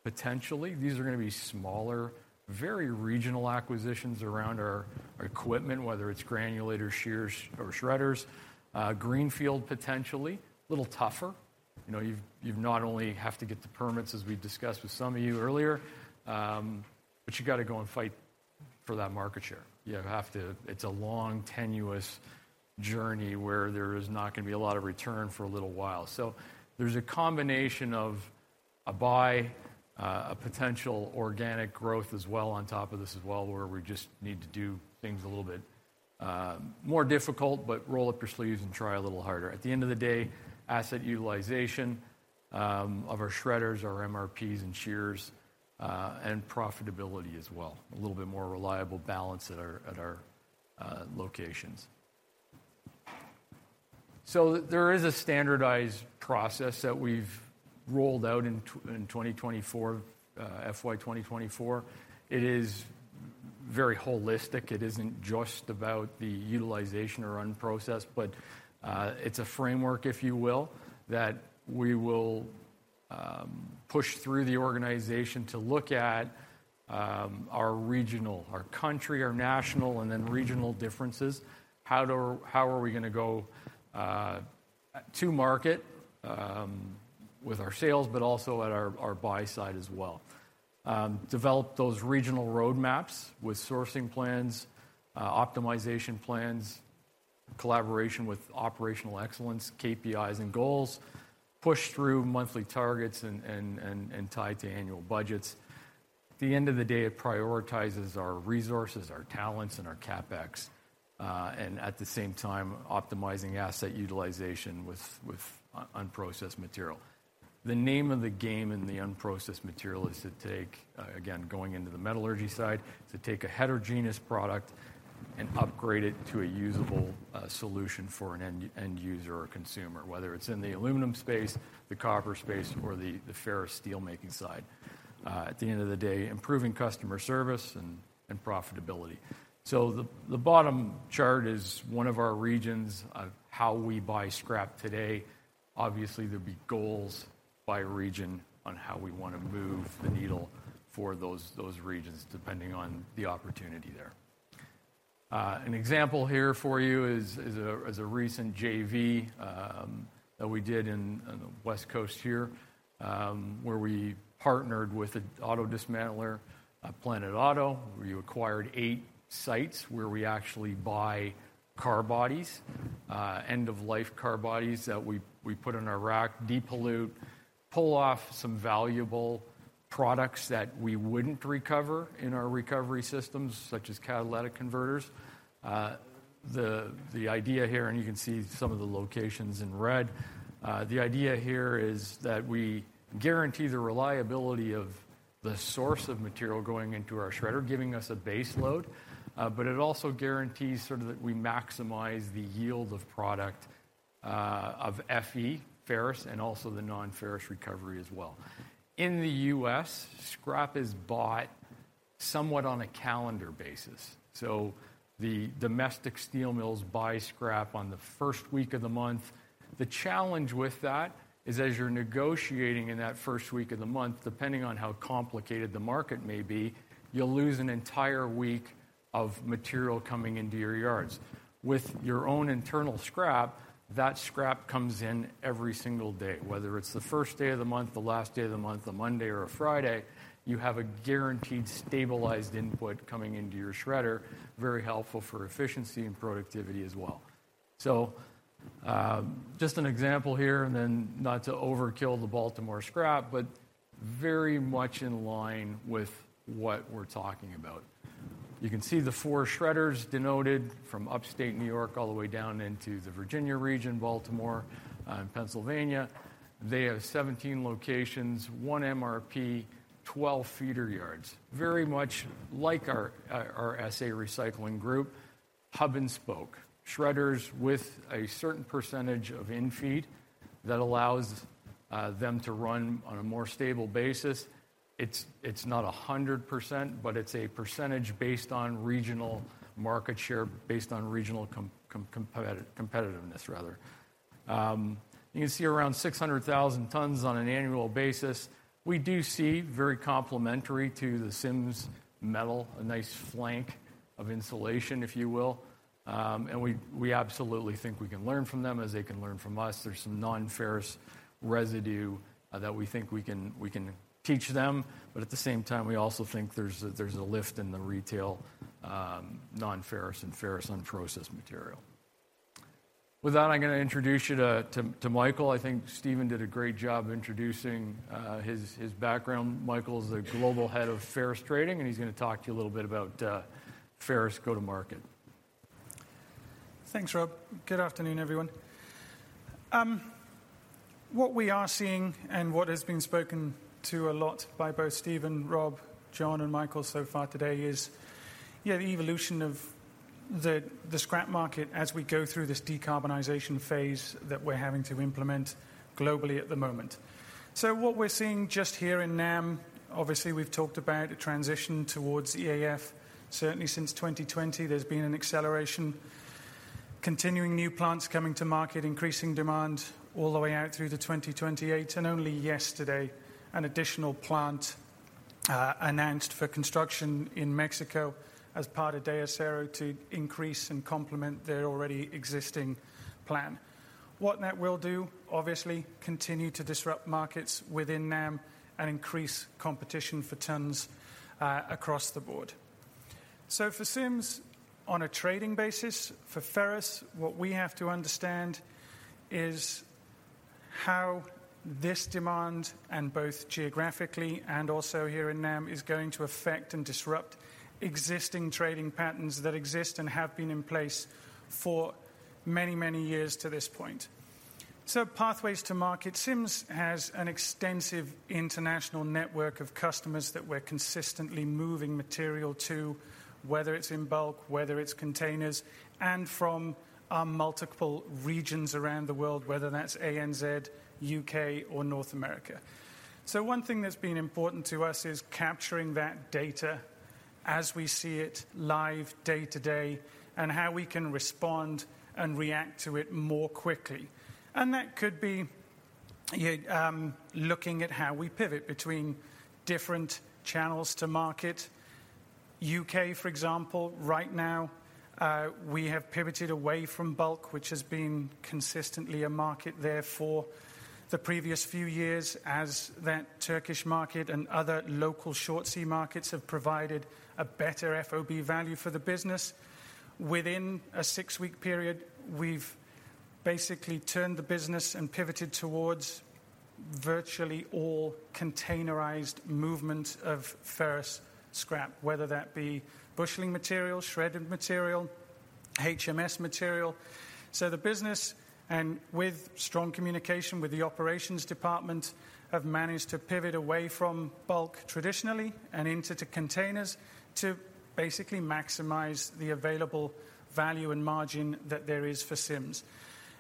[SPEAKER 6] potentially. These are gonna be smaller, very regional acquisitions around our equipment, whether it's granulator, shears, or shredders. Greenfield, potentially. A little tougher. You know, you've not only have to get the permits, as we've discussed with some of you earlier, but you gotta go and fight for that market share. You have to. It's a long, tenuous journey where there is not gonna be a lot of return for a little while. So there's a combination of a buy, a potential organic growth as well on top of this as well, where we just need to do things a little bit more difficult, but roll up your sleeves and try a little harder. At the end of the day, asset utilization of our shredders, our MRPs, and shears, and profitability as well. A little bit more reliable balance at our locations. So there is a standardized process that we've rolled out in 2024, FY 2024. It is very holistic. It isn't just about the utilization or process, but it's a framework, if you will, that we will push through the organization to look at our regional, our country, our national, and then regional differences. How are we gonna go to market with our sales, but also at our buy side as well? Develop those regional roadmaps with sourcing plans, optimization plans, collaboration with operational excellence, KPIs and goals, push through monthly targets and tie it to annual budgets. At the end of the day, it prioritizes our resources, our talents, and our CapEx, and at the same time, optimizing asset utilization with unprocessed material. The name of the game in the unprocessed material is to take, again, going into the metallurgy side, to take a heterogeneous product and upgrade it to a usable solution for an end user or consumer, whether it's in the aluminum space, the copper space, or the ferrous steel-making side. At the end of the day, improving customer service and profitability. So the bottom chart is one of our regions of how we buy scrap today. Obviously, there'll be goals by region on how we wanna move the needle for those regions, depending on the opportunity there. An example here for you is a recent JV that we did in, on the West Coast here, where we partnered with an auto dismantler, Planet Auto, we acquired eight sites where we actually buy car bodies, end-of-life car bodies that we put on a rack, depollute, pull off some valuable products that we wouldn't recover in our recovery systems, such as catalytic converters. The idea here... And you can see some of the locations in red. The idea here is that we guarantee the reliability of the source of material going into our shredder, giving us a base load, but it also guarantees sort of that we maximize the yield of product, of FE, ferrous, and also the non-ferrous recovery as well. In the U.S., scrap is bought somewhat on a calendar basis, so the domestic steel mills buy scrap on the first week of the month. The challenge with that is, as you're negotiating in that first week of the month, depending on how complicated the market may be, you'll lose an entire week of material coming into your yards. With your own internal scrap, that scrap comes in every single day, whether it's the first day of the month, the last day of the month, a Monday or a Friday, you have a guaranteed stabilized input coming into your shredder, very helpful for efficiency and productivity as well. So, just an example here, and then not to overkill the Baltimore Scrap, but very much in line with what we're talking about. You can see the four shredders denoted from Upstate New York all the way down into the Virginia region, Baltimore, and Pennsylvania. They have 17 locations, one MRP, 12 feeder yards. Very much like our, our SA Recycling Group, hub and spoke. Shredders with a certain percentage of in-feed that allows, them to run on a more stable basis. It's not 100%, but it's a percentage based on regional market share, based on regional competitiveness, rather. You can see around 600,000 tons on an annual basis. We do see, very complementary to the Sims Metal, a nice flank of insulation, if you will. And we absolutely think we can learn from them as they can learn from us. There's some non-ferrous residue that we think we can teach them, but at the same time, we also think there's a lift in the retail non-ferrous and ferrous unprocessed material. With that, I'm going to introduce you to Michael. I think Stephen did a great job introducing his background. Michael is the Global Head of Ferrous Trading, and he's going to talk to you a little bit about ferrous go-to-market.
[SPEAKER 9] Thanks, Rob. Good afternoon, everyone. What we are seeing and what has been spoken to a lot by both Stephen, Rob, John, and Michael so far today is, yeah, the evolution of the scrap market as we go through this decarbonization phase that we're having to implement globally at the moment. So what we're seeing just here in NAM, obviously, we've talked about a transition towards EAF. Certainly since 2020, there's been an acceleration, continuing new plants coming to market, increasing demand all the way out through to 2028, and only yesterday, an additional plant announced for construction in Mexico as part of DEACERO to increase and complement their already existing plan. What that will do, obviously continue to disrupt markets within NAM and increase competition for tons across the board. So for Sims, on a trading basis, for ferrous, what we have to understand is how this demand, and both geographically and also here in NAM, is going to affect and disrupt existing trading patterns that exist and have been in place for many, many years to this point. So pathways to market. Sims has an extensive international network of customers that we're consistently moving material to, whether it's in bulk, whether it's containers, and from our multiple regions around the world, whether that's A.N.Z., U.K., or North America. So one thing that's been important to us is capturing that data as we see it live day to day, and how we can respond and react to it more quickly. And that could be, yeah, looking at how we pivot between different channels to market. U.K., for example, right now, we have pivoted away from bulk, which has been consistently a market there for the previous few years as that Turkish market and other local short sea markets have provided a better FOB value for the business. Within a six-week period, we've basically turned the business and pivoted towards virtually all containerized movement of ferrous scrap, whether that be busheling material, shredded material, HMS material. So the business, and with strong communication with the operations department, have managed to pivot away from bulk traditionally and into the containers to basically maximize the available value and margin that there is for Sims.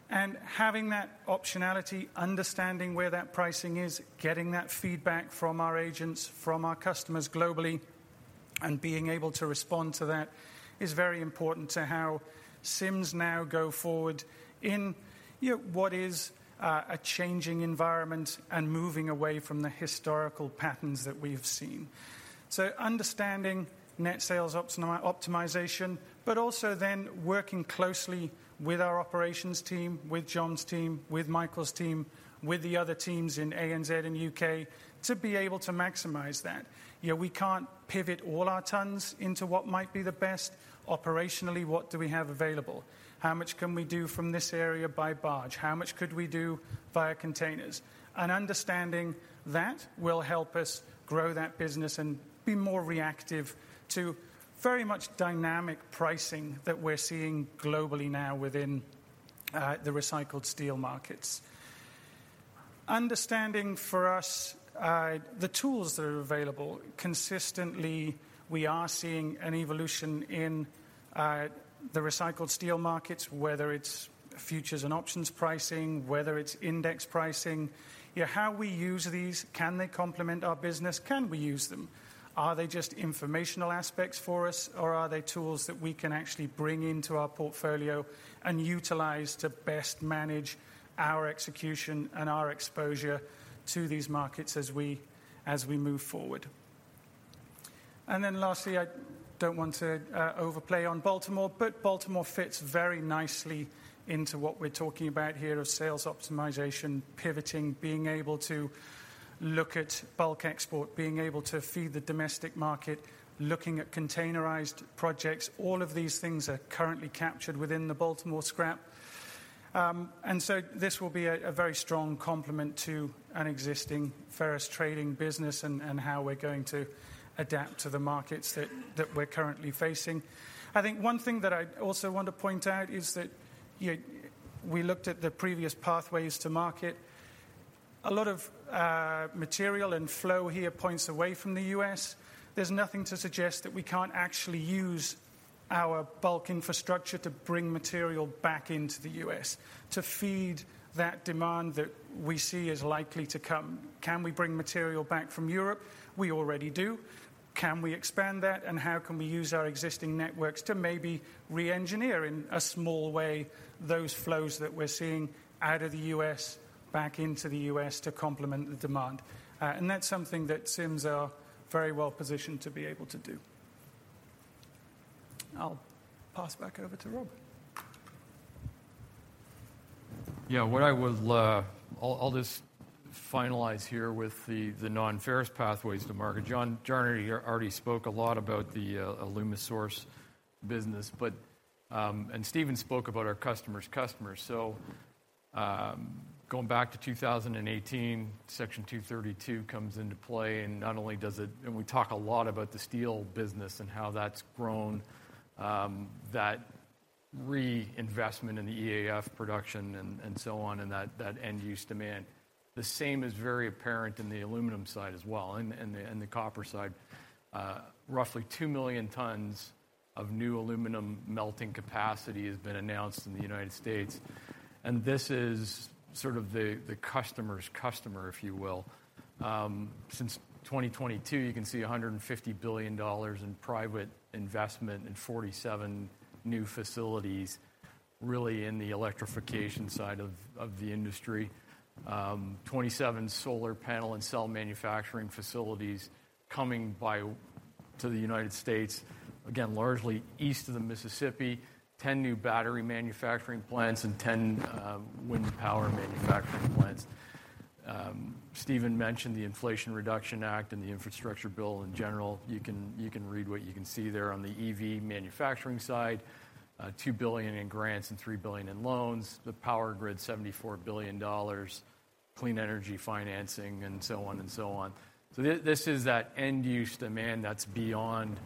[SPEAKER 9] Having that optionality, understanding where that pricing is, getting that feedback from our agents, from our customers globally, and being able to respond to that, is very important to how Sims now go forward in, you know, what is a changing environment and moving away from the historical patterns that we've seen. So understanding net sales ops optimization, but also then working closely with our operations team, with John's team, with Michael's team, with the other teams in A.N.Z. and U.K., to be able to maximize that. You know, we can't pivot all our tons into what might be the best. Operationally, what do we have available? How much can we do from this area by barge? How much could we do via containers? Understanding that will help us grow that business and be more reactive to very much dynamic pricing that we're seeing globally now within the recycled steel markets. Understanding for us the tools that are available. Consistently, we are seeing an evolution in the recycled steel markets, whether it's futures and options pricing, whether it's index pricing. Yeah, how we use these, can they complement our business? Can we use them? Are they just informational aspects for us, or are they tools that we can actually bring into our portfolio and utilize to best manage our execution and our exposure to these markets as we move forward. Then lastly, I don't want to overplay Baltimore, but Baltimore fits very nicely into what we're talking about here of sales optimization, pivoting, being able to look at bulk export, being able to feed the domestic market, looking at containerized projects. All of these things are currently captured within the Baltimore Scrap. And so this will be a very strong complement to an existing ferrous trading business and how we're going to adapt to the markets that we're currently facing. I think one thing that I'd also want to point out is that we looked at the previous pathways to market. A lot of material and flow here points away from the U.S. There's nothing to suggest that we can't actually use our bulk infrastructure to bring material back into the U.S., to feed that demand that we see is likely to come. Can we bring material back from Europe? We already do. Can we expand that, and how can we use our existing networks to maybe re-engineer, in a small way, those flows that we're seeing out of the U.S. back into the U.S. to complement the demand? And that's something that Sims are very well positioned to be able to do. I'll pass back over to Rob.
[SPEAKER 6] Yeah, what I would, I'll, I'll just finalize here with the, the non-ferrous pathways to market. John, John already, already spoke a lot about the, Alumisource business, but, and Stephen spoke about our customers' customers. So, going back to 2018, Section 232 comes into play, and not only does it and we talk a lot about the steel business and how that's grown, that reinvestment in the EAF production and, and so on, and that, that end-use demand. The same is very apparent in the aluminum side as well, and, and the, and the copper side. Roughly 2 million tons of new aluminum melting capacity has been announced in the United States, and this is sort of the, the customer's customer, if you will. Since 2022, you can see $150 billion in private investment in 47 new facilities, really in the electrification side of the industry. 27 solar panel and cell manufacturing facilities coming to the United States, again, largely east of the Mississippi, 10 new battery manufacturing plants and 10 wind power manufacturing plants. Stephen mentioned the Inflation Reduction Act and the infrastructure bill in general. You can, you can read what you can see there on the EV manufacturing side, $2 billion in grants and $3 billion in loans, the power grid, $74 billion, clean energy financing, and so on and so on. So this is that end-use demand that's beyond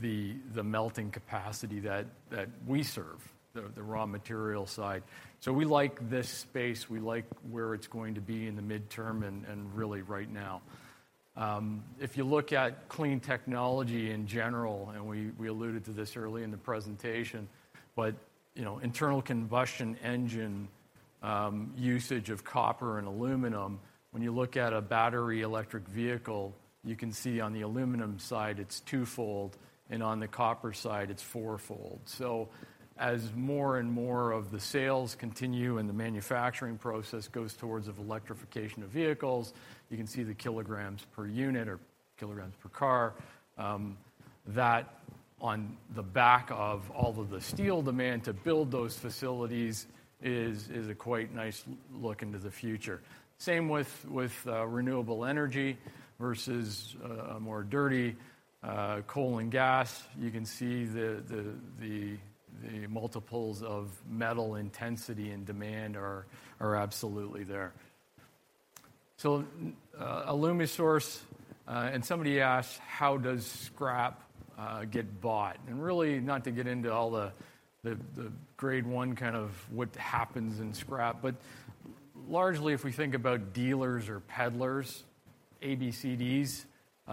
[SPEAKER 6] the melting capacity that we serve, the raw material side. So we like this space. We like where it's going to be in the midterm and really right now. If you look at clean technology in general, and we alluded to this early in the presentation, but you know, internal combustion engine usage of copper and aluminum, when you look at a battery electric vehicle, you can see on the aluminum side it's twofold, and on the copper side, it's fourfold. So as more and more of the sales continue and the manufacturing process goes towards of electrification of vehicles, you can see the kilograms per unit or kilograms per car. That on the back of all of the steel demand to build those facilities is a quite nice look into the future. Same with renewable energy versus a more dirty coal and gas. You can see the multiples of metal intensity and demand are absolutely there. So, Alumisource, and somebody asked: How does scrap get bought? And really, not to get into all the grade one kind of what happens in scrap, but largely, if we think about dealers or peddlers, ABCDs,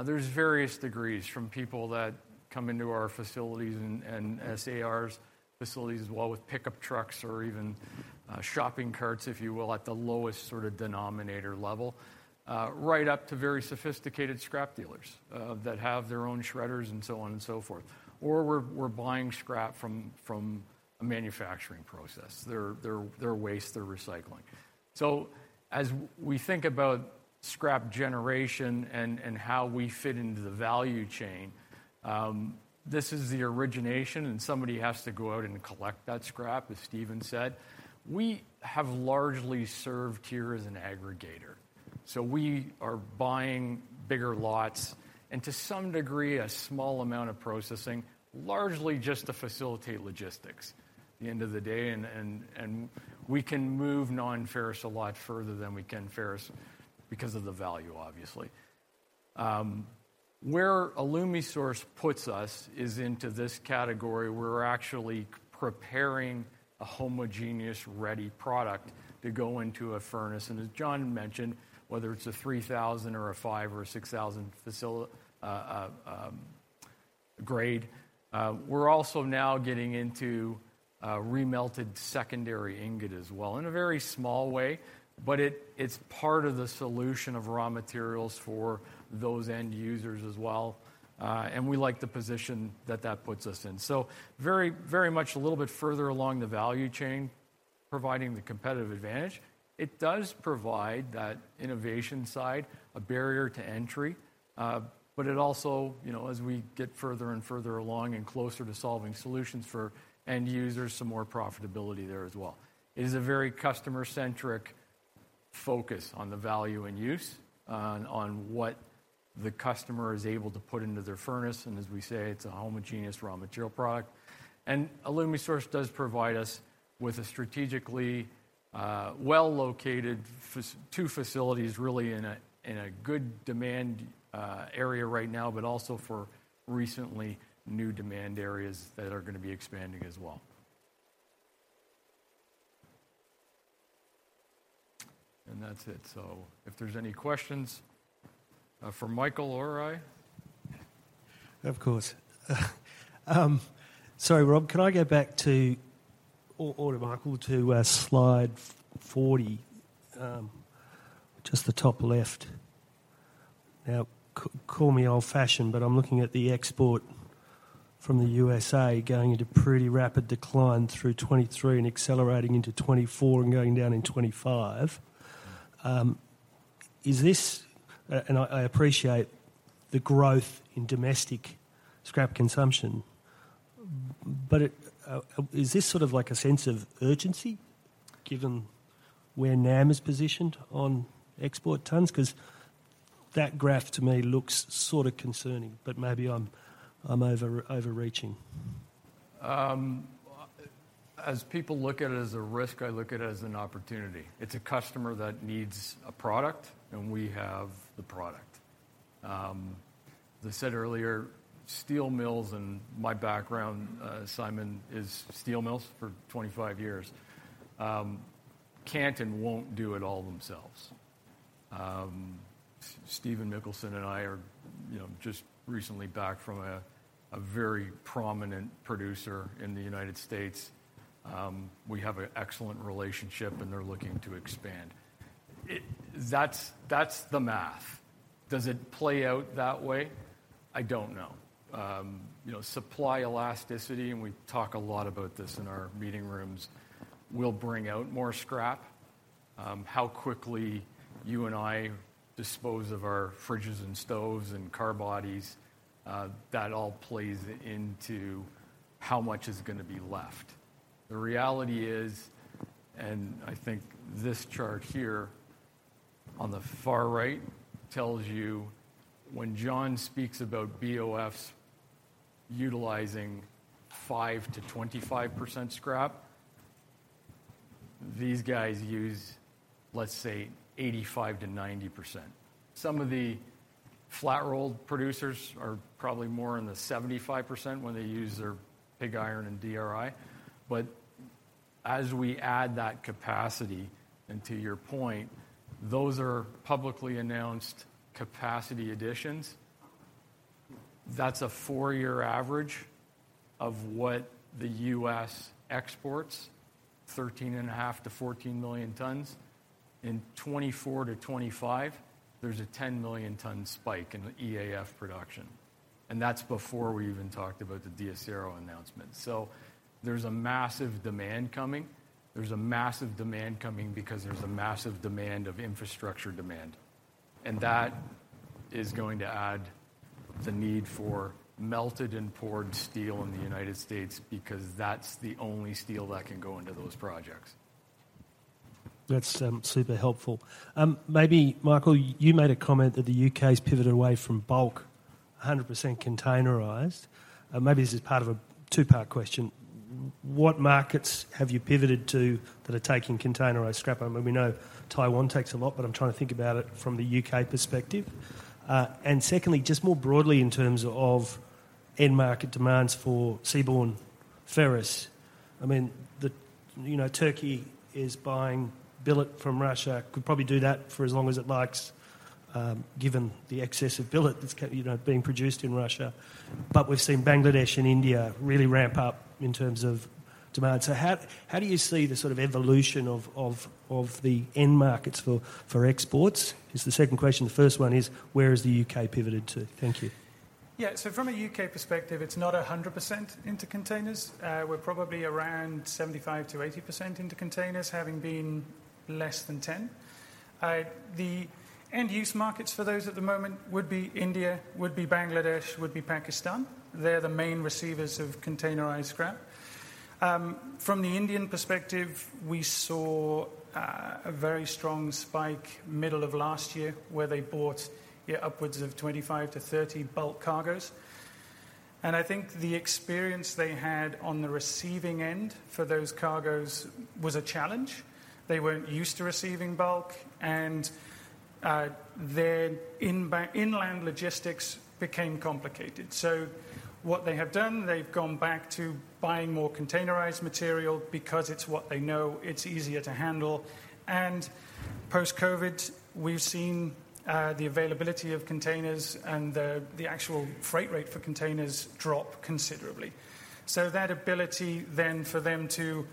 [SPEAKER 6] there's various degrees from people that come into our facilities and SA's facilities as well, with pickup trucks or even shopping carts, if you will, at the lowest sort of denominator level, right up to very sophisticated scrap dealers that have their own shredders and so on and so forth. Or we're buying scrap from a manufacturing process, their waste, their recycling. So as we think about scrap generation and how we fit into the value chain, this is the origination, and somebody has to go out and collect that scrap, as Stephen said. We have largely served here as an aggregator, so we are buying bigger lots and to some degree, a small amount of processing, largely just to facilitate logistics at the end of the day, and we can move non-ferrous a lot further than we can ferrous because of the value, obviously. Where Alumisource puts us is into this category. We're actually preparing a homogeneous, ready product to go into a furnace. As John mentioned, whether it's a 3,000 or a 5 or 6,000 grade, we're also now getting into remelted secondary ingot as well in a very small way, but it- it's part of the solution of raw materials for those end users as well, and we like the position that that puts us in. So very, very much a little bit further along the value chain... providing the competitive advantage. It does provide that innovation side, a barrier to entry, but it also, you know, as we get further and further along and closer to solving solutions for end users, some more profitability there as well. It is a very customer-centric focus on the value and use, on, on what the customer is able to put into their furnace, and as we say, it's a homogeneous raw material product. Alumisource does provide us with a strategically, well-located two facilities really in a good demand area right now, but also for recently new demand areas that are gonna be expanding as well. That's it. So if there's any questions for Michael or I?
[SPEAKER 4] Of course. Sorry, Rob, can I go back to Michael, to slide 40? Just the top left. Now, call me old-fashioned, but I'm looking at the export from the U.S.A. going into pretty rapid decline through 2023 and accelerating into 2024 and going down in 2025. Is this... and I appreciate the growth in domestic scrap consumption, but it is this sort of like a sense of urgency, given where NAM is positioned on export tonnes? 'Cause that graph, to me, looks sort of concerning, but maybe I'm overreaching.
[SPEAKER 6] As people look at it as a risk, I look at it as an opportunity. It's a customer that needs a product, and we have the product. As I said earlier, steel mills and my background, Simon, is steel mills for 25 years. Can't and won't do it all themselves. Stephen Mikkelsen and I are, you know, just recently back from a very prominent producer in the United States. We have an excellent relationship, and they're looking to expand. That's the math. Does it play out that way? I don't know. You know, supply elasticity, and we talk a lot about this in our meeting rooms, will bring out more scrap. How quickly you and I dispose of our fridges and stoves and car bodies, that all plays into how much is gonna be left. The reality is, and I think this chart here on the far right tells you, when John speaks about BOFs utilizing 5%-25% scrap, these guys use, let's say, 85%-90%. Some of the flat rolled producers are probably more in the 75% when they use their pig iron and DRI. But as we add that capacity, and to your point, those are publicly announced capacity additions. That's a four-year average of what the U.S. exports, 13.5-14 million tonnes. In 2024-2025, there's a 10 million tonne spike in the EAF production, and that's before we even talked about the DEACERO announcement. So there's a massive demand coming. There's a massive demand coming because there's a massive demand of infrastructure demand, and that is going to add the need for melted and poured steel in the United States because that's the only steel that can go into those projects.
[SPEAKER 4] That's super helpful. Maybe Michael, you made a comment that the U.K.'s pivoted away from bulk, 100% containerized. Maybe this is part of a two-part question. What markets have you pivoted to that are taking containerized scrap? I mean, we know Taiwan takes a lot, but I'm trying to think about it from the U.K. perspective. And secondly, just more broadly in terms of end market demands for seaborne ferrous. I mean, the, you know, Turkey is buying billet from Russia. Could probably do that for as long as it likes, given the excess of billet that's you know, being produced in Russia. But we've seen Bangladesh and India really ramp up in terms of demand. So how, how do you see the sort of evolution of, of, of the end markets for, for exports? Is the second question. The first one is, where is the U.K. pivoted to? Thank you.
[SPEAKER 9] Yeah. So from a U.K. perspective, it's not 100% into containers. We're probably around 75%-80% into containers, having been less than 10. The end-use markets for those at the moment would be India, would be Bangladesh, would be Pakistan. They're the main receivers of containerized scrap. From the Indian perspective, we saw a very strong spike middle of last year, where they bought, yeah, upwards of 25-30 bulk cargos. And I think the experience they had on the receiving end for those cargos was a challenge. They weren't used to receiving bulk, and their inland logistics became complicated. So what they have done, they've gone back to buying more containerized material because it's what they know, it's easier to handle. And post-COVID, we've seen the availability of containers and the actual freight rate for containers drop considerably. So that ability then for them to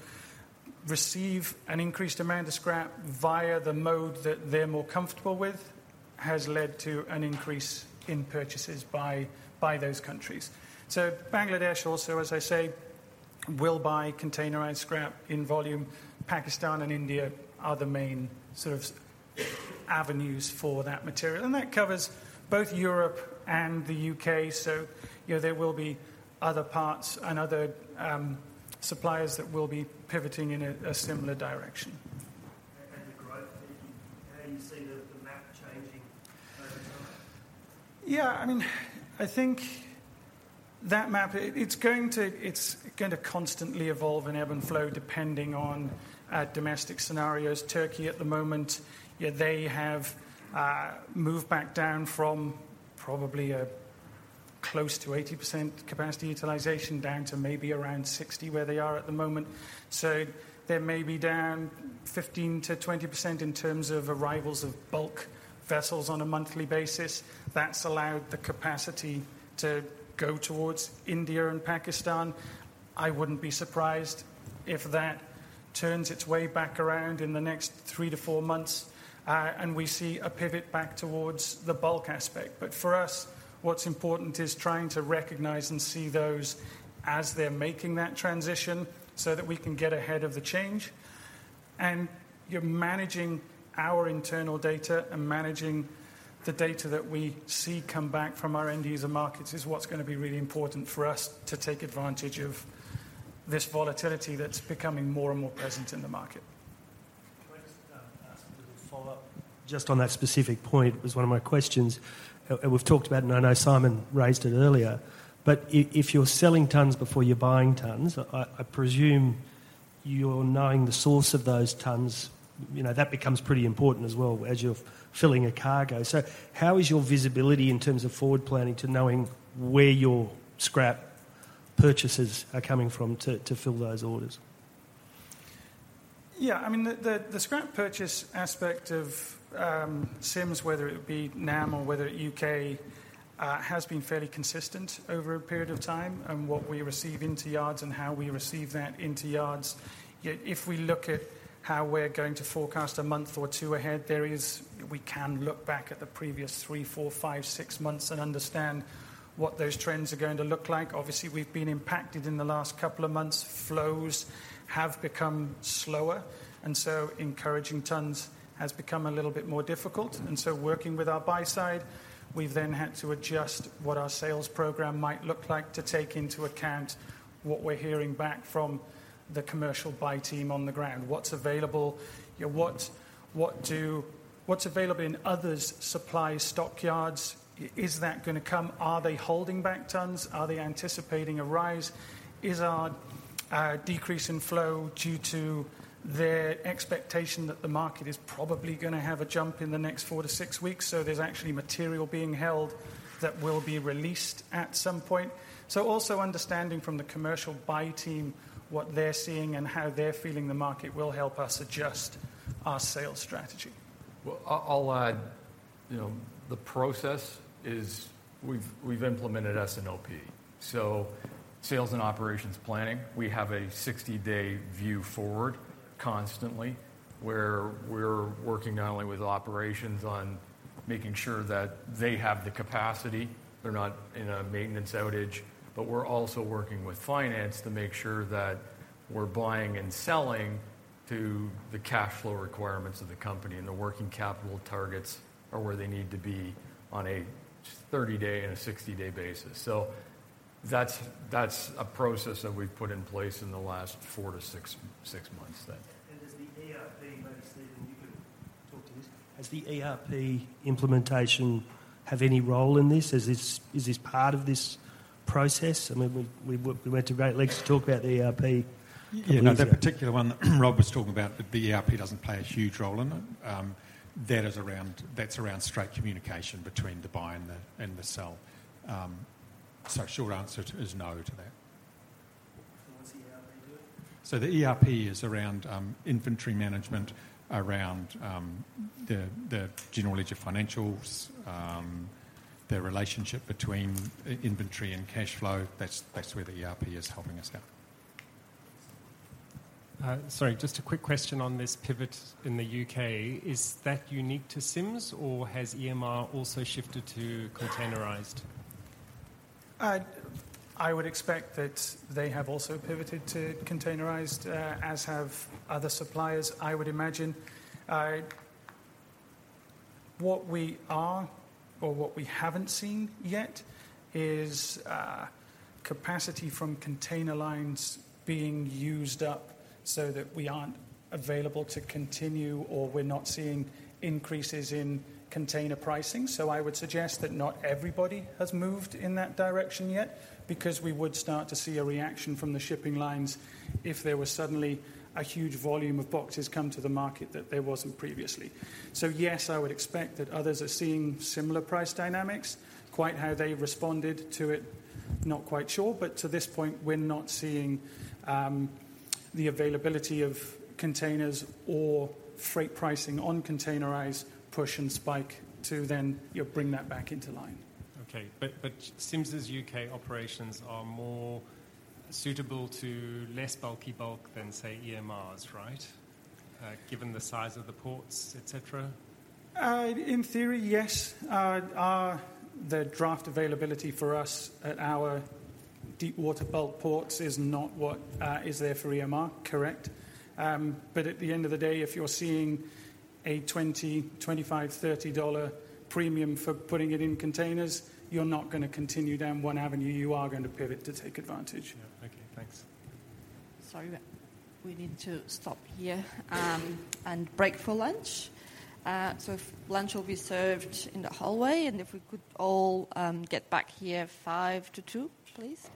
[SPEAKER 9] receive an increased amount of scrap via the mode that they're more comfortable with has led to an increase in purchases by, by those countries. So Bangladesh also, as I say, will buy containerized scrap in volume. Pakistan and India are the main sort of avenues for that material, and that covers both Europe and the U.K. So, you know, there will be other parts and other suppliers that will be pivoting in a similar direction.
[SPEAKER 4] The growth, how do you see the map changing over time?
[SPEAKER 9] Yeah, I mean, I think that map, it, it's going to, it's going to constantly evolve and ebb and flow depending on, domestic scenarios. Turkey, at the moment, yeah, they have, moved back down from probably a close to 80% capacity utilization down to maybe around 60%, where they are at the moment. So they may be down 15%-20% in terms of arrivals of bulk vessels on a monthly basis. That's allowed the capacity to go towards India and Pakistan. I wouldn't be surprised if that turns its way back around in the next three to four months, and we see a pivot back towards the bulk aspect. But for us, what's important is trying to recognize and see those as they're making that transition so that we can get ahead of the change. You know, managing our internal data and managing the data that we see come back from our end user markets is what's gonna be really important for us to take advantage of this volatility that's becoming more and more present in the market.
[SPEAKER 4] Can I just ask a little follow-up just on that specific point? It was one of my questions, and we've talked about, and I know Simon raised it earlier. But if you're selling tons before you're buying tons, I presume you're knowing the source of those tons, you know, that becomes pretty important as well as you're filling a cargo. So how is your visibility in terms of forward planning to knowing where your scrap purchases are coming from, to fill those orders?
[SPEAKER 9] Yeah, I mean, the scrap purchase aspect of Sims, whether it be NAM or whether U.K., has been fairly consistent over a period of time, and what we receive into yards and how we receive that into yards. Yet, if we look at how we're going to forecast a month or two ahead, there is... We can look back at the previous three, four, five, six months and understand what those trends are going to look like. Obviously, we've been impacted in the last couple of months. Flows have become slower, and so encouraging tons has become a little bit more difficult. And so working with our buy side, we've then had to adjust what our sales program might look like to take into account what we're hearing back from the commercial buy team on the ground. What's available? You know, what's available in others' supply stockyards, is that gonna come? Are they holding back tons? Are they anticipating a rise? Is our decrease in flow due to their expectation that the market is probably gonna have a jump in the next four to six weeks, so there's actually material being held that will be released at some point? So also understanding from the commercial buy team, what they're seeing and how they're feeling the market will help us adjust our sales strategy.
[SPEAKER 6] Well, I'll add, you know, the process is we've implemented S&OP, so sales and operations planning. We have a 60-day view forward constantly, where we're working not only with operations on making sure that they have the capacity, they're not in a maintenance outage, but we're also working with finance to make sure that we're buying and selling to the cash flow requirements of the company, and the working capital targets are where they need to be on a 30-day and a 60-day basis. So that's a process that we've put in place in the last four to six months then.
[SPEAKER 4] Does the ERP, maybe, Stephen, you can talk to this? Has the ERP implementation have any role in this? Is this part of this process? I mean, we went to great lengths to talk about the ERP component.
[SPEAKER 2] Yeah, no, that particular one, Rob was talking about, the ERP doesn't play a huge role in it. That is around, that's around straight communication between the buy and the, and the sell. So short answer to is no to that.
[SPEAKER 4] So what's the ERP do?
[SPEAKER 2] So the ERP is around inventory management, around the general edge of financials, the relationship between inventory and cash flow. That's where the ERP is helping us out.
[SPEAKER 7] Sorry, just a quick question on this pivot in the U.K. Is that unique to Sims, or has EMR also shifted to containerized?
[SPEAKER 9] I would expect that they have also pivoted to containerized, as have other suppliers, I would imagine. What we are or what we haven't seen yet is, capacity from container lines being used up so that we aren't available to continue, or we're not seeing increases in container pricing. So I would suggest that not everybody has moved in that direction yet, because we would start to see a reaction from the shipping lines if there was suddenly a huge volume of boxes come to the market that there wasn't previously. So yes, I would expect that others are seeing similar price dynamics. Quite how they've responded to it, not quite sure, but to this point, we're not seeing, the availability of containers or freight pricing on containerized push and spike to then, you know, bring that back into line.
[SPEAKER 7] Okay. But Sims' U.K. operations are more suitable to less bulky bulk than, say, EMR's, right? Given the size of the ports, et cetera.
[SPEAKER 9] In theory, yes. The draft availability for us at our deep water bulk ports is not what is there for EMR, correct. But at the end of the day, if you're seeing a $20, $25, $30 premium for putting it in containers, you're not going to continue down one avenue. You are going to pivot to take advantage.
[SPEAKER 7] Yeah. Okay. Thanks.
[SPEAKER 1] Sorry, we need to stop here and break for lunch. Lunch will be served in the hallway, and if we could all get back here five to two, please....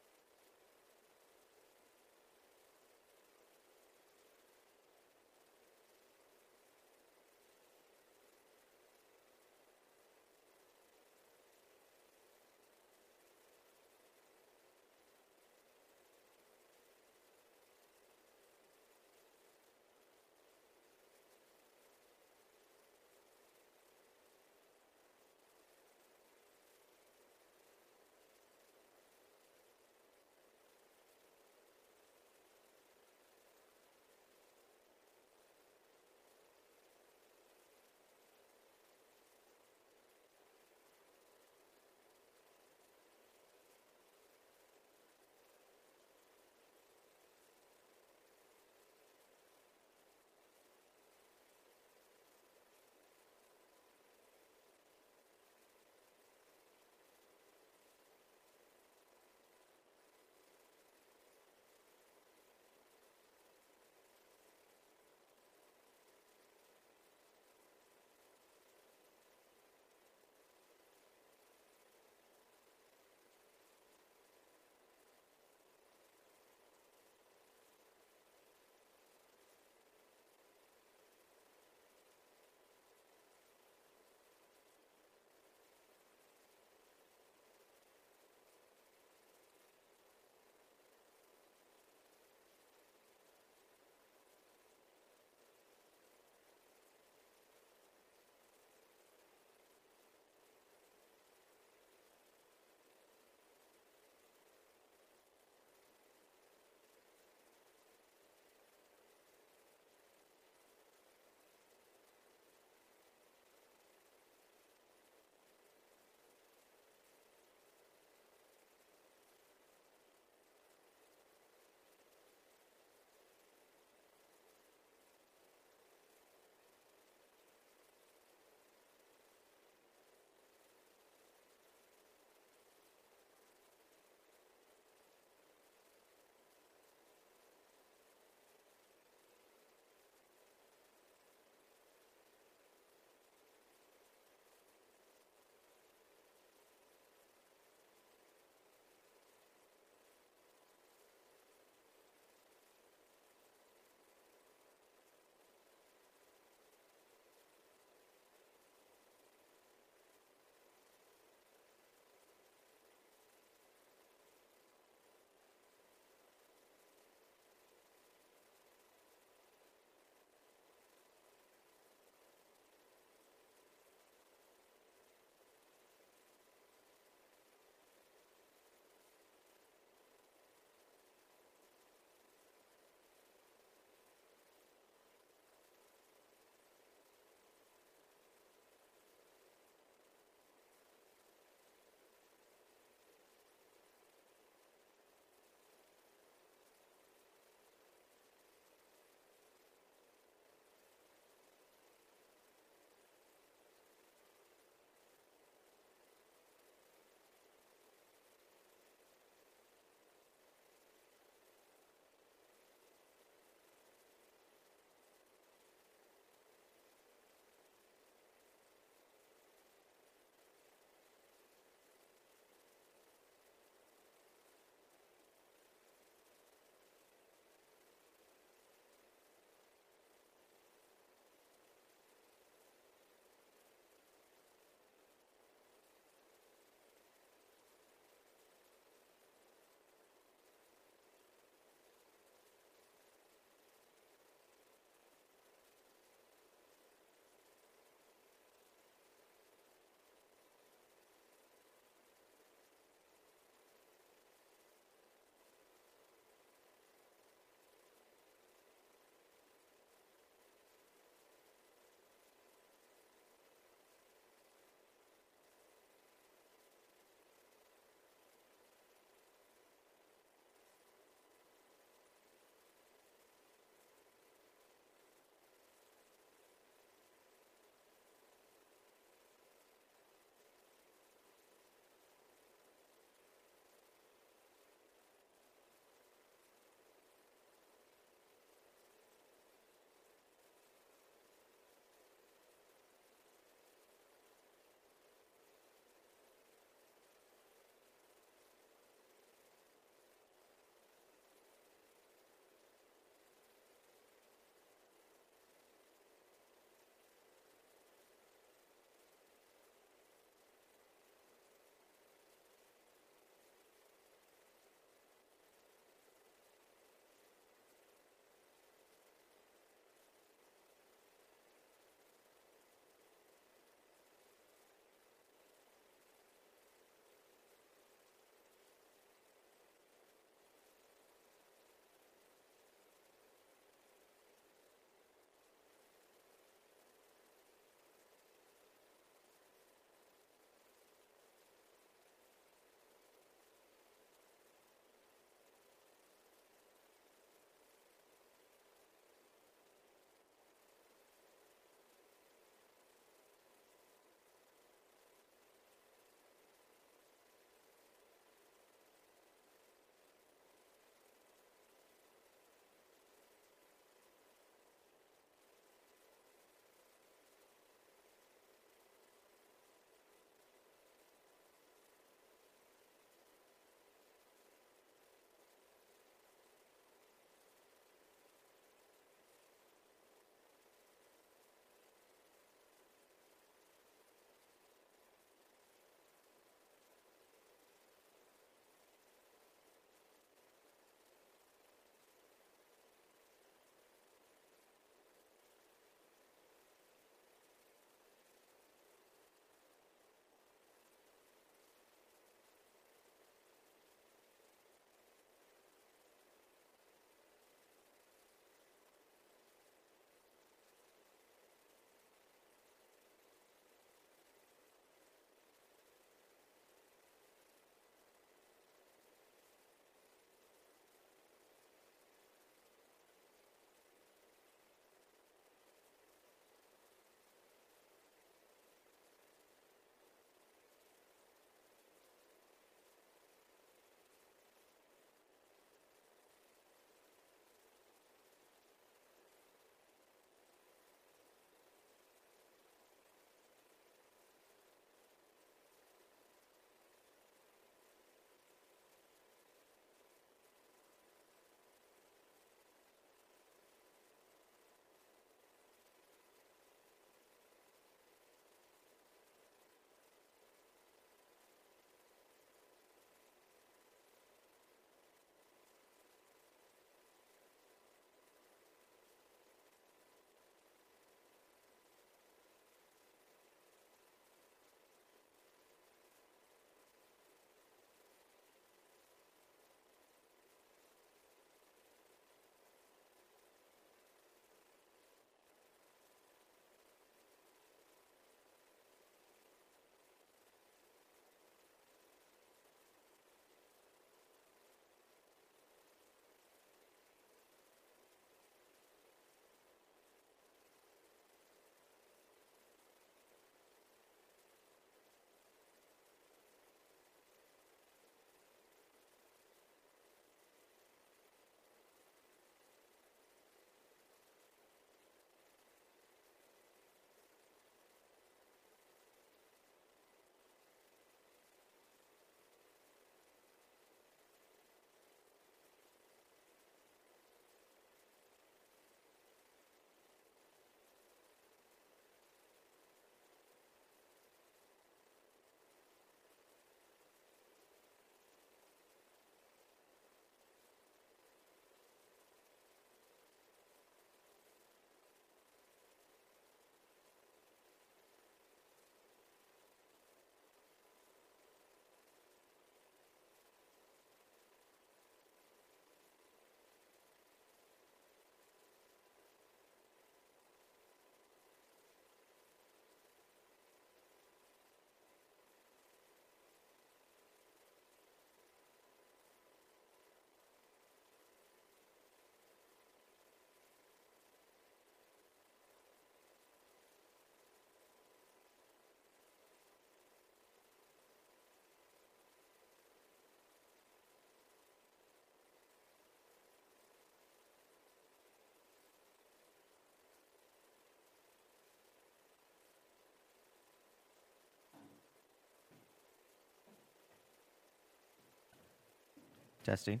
[SPEAKER 11] Testing.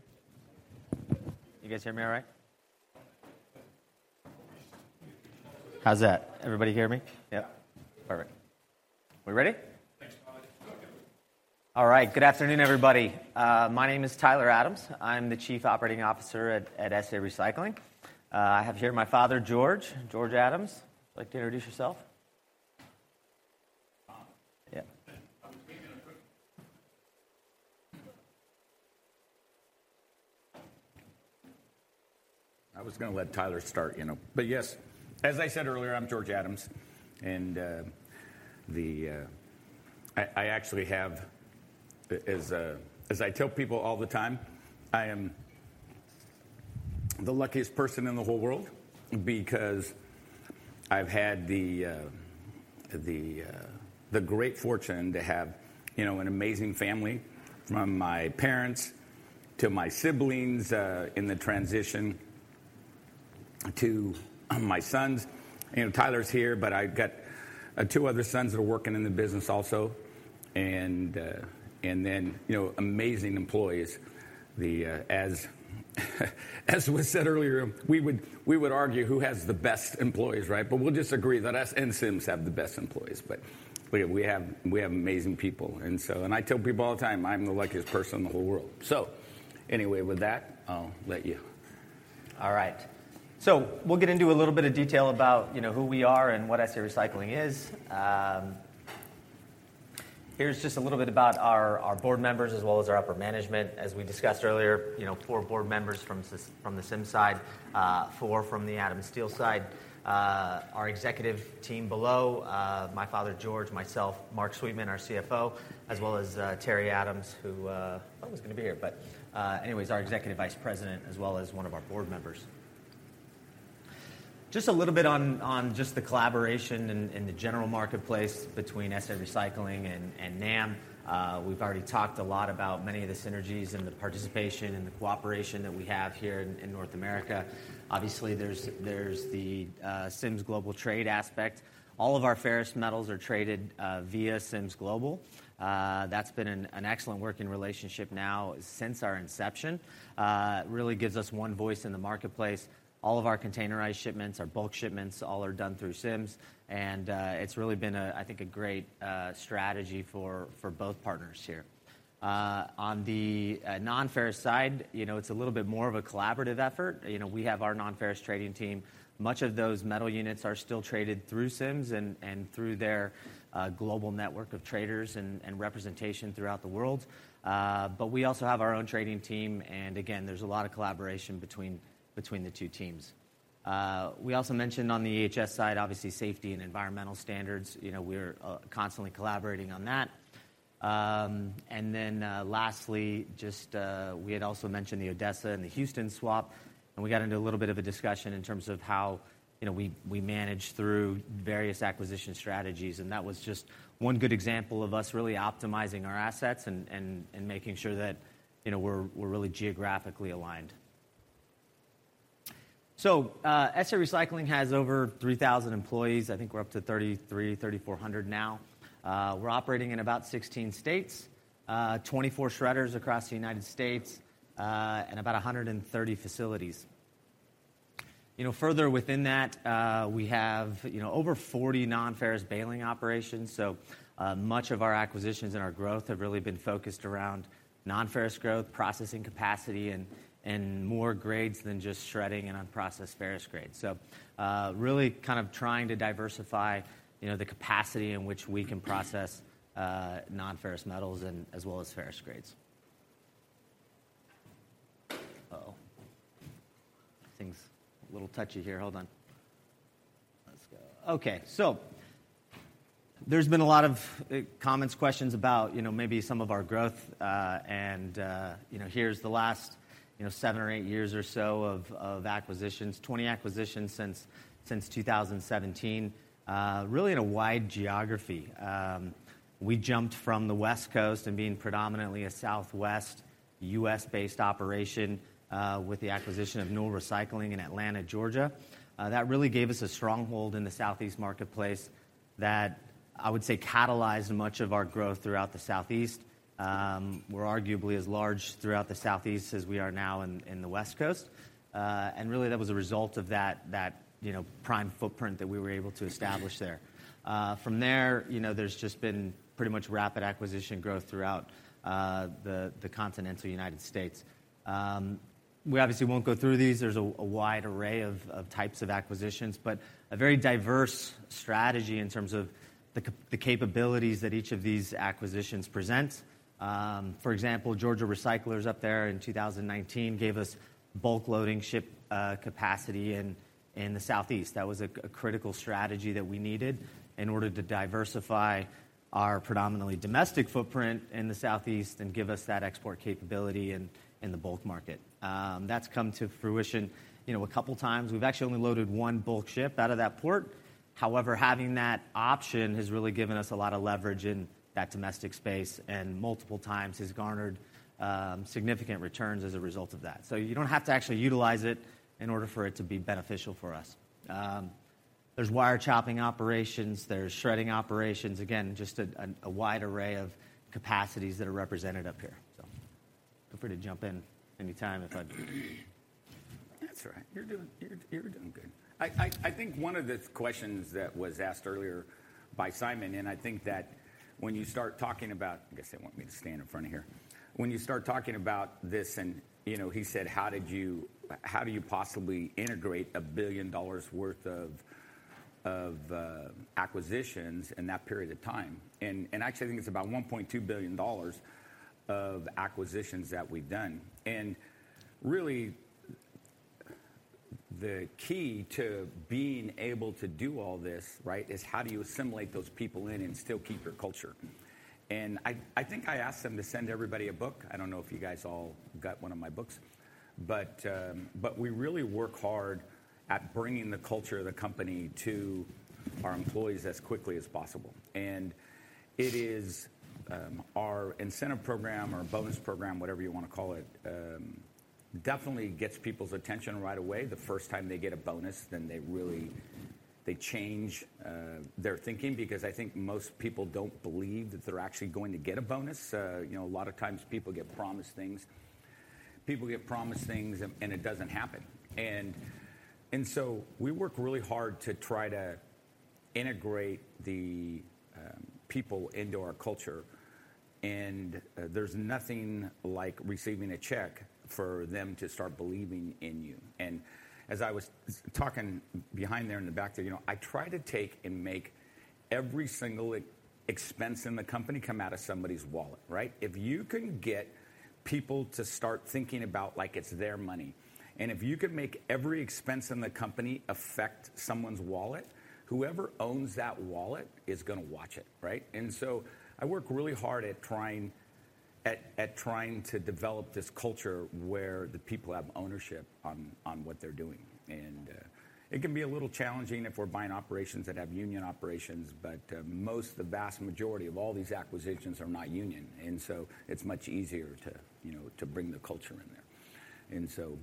[SPEAKER 11] You guys hear me all right? How's that? Everybody hear me? Yeah. Perfect. We ready?
[SPEAKER 12] Thanks, Tyler. Okay.
[SPEAKER 11] All right. Good afternoon, everybody. My name is Tyler Adams. I'm the Chief Operating Officer at SA Recycling. I have here my father, George. George Adams. Would you like to introduce yourself?
[SPEAKER 10] Uh.
[SPEAKER 11] Yeah.
[SPEAKER 10] But yes, as I said earlier, I'm George Adams, and I actually have, as I tell people all the time, I am the luckiest person in the whole world because I've had the great fortune to have, you know, an amazing family, from my parents to my siblings, in the transition, to my sons. You know, Tyler's here, but I've got two other sons that are working in the business also, and then, you know, amazing employees. As was said earlier, we would argue who has the best employees, right? But we'll just agree that us and Sims have the best employees. But we have amazing people, and so I tell people all the time, I'm the luckiest person in the whole world. So anyway, with that, I'll let you.
[SPEAKER 11] All right. So we'll get into a little bit of detail about, you know, who we are and what SA Recycling is. Here's just a little bit about our board members as well as our upper management. As we discussed earlier, you know, four board members from the Sims side, four from the Adams Steel side. Our executive team below, my father, George, myself, Mark Sweetman, our CFO, as well as Terry Adams, who was going to be here. But anyways, our Executive Vice President, as well as one of our board members. Just a little bit on just the collaboration and the general marketplace between SA Recycling and NAM. We've already talked a lot about many of the synergies and the participation and the cooperation that we have here in North America. Obviously, there's the Sims Global Trade aspect. All of our ferrous metals are traded via Sims Global. That's been an excellent working relationship now since our inception. It really gives us one voice in the marketplace. All of our containerized shipments, our bulk shipments, all are done through Sims, and it's really been, I think, a great strategy for both partners here. On the non-ferrous side, you know, it's a little bit more of a collaborative effort. You know, we have our non-ferrous trading team. Much of those metal units are still traded through Sims and through their global network of traders and representation throughout the world. But we also have our own trading team, and again, there's a lot of collaboration between the two teams. We also mentioned on the EHS side, obviously, safety and environmental standards. You know, we're constantly collaborating on that. And then, lastly, just, we had also mentioned the Odessa and the Houston swap, and we got into a little bit of a discussion in terms of how, you know, we, we manage through various acquisition strategies. And that was just one good example of us really optimizing our assets and, and, and making sure that, you know, we're, we're really geographically aligned. So, SA Recycling has over 3,000 employees. I think we're up to 3,300-3,400 now. We're operating in about 16 states, 24 shredders across the United States, and about 130 facilities. You know, further within that, we have, you know, over 40 non-ferrous baling operations. So, much of our acquisitions and our growth have really been focused around non-ferrous growth, processing capacity, and more grades than just shredding and unprocessed ferrous grades. So, really kind of trying to diversify, you know, the capacity in which we can process non-ferrous metals and as well as ferrous grades. Uh-oh! This thing's a little touchy here. Hold on. Let's go. Okay, so there's been a lot of comments, questions about, you know, maybe some of our growth. And you know, here's the last, you know, seven or eight years or so of acquisitions. 20 acquisitions since 2017, really in a wide geography. We jumped from the West Coast and being predominantly a Southwest U.S.-based operation, with the acquisition of Newell Recycling in Atlanta, Georgia. That really gave us a stronghold in the Southeast marketplace that I would say catalyzed much of our growth throughout the Southeast. We're arguably as large throughout the Southeast as we are now in the West Coast. And really, that was a result of that, you know, prime footprint that we were able to establish there. From there, you know, there's just been pretty much rapid acquisition growth throughout the continental United States. We obviously won't go through these. There's a wide array of types of acquisitions, but a very diverse strategy in terms of the capabilities that each of these acquisitions present. For example, Georgia Recyclers up there in 2019 gave us bulk loading ship capacity in the Southeast. That was a critical strategy that we needed in order to diversify our predominantly domestic footprint in the Southeast and give us that export capability in the bulk market. That's come to fruition, you know, a couple times. We've actually only loaded one bulk ship out of that port. However, having that option has really given us a lot of leverage in that domestic space, and multiple times has garnered significant returns as a result of that. So you don't have to actually utilize it in order for it to be beneficial for us. There's wire chopping operations, there's shredding operations. Again, just a wide array of capacities that are represented up here. So feel free to jump in anytime if I...
[SPEAKER 10] That's right. You're doing good. I think one of the questions that was asked earlier by Simon, and I think that when you start talking about... I guess they want me to stand in front of here. When you start talking about this and, you know, he said, "How did you- How do you possibly integrate $1 billion worth of acquisitions in that period of time?" And actually, I think it's about $1.2 billion of acquisitions that we've done. And really, the key to being able to do all this, right, is how do you assimilate those people in and still keep your culture? And I think I asked them to send everybody a book. I don't know if you guys all got one of my books, but we really work hard at bringing the culture of the company to our employees as quickly as possible. And it is our incentive program or bonus program, whatever you wanna call it, definitely gets people's attention right away. The first time they get a bonus, then they really... They change their thinking because I think most people don't believe that they're actually going to get a bonus. You know, a lot of times people get promised things. People get promised things, and it doesn't happen. And so we work really hard to try to integrate the people into our culture, and there's nothing like receiving a check for them to start believing in you. And as I was talking behind there in the back there, you know, I try to take and make every single expense in the company come out of somebody's wallet, right? If you can get people to start thinking about like it's their money, and if you can make every expense in the company affect someone's wallet, whoever owns that wallet is gonna watch it, right? And so I work really hard at trying to develop this culture where the people have ownership on what they're doing. And it can be a little challenging if we're buying operations that have union operations, but most, the vast majority of all these acquisitions are not union, and so it's much easier to, you know, to bring the culture in there. And so...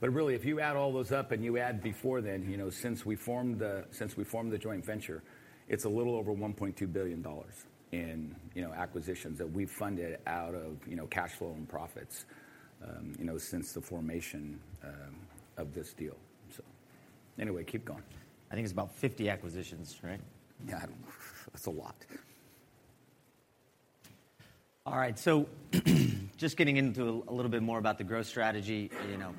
[SPEAKER 10] But really, if you add all those up and you add before then, you know, since we formed the joint venture, it's a little over $1.2 billion in, you know, acquisitions that we've funded out of, you know, cash flow and profits, you know, since the formation of this deal. So anyway, keep going.
[SPEAKER 11] I think it's about 50 acquisitions, right?
[SPEAKER 10] Yeah, it's a lot.
[SPEAKER 11] All right, so just getting into a little bit more about the growth strategy. You know,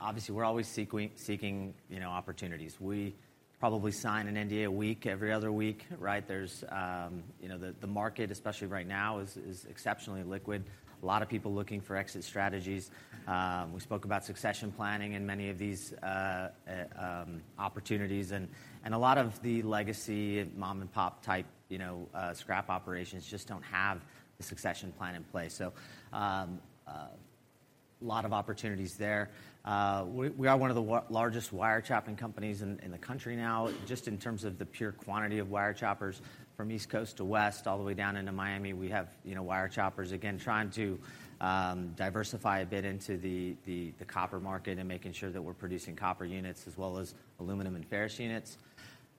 [SPEAKER 11] obviously, we're always seeking, you know, opportunities. We probably sign an NDA a week, every other week, right? There's, you know, the market, especially right now, is exceptionally liquid. A lot of people looking for exit strategies. We spoke about succession planning in many of these opportunities and a lot of the legacy mom-and-pop type, you know, scrap operations just don't have a succession plan in place, so lot of opportunities there. We are one of the largest wire chopping companies in the country now, just in terms of the pure quantity of wire choppers from East Coast to West, all the way down into Miami. We have, you know, wire choppers, again, trying to diversify a bit into the copper market and making sure that we're producing copper units as well as aluminum and ferrous units.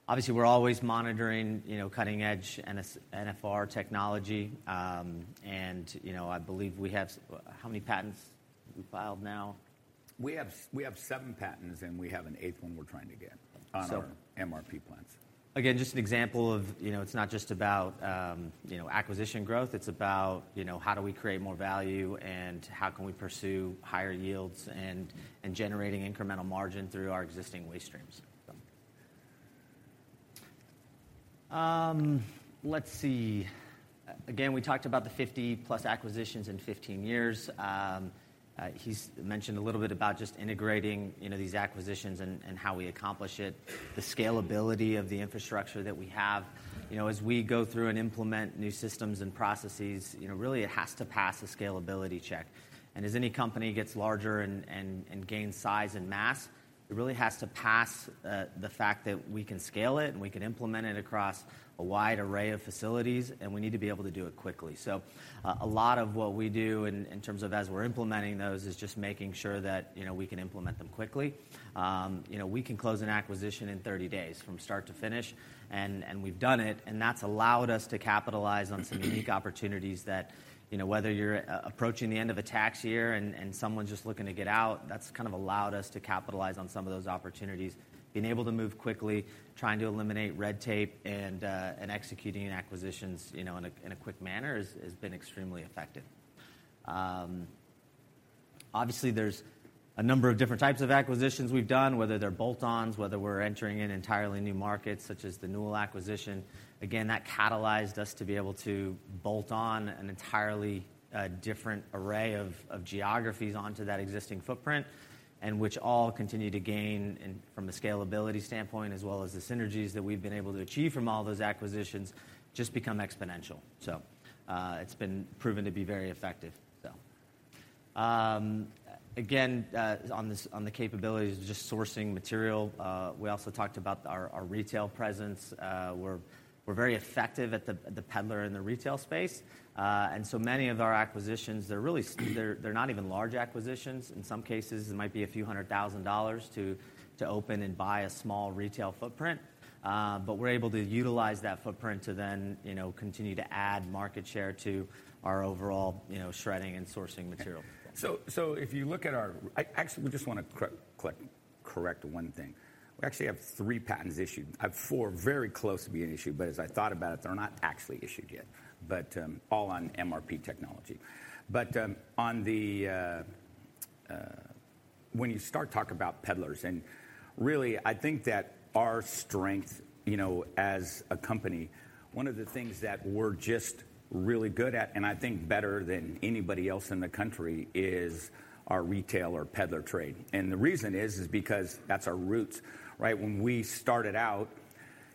[SPEAKER 11] Obviously, we're always monitoring, you know, cutting-edge NFR technology. And, you know, I believe we have, how many patents have we filed now?
[SPEAKER 10] We have seven patents, and we have an eighth one we're trying to get-
[SPEAKER 11] So-
[SPEAKER 10] on our MRP plants.
[SPEAKER 11] Again, just an example of, you know, it's not just about, you know, acquisition growth. It's about, you know, how do we create more value, and how can we pursue higher yields and, and generating incremental margin through our existing waste streams? Let's see. Again, we talked about the 50+ acquisitions in 15 years. He's mentioned a little bit about just integrating, you know, these acquisitions and, and how we accomplish it, the scalability of the infrastructure that we have. You know, as we go through and implement new systems and processes, you know, really it has to pass a scalability check. As any company gets larger and gains size and mass, it really has to pass the fact that we can scale it, and we can implement it across a wide array of facilities, and we need to be able to do it quickly. So, a lot of what we do in terms of as we're implementing those, is just making sure that, you know, we can implement them quickly. You know, we can close an acquisition in 30 days from start to finish, and we've done it, and that's allowed us to capitalize on some unique opportunities that, you know, whether you're approaching the end of a tax year and someone's just looking to get out, that's kind of allowed us to capitalize on some of those opportunities. Being able to move quickly, trying to eliminate red tape, and executing acquisitions, you know, in a quick manner has been extremely effective. Obviously, there's a number of different types of acquisitions we've done, whether they're bolt-ons, whether we're entering in entirely new markets, such as the Newell acquisition. Again, that catalyzed us to be able to bolt on an entirely different array of geographies onto that existing footprint, and which all continue to gain in from a scalability standpoint, as well as the synergies that we've been able to achieve from all those acquisitions, just become exponential. So, it's been proven to be very effective, so... Again, on the capabilities of just sourcing material, we also talked about our retail presence. We're very effective at the peddler in the retail space. So many of our acquisitions, they're really not even large acquisitions. In some cases, it might be few $100,000 to open and buy a small retail footprint. But we're able to utilize that footprint to then, you know, continue to add market share to our overall, you know, shredding and sourcing material.
[SPEAKER 10] So if you look at our... Actually, we just want to correct one thing. We actually have three patents issued. I have four very close to being issued, but as I thought about it, they're not actually issued yet. But all on MRP technology. But on the when you start talking about peddlers... And really, I think that our strength, you know, as a company, one of the things that we're just really good at, and I think better than anybody else in the country, is our retail or peddler trade. And the reason is because that's our roots, right? When we started out,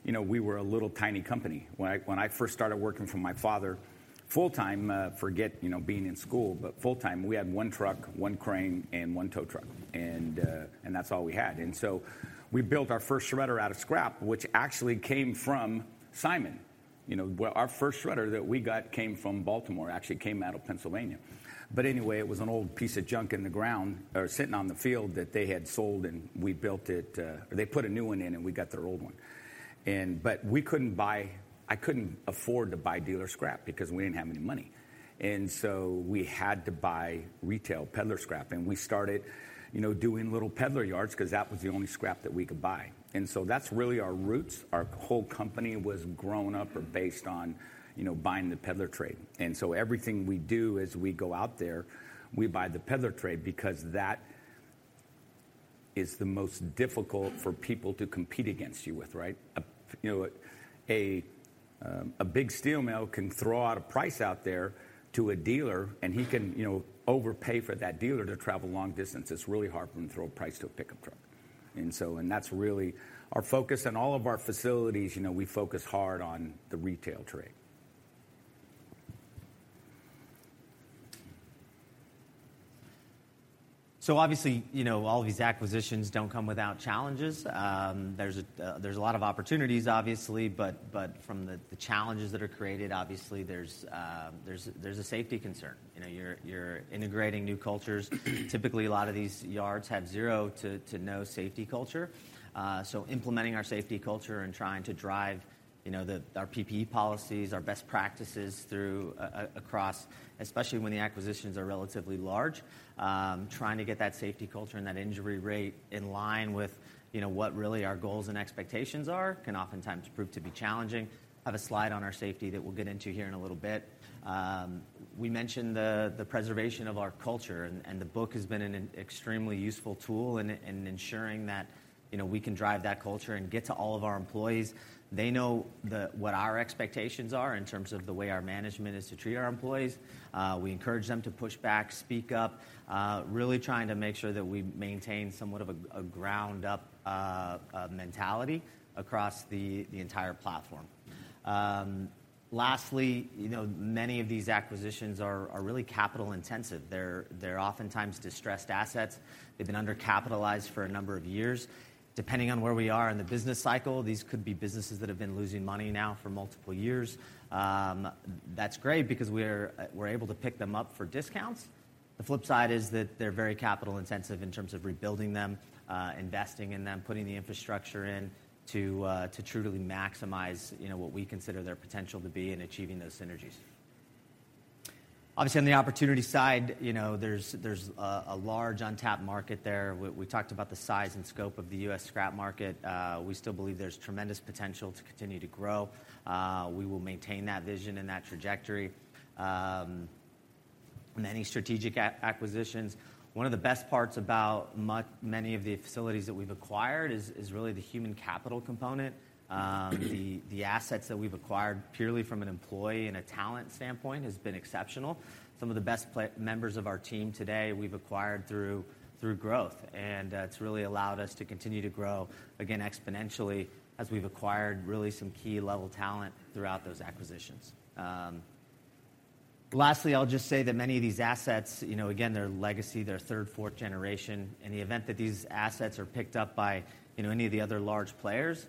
[SPEAKER 10] you know, we were a little, tiny company. When I first started working for my father full-time, forget, you know, being in school, but full-time, we had one truck, one crane, and one tow truck, and that's all we had. And so we built our first shredder out of scrap, which actually came from Simon. You know, well, our first shredder that we got came from Baltimore, actually it came out of Pennsylvania. But anyway, it was an old piece of junk in the ground or sitting on the field that they had sold, and we built it. They put a new one in, and we got their old one. But we couldn't buy- I couldn't afford to buy dealer scrap because we didn't have any money, and so we had to buy retail peddler scrap. And we started, you know, doing little peddler yards 'cause that was the only scrap that we could buy. So that's really our roots. Our whole company was grown up or based on, you know, buying the peddler trade. So everything we do as we go out there, we buy the peddler trade because that is the most difficult for people to compete against you with, right? A big steel mill can throw out a price out there to a dealer, and he can, you know, overpay for that dealer to travel long distances. It's really hard for them to throw a price to a pickup truck. So that's really our focus. In all of our facilities, you know, we focus hard on the retail trade.
[SPEAKER 11] So obviously, you know, all of these acquisitions don't come without challenges. There's a lot of opportunities, obviously, but from the challenges that are created, obviously, there's a safety concern. You know, you're integrating new cultures. Typically, a lot of these yards have zero to no safety culture. So implementing our safety culture and trying to drive, you know, our PPE policies, our best practices through across, especially when the acquisitions are relatively large, trying to get that safety culture and that injury rate in line with, you know, what really our goals and expectations are, can oftentimes prove to be challenging. I have a slide on our safety that we'll get into here in a little bit. We mentioned the preservation of our culture, and the book has been an extremely useful tool in ensuring that, you know, we can drive that culture and get to all of our employees. They know what our expectations are in terms of the way our management is to treat our employees. We encourage them to push back, speak up, really trying to make sure that we maintain somewhat of a ground-up mentality across the entire platform. Lastly, you know, many of these acquisitions are really capital intensive. They're oftentimes distressed assets. They've been undercapitalized for a number of years. Depending on where we are in the business cycle, these could be businesses that have been losing money now for multiple years. That's great because we're able to pick them up for discounts. The flip side is that they're very capital intensive in terms of rebuilding them, investing in them, putting the infrastructure in to to truly maximize, you know, what we consider their potential to be in achieving those synergies. Obviously, on the opportunity side, you know, there's a large untapped market there. We talked about the size and scope of the U.S. scrap market. We still believe there's tremendous potential to continue to grow. We will maintain that vision and that trajectory. Many strategic acquisitions. One of the best parts about many of the facilities that we've acquired is really the human capital component. The assets that we've acquired purely from an employee and a talent standpoint has been exceptional. Some of the best members of our team today, we've acquired through growth, and it's really allowed us to continue to grow, again, exponentially as we've acquired really some key level talent throughout those acquisitions. Lastly, I'll just say that many of these assets, you know, again, they're legacy, they're third, fourth generation. In the event that these assets are picked up by, you know, any of the other large players,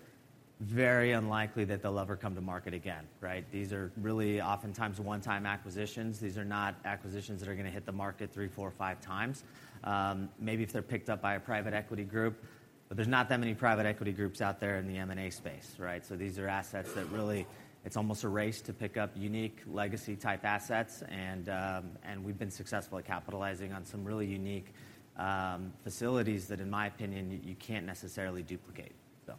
[SPEAKER 11] very unlikely that they'll ever come to market again, right? These are really oftentimes one-time acquisitions. These are not acquisitions that are gonna hit the market three, four, five times. Maybe if they're picked up by a private equity group, but there's not that many private equity groups out there in the M&A space, right? So these are assets that really, it's almost a race to pick up unique legacy-type assets, and we've been successful at capitalizing on some really unique facilities that, in my opinion, you can't necessarily duplicate, so.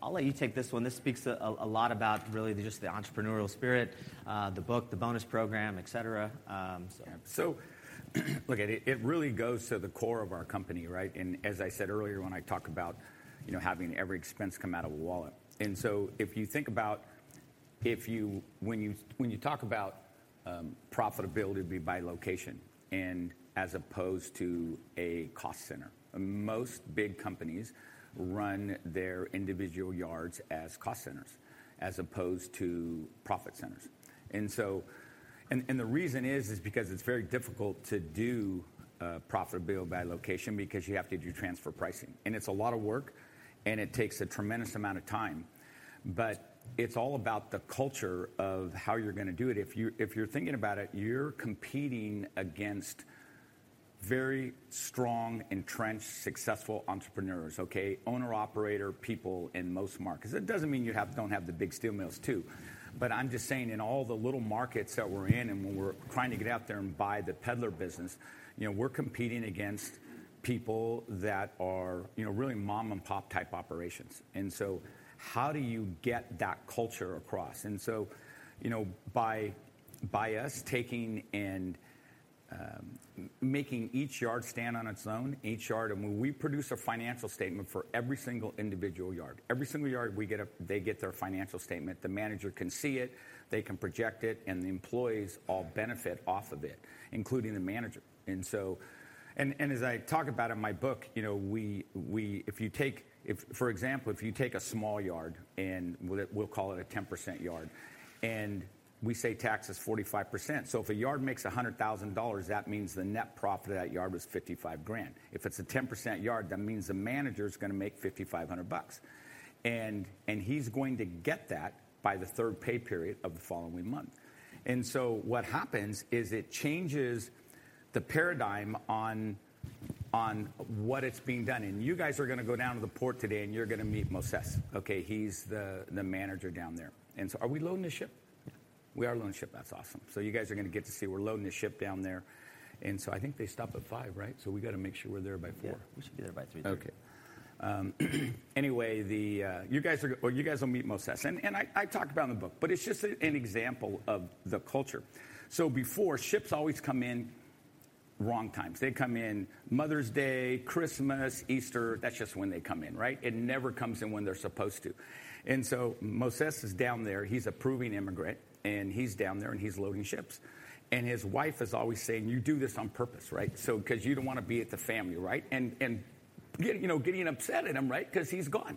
[SPEAKER 11] I'll let you take this one. This speaks a lot about really just the entrepreneurial spirit, the book, the bonus program, et cetera. So-
[SPEAKER 10] So look, it really goes to the core of our company, right? And as I said earlier, when I talk about, you know, having every expense come out of a wallet. And so if you think about when you talk about profitability by location as opposed to a cost center, most big companies run their individual yards as cost centers as opposed to profit centers. And the reason is because it's very difficult to do profitability by location because you have to do transfer pricing, and it's a lot of work, and it takes a tremendous amount of time. But it's all about the culture of how you're gonna do it. If you're thinking about it, you're competing against very strong, entrenched, successful entrepreneurs, okay? Owner-operator people in most markets. It doesn't mean you don't have the big steel mills, too. But I'm just saying in all the little markets that we're in, and when we're trying to get out there and buy the peddler business, you know, we're competing against people that are, you know, really mom-and-pop-type operations. And so how do you get that culture across? And so, you know, by us taking and making each yard stand on its own, each yard, and when we produce a financial statement for every single individual yard, every single yard they get their financial statement. The manager can see it, they can project it, and the employees all benefit off of it, including the manager. And so... As I talk about in my book, you know, if you take, for example, a small yard, and we'll call it a 10% yard, and we say tax is 45%. So if a yard makes $100,000, that means the net profit of that yard was $55,000. If it's a 10% yard, that means the manager's gonna make $5,500, and he's going to get that by the third pay period of the following month. So what happens is it changes the paradigm on what it's being done. You guys are gonna go down to the port today, and you're gonna meet Moises, okay? He's the manager down there. So are we loading the ship?
[SPEAKER 11] Yeah.
[SPEAKER 10] We are loading the ship. That's awesome. So you guys are gonna get to see we're loading the ship down there, and so I think they stop at five, right? So we gotta make sure we're there by four.
[SPEAKER 11] Yeah, we should be there by 3:00 P.M.
[SPEAKER 10] Okay. Anyway, you guys are - well, you guys will meet Moises, and I talk about in the book, but it's just an example of the culture. So before, ships always come in wrong times. They come in Mother's Day, Christmas, Easter. That's just when they come in, right? It never comes in when they're supposed to. And so Moises is down there. He's a Peruvian immigrant, and he's down there, and he's loading ships. And his wife is always saying, "You do this on purpose, right? So, 'cause you don't wanna be at the family, right?" And getting upset at him, right, 'cause he's gone.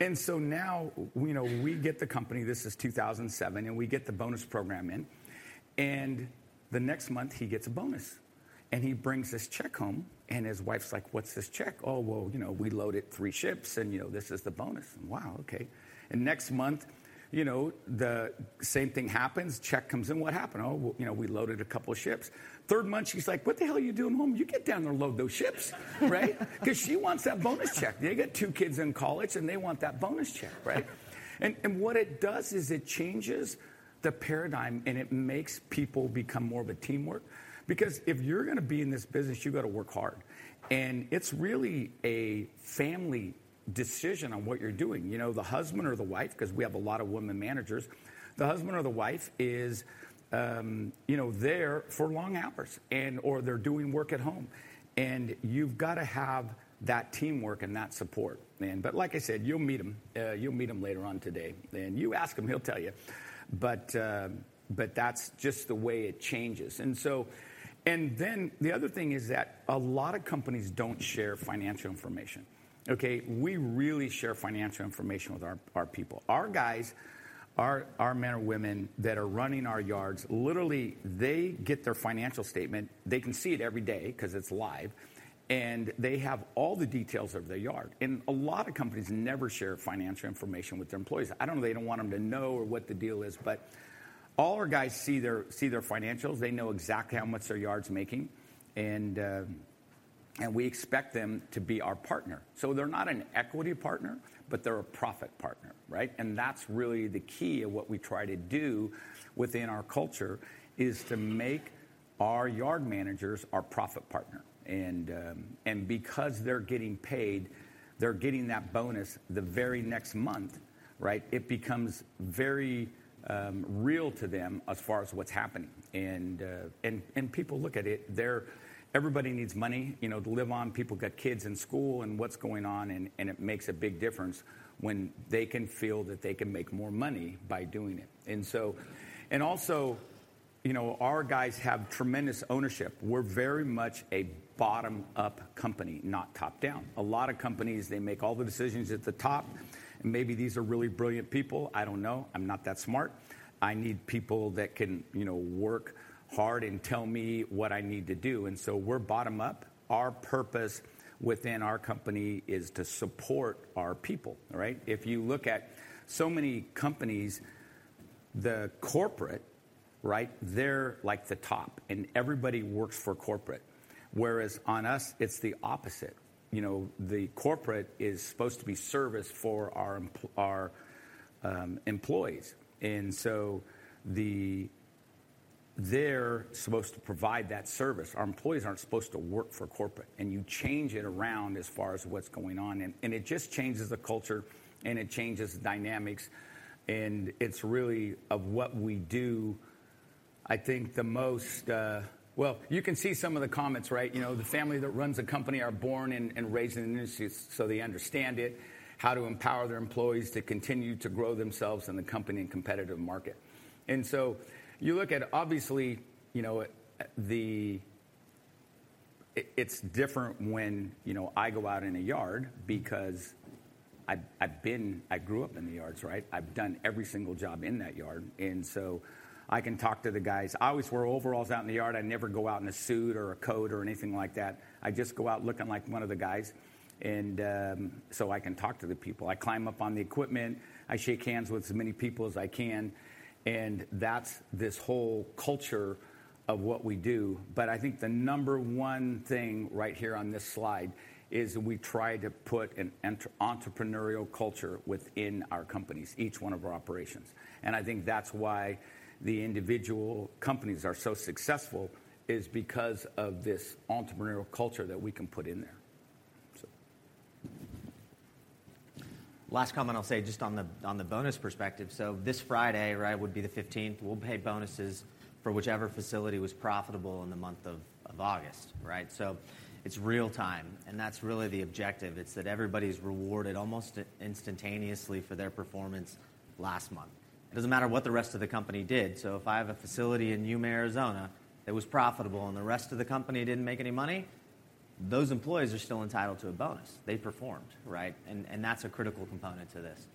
[SPEAKER 10] And so now, you know, we get the company, this is 2007, and we get the bonus program in, and the next month he gets a bonus, and he brings this check home, and his wife's like: "What's this check?" "Oh, well, you know, we loaded three ships, and, you know, this is the bonus." "Wow, okay." And next month, you know, the same thing happens. Check comes in. "What happened?" "Oh, well, you know, we loaded a couple ships." Third month, she's like: "What the hell are you doing home? You get down there and load those ships!" Right? 'Cause she wants that bonus check. They got two kids in college, and they want that bonus check, right? And, and what it does is it changes the paradigm, and it makes people become more of a teamwork. Because if you're gonna be in this business, you gotta work hard, and it's really a family decision on what you're doing. You know, the husband or the wife, 'cause we have a lot of women managers. The husband or the wife is, you know, there for long hours and, or they're doing work at home, and you've gotta have that teamwork and that support. Man, but like I said, you'll meet him, you'll meet him later on today, and you ask him, he'll tell you. But, but that's just the way it changes. And so... And then the other thing is that a lot of companies don't share financial information, okay? We really share financial information with our, our people. Our guys, our, our men and women that are running our yards, literally, they get their financial statement. They can see it every day 'cause it's live, and they have all the details of their yard. And a lot of companies never share financial information with their employees. I don't know, they don't want them to know or what the deal is, but all our guys see their, see their financials. They know exactly how much their yard's making, and we expect them to be our partner. So they're not an equity partner, but they're a profit partner, right? And that's really the key of what we try to do within our culture, is to make our yard managers our profit partner. And because they're getting paid, they're getting that bonus the very next month, right? It becomes very real to them as far as what's happening. And people look at it, they're, everybody needs money, you know, to live on. People got kids in school, and what's going on, and it makes a big difference when they can feel that they can make more money by doing it. And so, and also, you know, our guys have tremendous ownership. We're very much a bottom-up company, not top-down. A lot of companies, they make all the decisions at the top, and maybe these are really brilliant people, I don't know. I'm not that smart. I need people that can, you know, work hard and tell me what I need to do, and so we're bottom-up. Our purpose within our company is to support our people, all right? If you look at so many companies, the corporate, right, they're like the top, and everybody works for corporate. Whereas on us, it's the opposite. You know, the corporate is supposed to be service for our employees. And so they're supposed to provide that service. Our employees aren't supposed to work for corporate, and you change it around as far as what's going on. And it just changes the culture, and it changes the dynamics, and it's really of what we do, I think, the most. Well, you can see some of the comments, right? You know, the family that runs the company are born and raised in the industry, so they understand it, how to empower their employees to continue to grow themselves and the company in competitive market. And so you look at, obviously, you know, it's different when, you know, I go out in a yard because I grew up in the yards, right? I've done every single job in that yard, and so I can talk to the guys. I always wear overalls out in the yard. I never go out in a suit or a coat or anything like that. I just go out looking like one of the guys, and so I can talk to the people. I climb up on the equipment. I shake hands with as many people as I can, and that's this whole culture of what we do. But I think the number one thing right here on this slide is we try to put an entrepreneurial culture within our companies, each one of our operations. And I think that's why the individual companies are so successful, is because of this entrepreneurial culture that we can put in there, so.
[SPEAKER 11] Last comment I'll say, just on the bonus perspective, so this Friday, right, would be the 15th. We'll pay bonuses for whichever facility was profitable in the month of August, right? So it's real time, and that's really the objective, it's that everybody's rewarded almost instantaneously for their performance last month. It doesn't matter what the rest of the company did. So if I have a facility in Yuma, Arizona, that was profitable, and the rest of the company didn't make any money, those employees are still entitled to a bonus. They performed, right? And that's a critical component to this,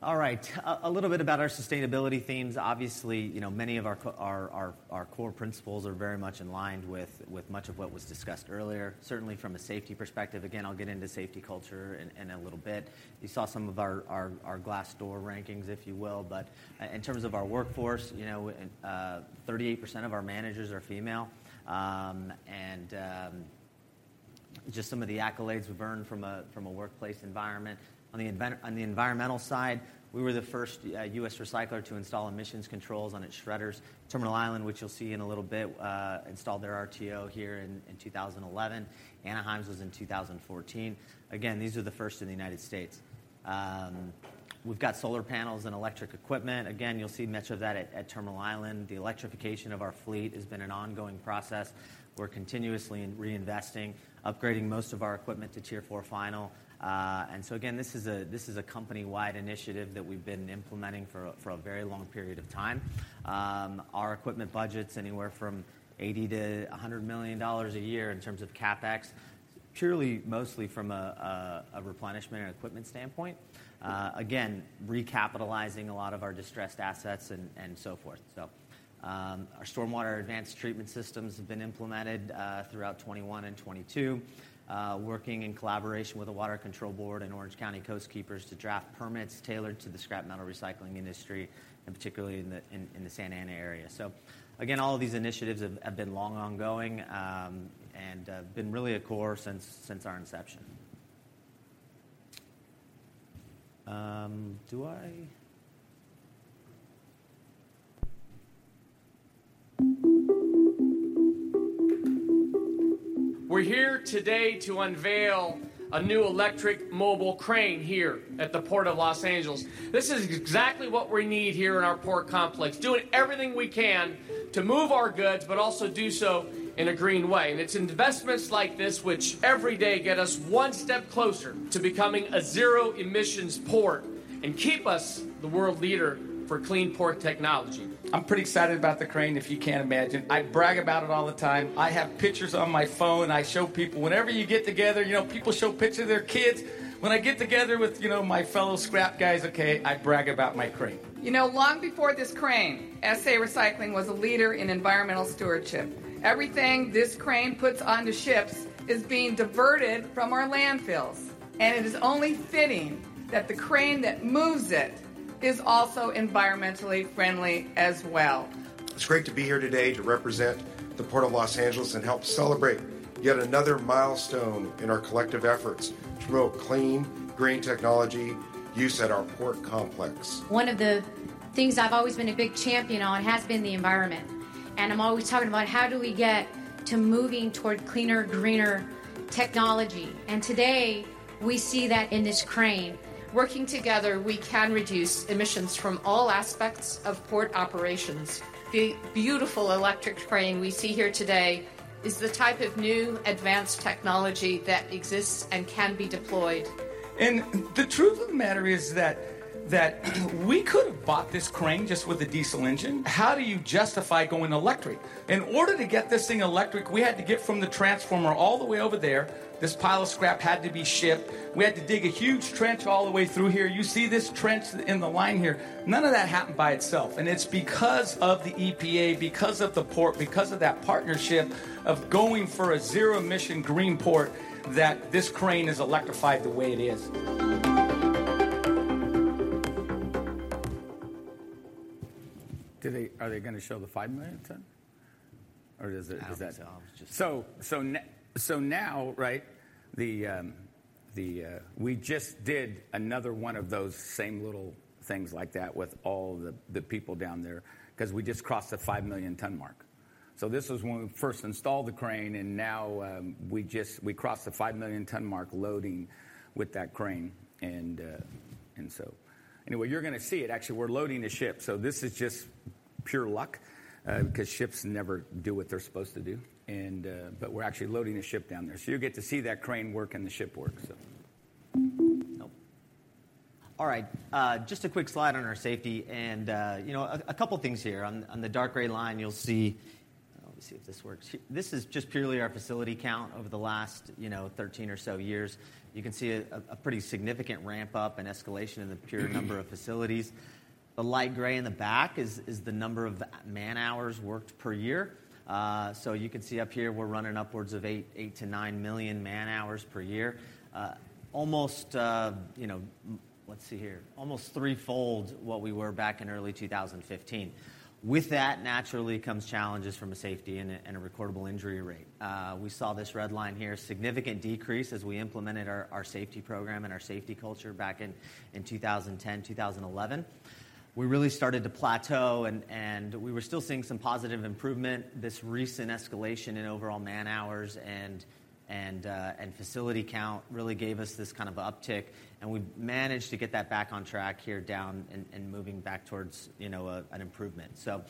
[SPEAKER 11] so... All right, a little bit about our sustainability themes. Obviously, you know, many of our core principles are very much in line with much of what was discussed earlier. Certainly, from a safety perspective, again, I'll get into safety culture in a little bit. You saw some of our Glassdoor rankings, if you will. But in terms of our workforce, you know, 38% of our managers are female. And just some of the accolades we've earned from a workplace environment. On the environmental side, we were the first U.S. recycler to install emissions controls on its shredders. Terminal Island, which you'll see in a little bit, installed their RTO here in 2011. Anaheim's was in 2014. Again, these are the first in the United States. We've got solar panels and electric equipment. Again, you'll see much of that at Terminal Island. The electrification of our fleet has been an ongoing process. We're continuously reinvesting, upgrading most of our equipment to Tier 4 Final. And so again, this is a company-wide initiative that we've been implementing for a very long period of time. Our equipment budget's anywhere from $80-$100 million a year in terms of CapEx, purely mostly from a replenishment and equipment standpoint. Again, recapitalizing a lot of our distressed assets and so forth. So, our stormwater advanced treatment systems have been implemented throughout 2021 and 2022. Working in collaboration with the Water Control Board and Orange County Coastkeepers to draft permits tailored to the scrap metal recycling industry, and particularly in the Santa Ana area. So again, all of these initiatives have been long ongoing, and been really a core since our inception. Do I?
[SPEAKER 13] We're here today to unveil a new electric mobile crane here at the Port of Los Angeles. This is exactly what we need here in our port complex, doing everything we can to move our goods, but also do so in a green way. It's investments like this, which every day get us one step closer to becoming a zero-emissions port and keep us the world leader for clean port technology. I'm pretty excited about the crane, if you can't imagine. I brag about it all the time. I have pictures on my phone. I show people... Whenever you get together, you know, people show pictures of their kids. When I get together with, you know, my fellow scrap guys, okay, I brag about my crane. You know, long before this crane, SA Recycling was a leader in environmental stewardship. Everything this crane puts onto ships is being diverted from our landfills, and it is only fitting that the crane that moves it is also environmentally friendly as well. It's great to be here today to represent the Port of Los Angeles and help celebrate yet another milestone in our collective efforts to grow clean, green technology use at our port complex. One of the things I've always been a big champion on has been the environment, and I'm always talking about how do we get to moving toward cleaner, greener technology? And today, we see that in this crane. Working together, we can reduce emissions from all aspects of port operations. The beautiful electric crane we see here today is the type of new, advanced technology that exists and can be deployed. The truth of the matter is that we could have bought this crane just with a diesel engine. How do you justify going electric? In order to get this thing electric, we had to get from the transformer all the way over there. This pile of scrap had to be shipped. We had to dig a huge trench all the way through here. You see this trench in the line here. None of that happened by itself, and it's because of the EPA, because of the port, because of that partnership of going for a zero-emission green port, that this crane is electrified the way it is.
[SPEAKER 11] Are they gonna show the 5 million ton, or does it, is that- I was just-
[SPEAKER 10] So now, right, the. We just did another one of those same little things like that with all the people down there, 'cause we just crossed the 5 million-ton mark. So this was when we first installed the crane, and now we just crossed the 5 million-ton mark loading with that crane, and so. Anyway, you're gonna see it. Actually, we're loading the ship, so this is just pure luck, 'cause ships never do what they're supposed to do. And, but we're actually loading the ship down there. So you'll get to see that crane work, and the ship work, so.
[SPEAKER 11] Oh. All right, just a quick slide on our safety and, you know, a couple things here. On the dark gray line, you'll see. Let me see if this works. This is just purely our facility count over the last, you know, 13 or so years. You can see a pretty significant ramp up and escalation in the pure number of facilities. The light gray in the back is the number of man-hours worked per year. So you can see up here, we're running upwards of 8 million to 9 million man-hours per year. Almost, you know, let's see here, almost threefold what we were back in early 2015. With that, naturally, comes challenges from a safety and a recordable injury rate. We saw this red line here, significant decrease as we implemented our safety program and our safety culture back in 2010, 2011. We really started to plateau and we were still seeing some positive improvement. This recent escalation in overall man-hours and facility count really gave us this kind of uptick, and we've managed to get that back on track here down and moving back towards, you know, an improvement. So,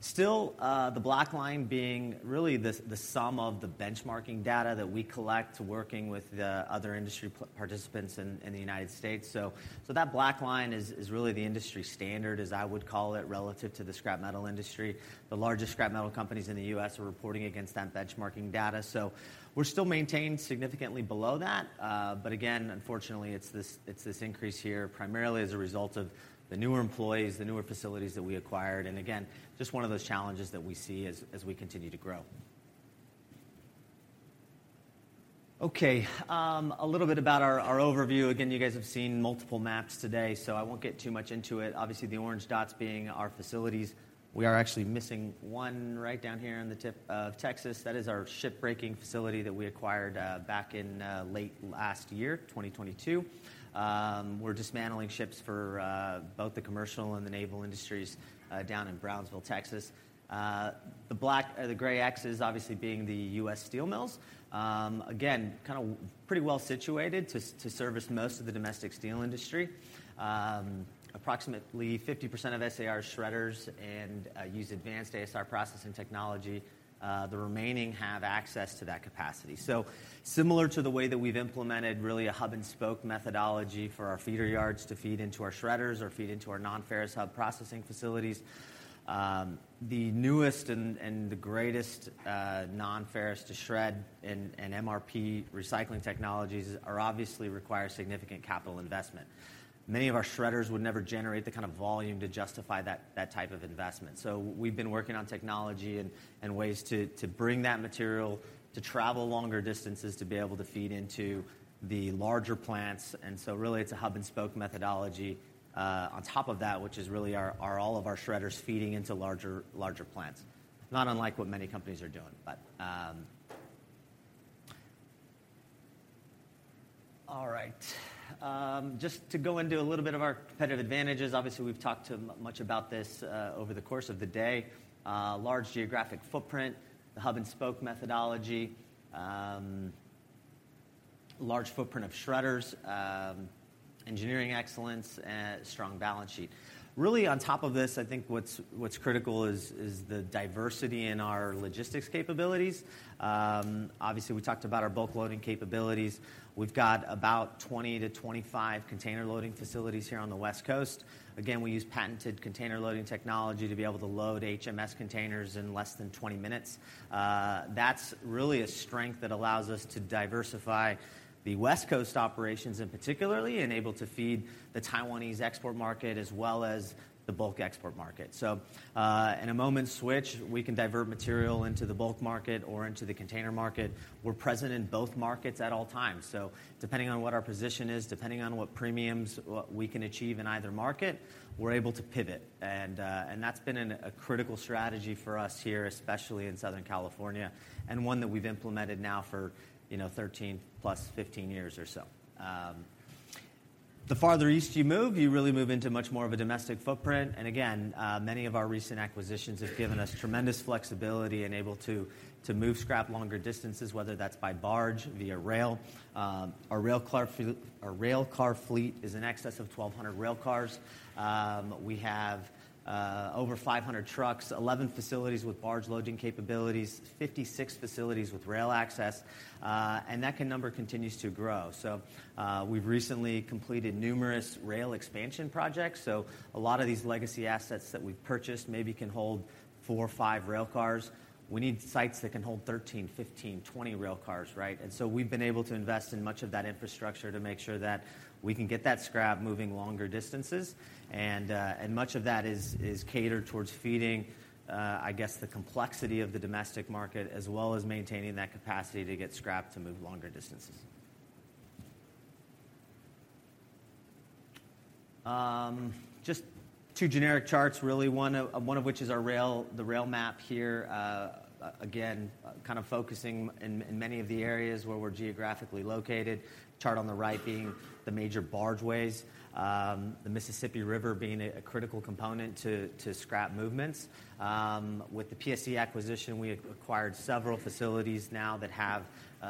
[SPEAKER 11] still, the black line being really the sum of the benchmarking data that we collect working with the other industry participants in the United States. So, that black line is really the industry standard, as I would call it, relative to the scrap metal industry. The largest scrap metal companies in the U.S. are reporting against that benchmarking data. So we're still maintained significantly below that, but again, unfortunately, it's this increase here, primarily as a result of the newer employees, the newer facilities that we acquired, and again, just one of those challenges that we see as we continue to grow. Okay, a little bit about our overview. Again, you guys have seen multiple maps today, so I won't get too much into it. Obviously, the orange dots being our facilities. We are actually missing one right down here on the tip of Texas. That is our shipbreaking facility that we acquired back in late last year, 2022. We're dismantling ships for both the commercial and the naval industries down in Brownsville, Texas. The black, the gray X is obviously being the U.S. steel mills. Again, pretty well situated to service most of the domestic steel industry. Approximately 50% of SAR's shredders and use advanced ASR processing technology, the remaining have access to that capacity. So similar to the way that we've implemented really a hub-and-spoke methodology for our feeder yards to feed into our shredders or feed into our non-ferrous hub processing facilities. The newest and the greatest non-ferrous to shred and MRP recycling technologies are obviously require significant capital investment. Many of our shredders would never generate the kind of volume to justify that type of investment. So we've been working on technology and ways to bring that material to travel longer distances to be able to feed into the larger plants. Really, it's a hub-and-spoke methodology on top of that, which is really all of our shredders feeding into larger plants. Not unlike what many companies are doing. All right, just to go into a little bit of our competitive advantages. Obviously, we've talked too much about this over the course of the day. Large geographic footprint, the hub-and-spoke methodology, large footprint of shredders, engineering excellence, and strong balance sheet. Really on top of this, I think what's critical is the diversity in our logistics capabilities. Obviously, we talked about our bulk loading capabilities. We've got about 20-25 container loading facilities here on the West Coast. Again, we use patented container loading technology to be able to load HMS containers in less than 20 minutes. That's really a strength that allows us to diversify the West Coast operations particularly, and able to feed the Taiwanese export market, as well as the bulk export market. So, in a moment's switch, we can divert material into the bulk market or into the container market. We're present in both markets at all times, so depending on what our position is, depending on what premiums, what we can achieve in either market, we're able to pivot. And, and that's been a critical strategy for us here, especially in Southern California, and one that we've implemented now for, you know, 13+, 15 years or so. The farther east you move, you really move into much more of a domestic footprint. Again, many of our recent acquisitions have given us tremendous flexibility and able to move scrap longer distances, whether that's by barge, via rail. Our rail car fleet is in excess of 1,200 rail cars. We have over 500 trucks, 11 facilities with barge loading capabilities, 56 facilities with rail access, and that number continues to grow. So, we've recently completed numerous rail expansion projects, so a lot of these legacy assets that we've purchased maybe can hold four or five rail cars. We need sites that can hold 13, 15, 20 rail cars, right? And so we've been able to invest in much of that infrastructure to make sure that we can get that scrap moving longer distances. Much of that is catered towards feeding, I guess, the complexity of the domestic market, as well as maintaining that capacity to get scrap to move longer distances. Just two generic charts, really. One of which is our rail, the rail map here, again, kind of focusing in many of the areas where we're geographically located. Chart on the right being the major barge ways, the Mississippi River being a critical component to scrap movements. With the PSC acquisition, we acquired several facilities now that have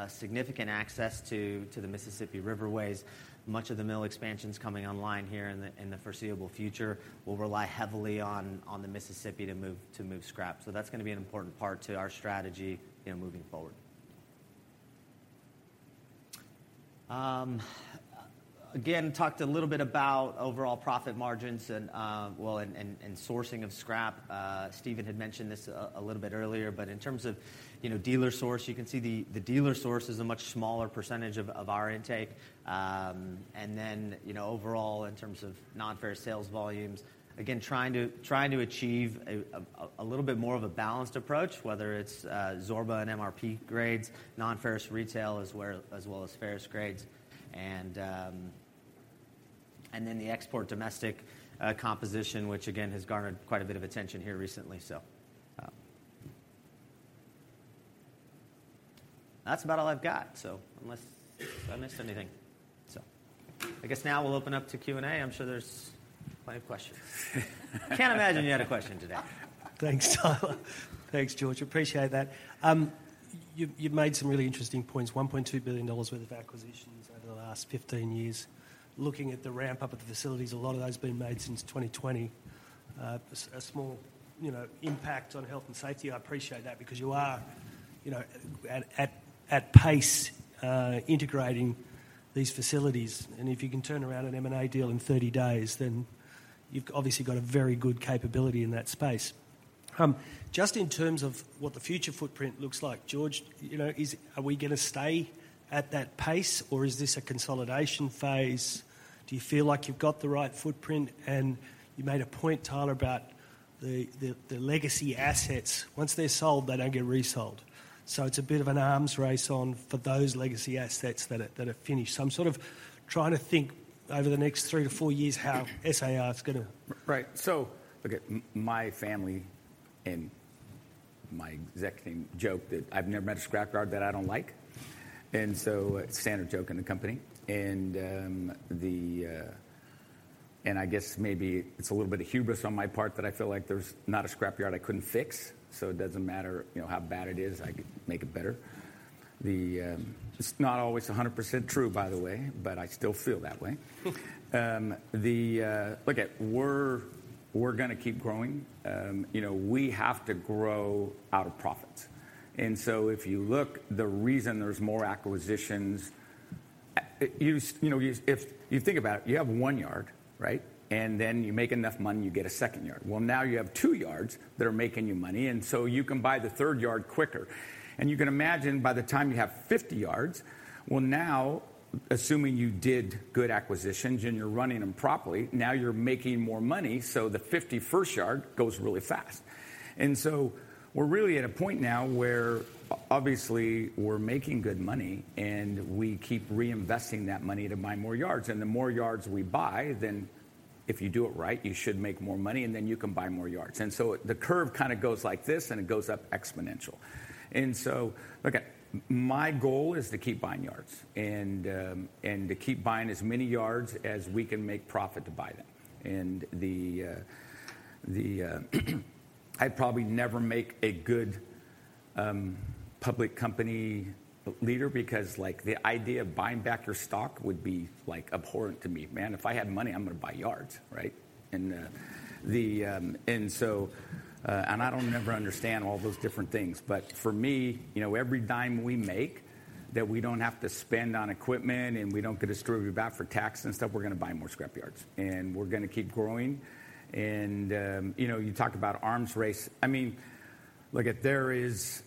[SPEAKER 11] significant access to the Mississippi River ways. Much of the mill expansions coming online here in the foreseeable future will rely heavily on the Mississippi to move scrap. So that's going to be an important part to our strategy in moving forward. Again, talked a little bit about overall profit margins and, well, and sourcing of scrap. Stephen had mentioned this a little bit earlier, but in terms of, you know, dealer source, you can see the dealer source is a much smaller percentage of our intake. And then, you know, overall, in terms of non-ferrous sales volumes, again, trying to achieve a little bit more of a balanced approach, whether it's zorba and MRP grades, non-ferrous retail as well as ferrous grades. And then the export domestic composition, which again, has garnered quite a bit of attention here recently, so... That's about all I've got. So unless I missed anything. So I guess now we'll open up to Q&A. I'm sure there's plenty of questions. Can't imagine you had a question today.
[SPEAKER 4] Thanks, Tyler. Thanks, George. Appreciate that. You've made some really interesting points. $1.2 billion worth of acquisitions over the last 15 years. Looking at the ramp-up of the facilities, a lot of those have been made since 2020. A small, you know, impact on health and safety. I appreciate that because you are, you know, at pace integrating these facilities. And if you can turn around an M&A deal in 30 days, then you've obviously got a very good capability in that space. Just in terms of what the future footprint looks like, George, you know, are we going to stay at that pace, or is this a consolidation phase? Do you feel like you've got the right footprint? And you made a point, Tyler, about the legacy assets. Once they're sold, they don't get resold. So it's a bit of an arms race on for those legacy assets that are, that are finished. So I'm sort of trying to think over the next three to four years, how SAR is gonna-
[SPEAKER 10] Right. So, look at my family and my executive team joke that I've never met a scrap yard that I don't like. And so standard joke in the company. And I guess maybe it's a little bit of hubris on my part that I feel like there's not a scrap yard I couldn't fix, so it doesn't matter, you know, how bad it is, I could make it better. It's not always 100% true, by the way, but I still feel that way. Look, we're gonna keep growing. You know, we have to grow out of profits. And so if you look, the reason there's more acquisitions, you know, if you think about it, you have 1 yard, right? And then you make enough money, you get a 2nd yard. Well, now you have 2 yards that are making you money, and so you can buy the 3 yard quicker. You can imagine by the time you have 50 yards, well, now, assuming you did good acquisitions and you're running them properly, now you're making more money, so the 51st yard goes really fast. We're really at a point now where obviously we're making good money, and we keep reinvesting that money to buy more yards. The more yards we buy, then if you do it right, you should make more money, and then you can buy more yards. The curve kinda goes like this, and it goes up exponential. Look, my goal is to keep buying yards and to keep buying as many yards as we can make profit to buy them. I'd probably never make a good public company leader because, like, the idea of buying back your stock would be, like, abhorrent to me. Man, if I had money, I'm gonna buy yards, right? So, I don't ever understand all those different things, but for me, you know, every dime we make that we don't have to spend on equipment and we don't get distributed back for tax and stuff, we're gonna buy more scrap yards, and we're gonna keep growing. You know, you talk about arms race. I mean, look, there is,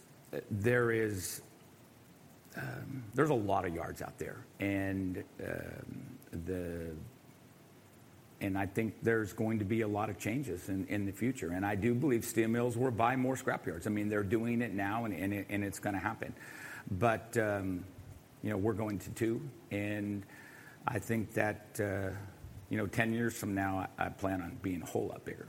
[SPEAKER 10] there's a lot of yards out there, and I think there's going to be a lot of changes in the future. I do believe steel mills will buy more scrap yards. I mean, they're doing it now, and it's gonna happen. But, you know, we're going to too, and I think that, you know, 10 years from now, I plan on being a whole lot bigger,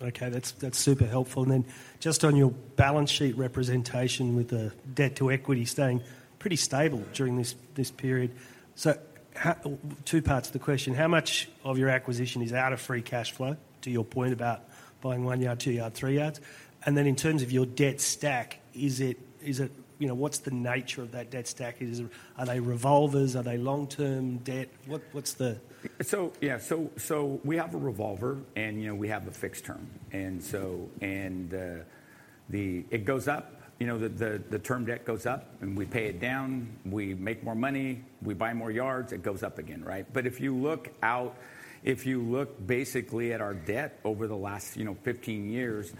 [SPEAKER 10] so....
[SPEAKER 4] Okay, that's, that's super helpful. And then just on your balance sheet representation with the debt to equity staying pretty stable during this, this period. So how-- two parts to the question: How much of your acquisition is out of free cash flow, to your point about buying 1 yard, 2 yard, 3 yards? And then in terms of your debt stack, is it, is it, you know, what's the nature of that debt stack? Is, are they revolvers? Are they long-term debt? What, what's the-
[SPEAKER 10] Yeah, so we have a revolver, and, you know, we have a fixed term. And so, it goes up, you know, the term debt goes up, and we pay it down, we make more money, we buy more yards, it goes up again, right? But if you look basically at our debt over the last 15 years,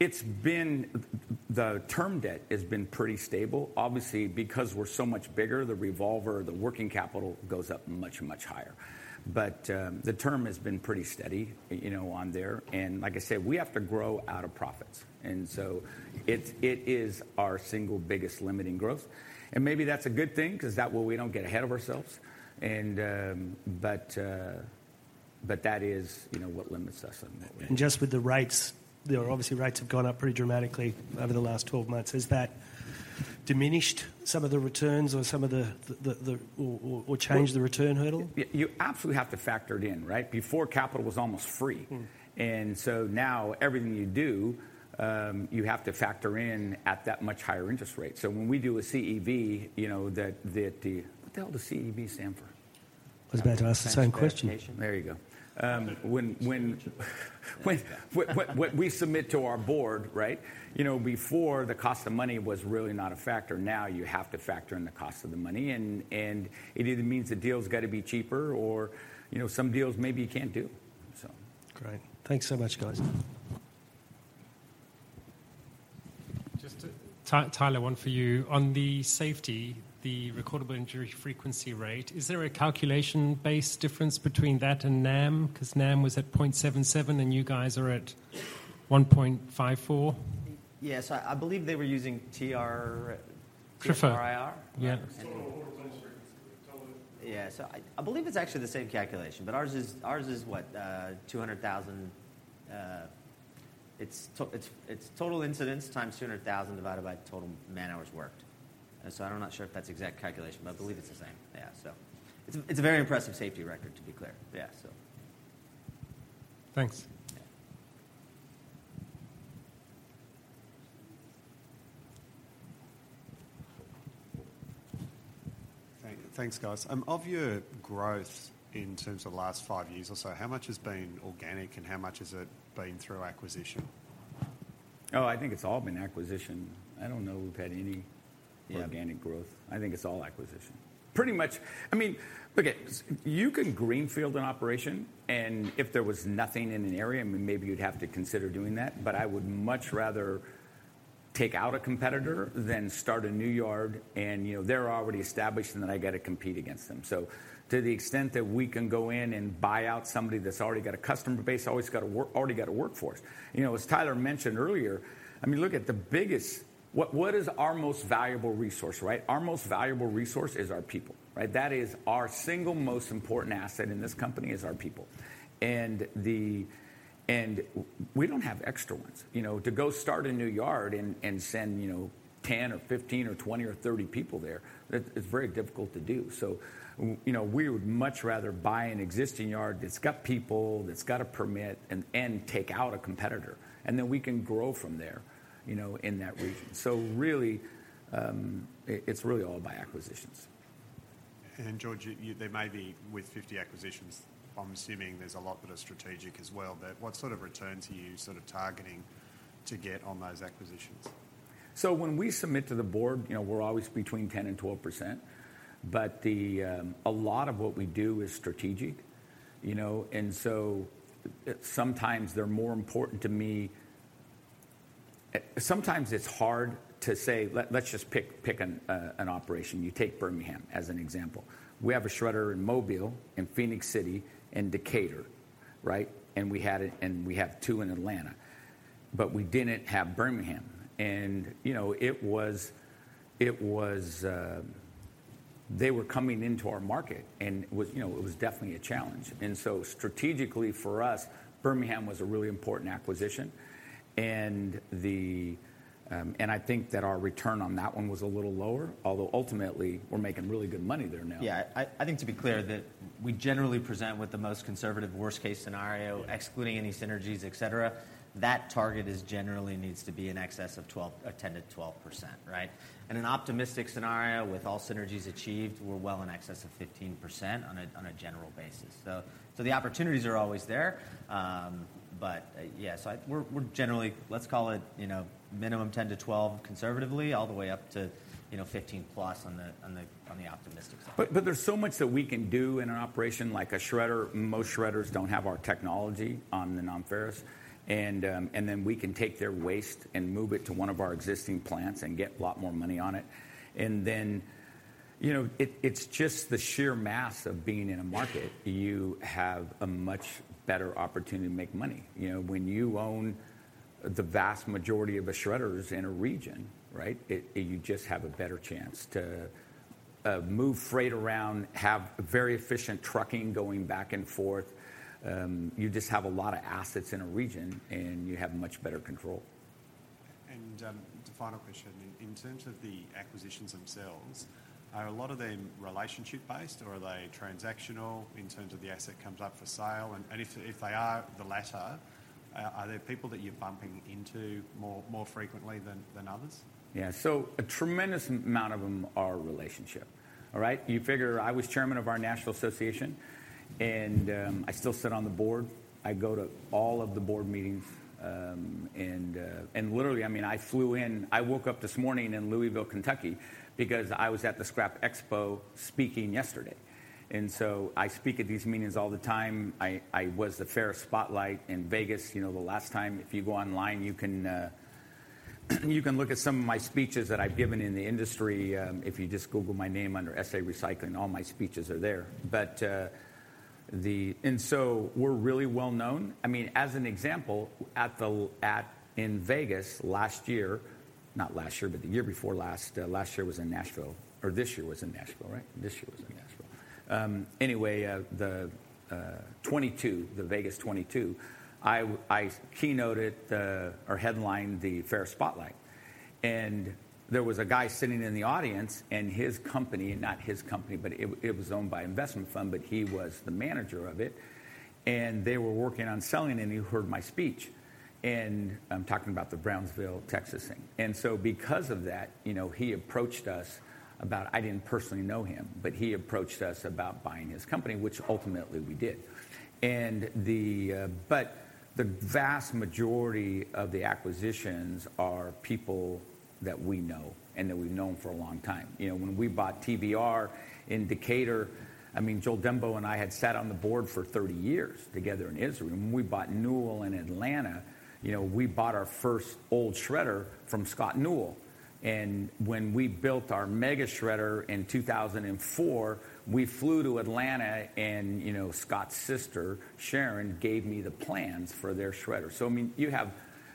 [SPEAKER 10] it's been... The term debt has been pretty stable. Obviously, because we're so much bigger, the revolver, the working capital goes up much, much higher. But the term has been pretty steady, you know, on there. And like I said, we have to grow out of profits, and so it is our single biggest limiting growth. Maybe that's a good thing 'cause that way we don't get ahead of ourselves, but that is, you know, what limits us on that end.
[SPEAKER 4] Just with the rates, you know, obviously, rates have gone up pretty dramatically over the last 12 months. Has that diminished some of the returns or some of the or changed the return hurdle?
[SPEAKER 10] You absolutely have to factor it in, right? Before, capital was almost free.
[SPEAKER 4] Mm.
[SPEAKER 10] So now everything you do, you have to factor in at that much higher interest rate. So when we do a CEV, you know,... What the hell does CEV stand for?
[SPEAKER 4] I was about to ask the same question.
[SPEAKER 10] There you go. When we submit to our board, right? You know, before, the cost of money was really not a factor. Now, you have to factor in the cost of the money, and it either means the deal's got to be cheaper or, you know, some deals maybe you can't do, so.
[SPEAKER 4] Great. Thanks so much, guys.
[SPEAKER 7] Just to Tyler, one for you. On the safety, the recordable injury frequency rate, is there a calculation-based difference between that and NAM? Because NAM was at 0.77, and you guys are at 1.54.
[SPEAKER 11] Yes, I believe they were using TRIR.
[SPEAKER 7] TRIR, yeah.
[SPEAKER 14] Total recordable incidents.
[SPEAKER 11] Yeah. So I believe it's actually the same calculation, but ours is what? 200,000. It's total incidents times 200,000, divided by the total man-hours worked. And so I'm not sure if that's the exact calculation, but I believe it's the same. Yeah, so it's a very impressive safety record, to be clear. Yeah, so.
[SPEAKER 7] Thanks.
[SPEAKER 11] Yeah.
[SPEAKER 15] Thanks, guys. Of your growth in terms of the last five years or so, how much has been organic, and how much has it been through acquisition?
[SPEAKER 11] Oh, I think it's all been acquisition. I don't know we've had any-
[SPEAKER 15] Yeah...
[SPEAKER 11] organic growth. I think it's all acquisition.
[SPEAKER 10] Pretty much... I mean, look it, you can greenfield an operation, and if there was nothing in an area, I mean, maybe you'd have to consider doing that. But I would much rather take out a competitor than start a new yard, and, you know, they're already established, and then I got to compete against them. So to the extent that we can go in and buy out somebody that's already got a customer base, always got a work- already got a workforce. You know, as Tyler mentioned earlier, I mean, look at the biggest-- What, what is our most valuable resource, right? Our most valuable resource is our people, right? That is our single most important asset in this company is our people. And the... We don't have extra ones, you know, to go start a new yard and send, you know, 10 or 15 or 20 or 30 people there. That's very difficult to do. So, you know, we would much rather buy an existing yard that's got people, that's got a permit, and take out a competitor, and then we can grow from there, you know, in that region. So really, it's really all by acquisitions.
[SPEAKER 15] George, you, there may be with 50 acquisitions, I'm assuming there's a lot that are strategic as well. But what sort of return to you sort of targeting to get on those acquisitions?
[SPEAKER 10] So when we submit to the board, you know, we're always between 10% and 12%, but the a lot of what we do is strategic, you know, and so sometimes they're more important to me... Sometimes it's hard to say. Let's just pick an operation. You take Birmingham as an example. We have a shredder in Mobile, in Phenix City, and Decatur, right? And we had it, and we have two in Atlanta, but we didn't have Birmingham. And, you know, it was, it was they were coming into our market, and it was, you know, it was definitely a challenge. And so strategically for us, Birmingham was a really important acquisition. And the... And I think that our return on that one was a little lower, although ultimately we're making really good money there now.
[SPEAKER 11] Yeah, I think to be clear, that we generally present with the most conservative worst-case scenario, excluding any synergies, et cetera. That target is generally needs to be in excess of 12%, 10%-12%, right? In an optimistic scenario, with all synergies achieved, we're well in excess of 15% on a, on a general basis. So, so the opportunities are always there, but yeah, so we're, we're generally, let's call it, you know, minimum 10%-12% conservatively, all the way up to, you know, 15+ on the, on the, on the optimistic side.
[SPEAKER 10] But there's so much that we can do in an operation, like a shredder. Most shredders don't have our technology on the non-ferrous, and then we can take their waste and move it to one of our existing plants and get a lot more money on it. And then, you know, it, it's just the sheer mass of being in a market. You have a much better opportunity to make money. You know, when you own the vast majority of the shredders in a region, right? It, you just have a better chance to move freight around, have very efficient trucking going back and forth. You just have a lot of assets in a region, and you have much better control.
[SPEAKER 15] The final question. In terms of the acquisitions themselves, are a lot of them relationship-based, or are they transactional in terms of the asset comes up for sale? And if they are the latter, are there people that you're bumping into more frequently than others?
[SPEAKER 10] Yeah. So a tremendous amount of them are relationship, all right? You figure, I was chairman of our National Association, and I still sit on the board. I go to all of the board meetings, and literally, I mean, I flew in - I woke up this morning in Louisville, Kentucky, because I was at the Scrap Expo speaking yesterday, and so I speak at these meetings all the time. I was the Ferrous Spotlight in Vegas, you know, the last time. If you go online, you can you can look at some of my speeches that I've given in the industry. If you just Google my name under SA Recycling, all my speeches are there. But, and so we're really well known. I mean, as an example, at in Vegas last year, not last year, but the year before last. Last year was in Nashville, or this year was in Nashville, right? This year was in Nashville. Anyway, the 2022, the Vegas 2022, I keynoted the, or headlined the Ferrous Spotlight. And there was a guy sitting in the audience, and his company, not his company, but it, it was owned by investment fund, but he was the manager of it, and they were working on selling, and he heard my speech, and I'm talking about the Brownsville, Texas, thing. And so because of that, you know, he approached us about... I didn't personally know him, but he approached us about buying his company, which ultimately we did. But the vast majority of the acquisitions are people that we know and that we've known for a long time. You know, when we bought TVR in Decatur, I mean, Joel Denbo and I had sat on the board for 30 years together in Israel. When we bought Newell in Atlanta, you know, we bought our first old shredder from Scott Newell, and when we built our mega shredder in 2004, we flew to Atlanta and, you know, Scott's sister, Sharon, gave me the plans for their shredder. So, I mean, you have.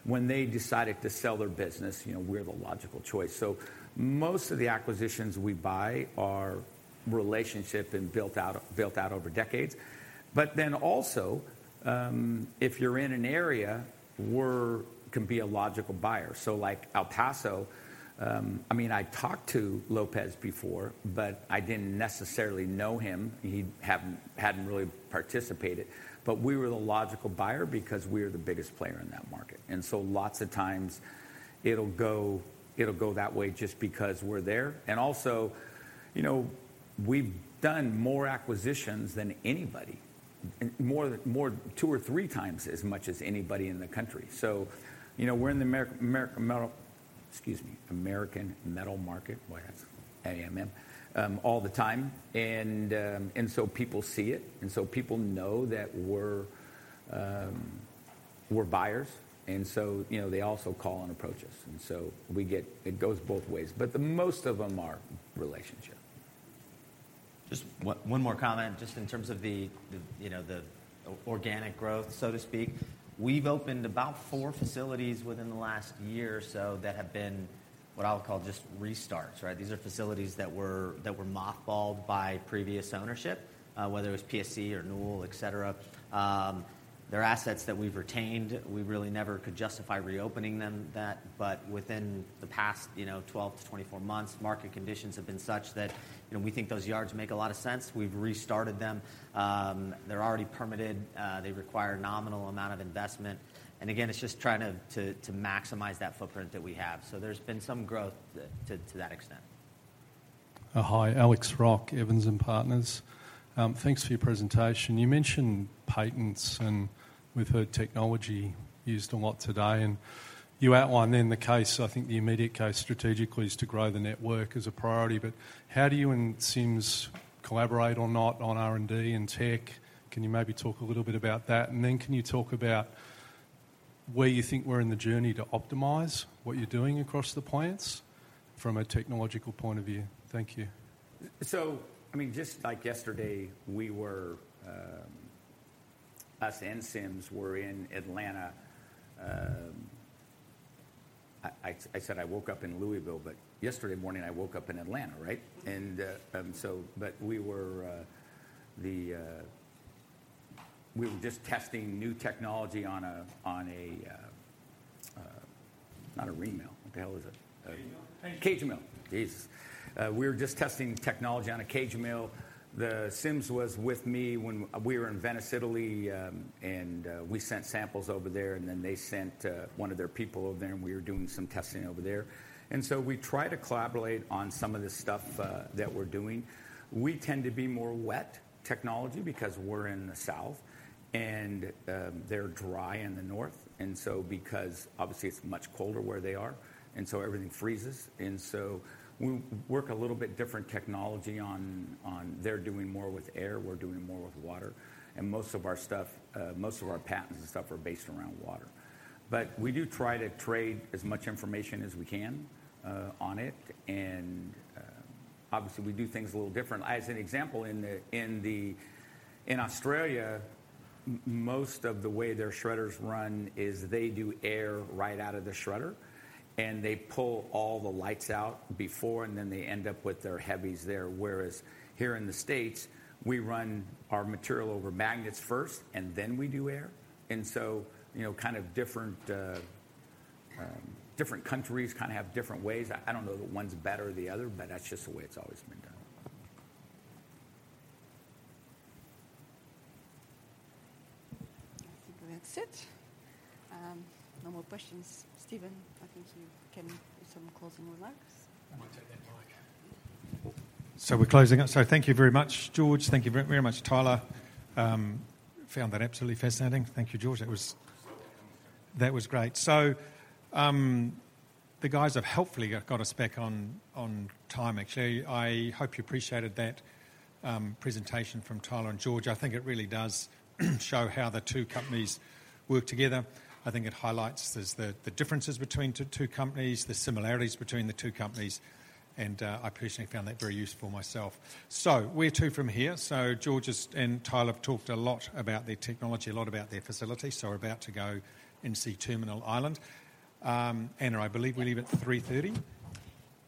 [SPEAKER 10] When they decided to sell their business, you know, we're the logical choice. So most of the acquisitions we buy are relationship and built out, built out over decades. But then also, if you're in an area, we're, can be a logical buyer. So, like El Paso, I mean, I talked to Lopez before, but I didn't necessarily know him. He hadn't really participated. But we were the logical buyer because we're the biggest player in that market. And so lots of times it'll go, it'll go that way just because we're there. And also, you know, we've done more acquisitions than anybody, and more two or three times as much as anybody in the country. So, you know, we're in the American Metal Market, well, that's AMM, all the time, and so people see it, and so people know that we're buyers, and so, you know, they also call and approach us, and so we get it goes both ways, but the most of them are relationship.
[SPEAKER 11] Just one more comment, just in terms of the, you know, the organic growth, so to speak. We've opened about four facilities within the last year or so that have been what I would call just restarts, right? These are facilities that were mothballed by previous ownership, whether it was PSC or Newell, et cetera. They're assets that we've retained. We really never could justify reopening them, but within the past, you know, 12-24 months, market conditions have been such that, you know, we think those yards make a lot of sense. We've restarted them. They're already permitted. They require nominal amount of investment, and again, it's just trying to maximize that footprint that we have. So there's been some growth to that extent.
[SPEAKER 16] Hi, Alex Rock, Evans and Partners. Thanks for your presentation. You mentioned patents, and we've heard technology used a lot today, and you outlined in the case, I think the immediate case strategically is to grow the network as a priority, but how do you and Sims collaborate or not on R&D and tech? Can you maybe talk a little bit about that? And then can you talk about where you think we're in the journey to optimize what you're doing across the plants from a technological point of view? Thank you.
[SPEAKER 10] So, I mean, just like yesterday, we were us and Sims were in Atlanta. I said I woke up in Louisville, but yesterday morning I woke up in Atlanta, right? We were just testing new technology on a not a remelt. What the hell is it?
[SPEAKER 11] Cage mill.
[SPEAKER 10] Cage mill, Jesus! We were just testing technology on a cage mill. The Sims was with me when we were in Venice, Italy, and we sent samples over there, and then they sent one of their people over there, and we were doing some testing over there. And so we try to collaborate on some of the stuff that we're doing. We tend to be more wet technology because we're in the south, and they're dry in the north, and so because obviously, it's much colder where they are, and so everything freezes. And so we work a little bit different technology on... They're doing more with air, we're doing more with water. And most of our stuff, most of our patents and stuff are based around water. But we do try to trade as much information as we can on it, and obviously, we do things a little different. As an example, in Australia, most of the way their shredders run is they do air right out of the shredder, and they pull all the lights out before, and then they end up with their heavies there. Whereas here in the States, we run our material over magnets first, and then we do air. And so, you know, kind of different, different countries kind of have different ways. I don't know that one's better than the other, but that's just the way it's always been done.
[SPEAKER 1] I think that's it. No more questions. Stephen, I think you can do some closing remarks.
[SPEAKER 2] I might take that mic. So we're closing up. So thank you very much, George. Thank you very much, Tyler. Found that absolutely fascinating. Thank you, George. That was great. So, the guys have helpfully got us back on time, actually. I hope you appreciated that presentation from Tyler and George. I think it really does show how the two companies work together. I think it highlights the differences between two companies, the similarities between the two companies, and I personally found that very useful myself. So where to from here? So George has and Tyler have talked a lot about their technology, a lot about their facility. So we're about to go and see Terminal Island. Ana, I believe we leave at 3:30 P.M.?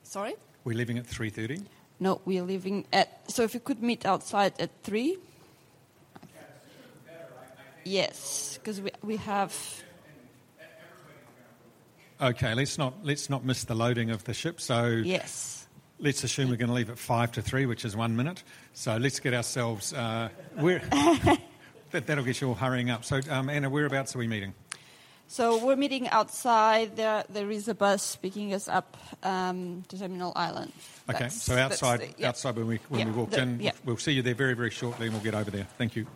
[SPEAKER 1] Sorry?
[SPEAKER 2] We're leaving at 3:30 P.M.?
[SPEAKER 1] No, we are leaving at... So if you could meet outside at 3:00 PM. Yeah, sooner the better, I think. Yes, 'cause we have- And everybody-
[SPEAKER 2] Okay, let's not miss the loading of the ship. So-
[SPEAKER 1] Yes.
[SPEAKER 2] Let's assume we're gonna leave at five to three, which is one minute. So let's get ourselves, that'll get you all hurrying up. So, Ana, whereabouts are we meeting?
[SPEAKER 1] We're meeting outside. There is a bus picking us up to Terminal Island. That's-
[SPEAKER 2] Okay. So outside-
[SPEAKER 1] Yeah.
[SPEAKER 2] Outside when we walk in.
[SPEAKER 1] Yeah.
[SPEAKER 2] We'll see you there very, very shortly, and we'll get over there. Thank you.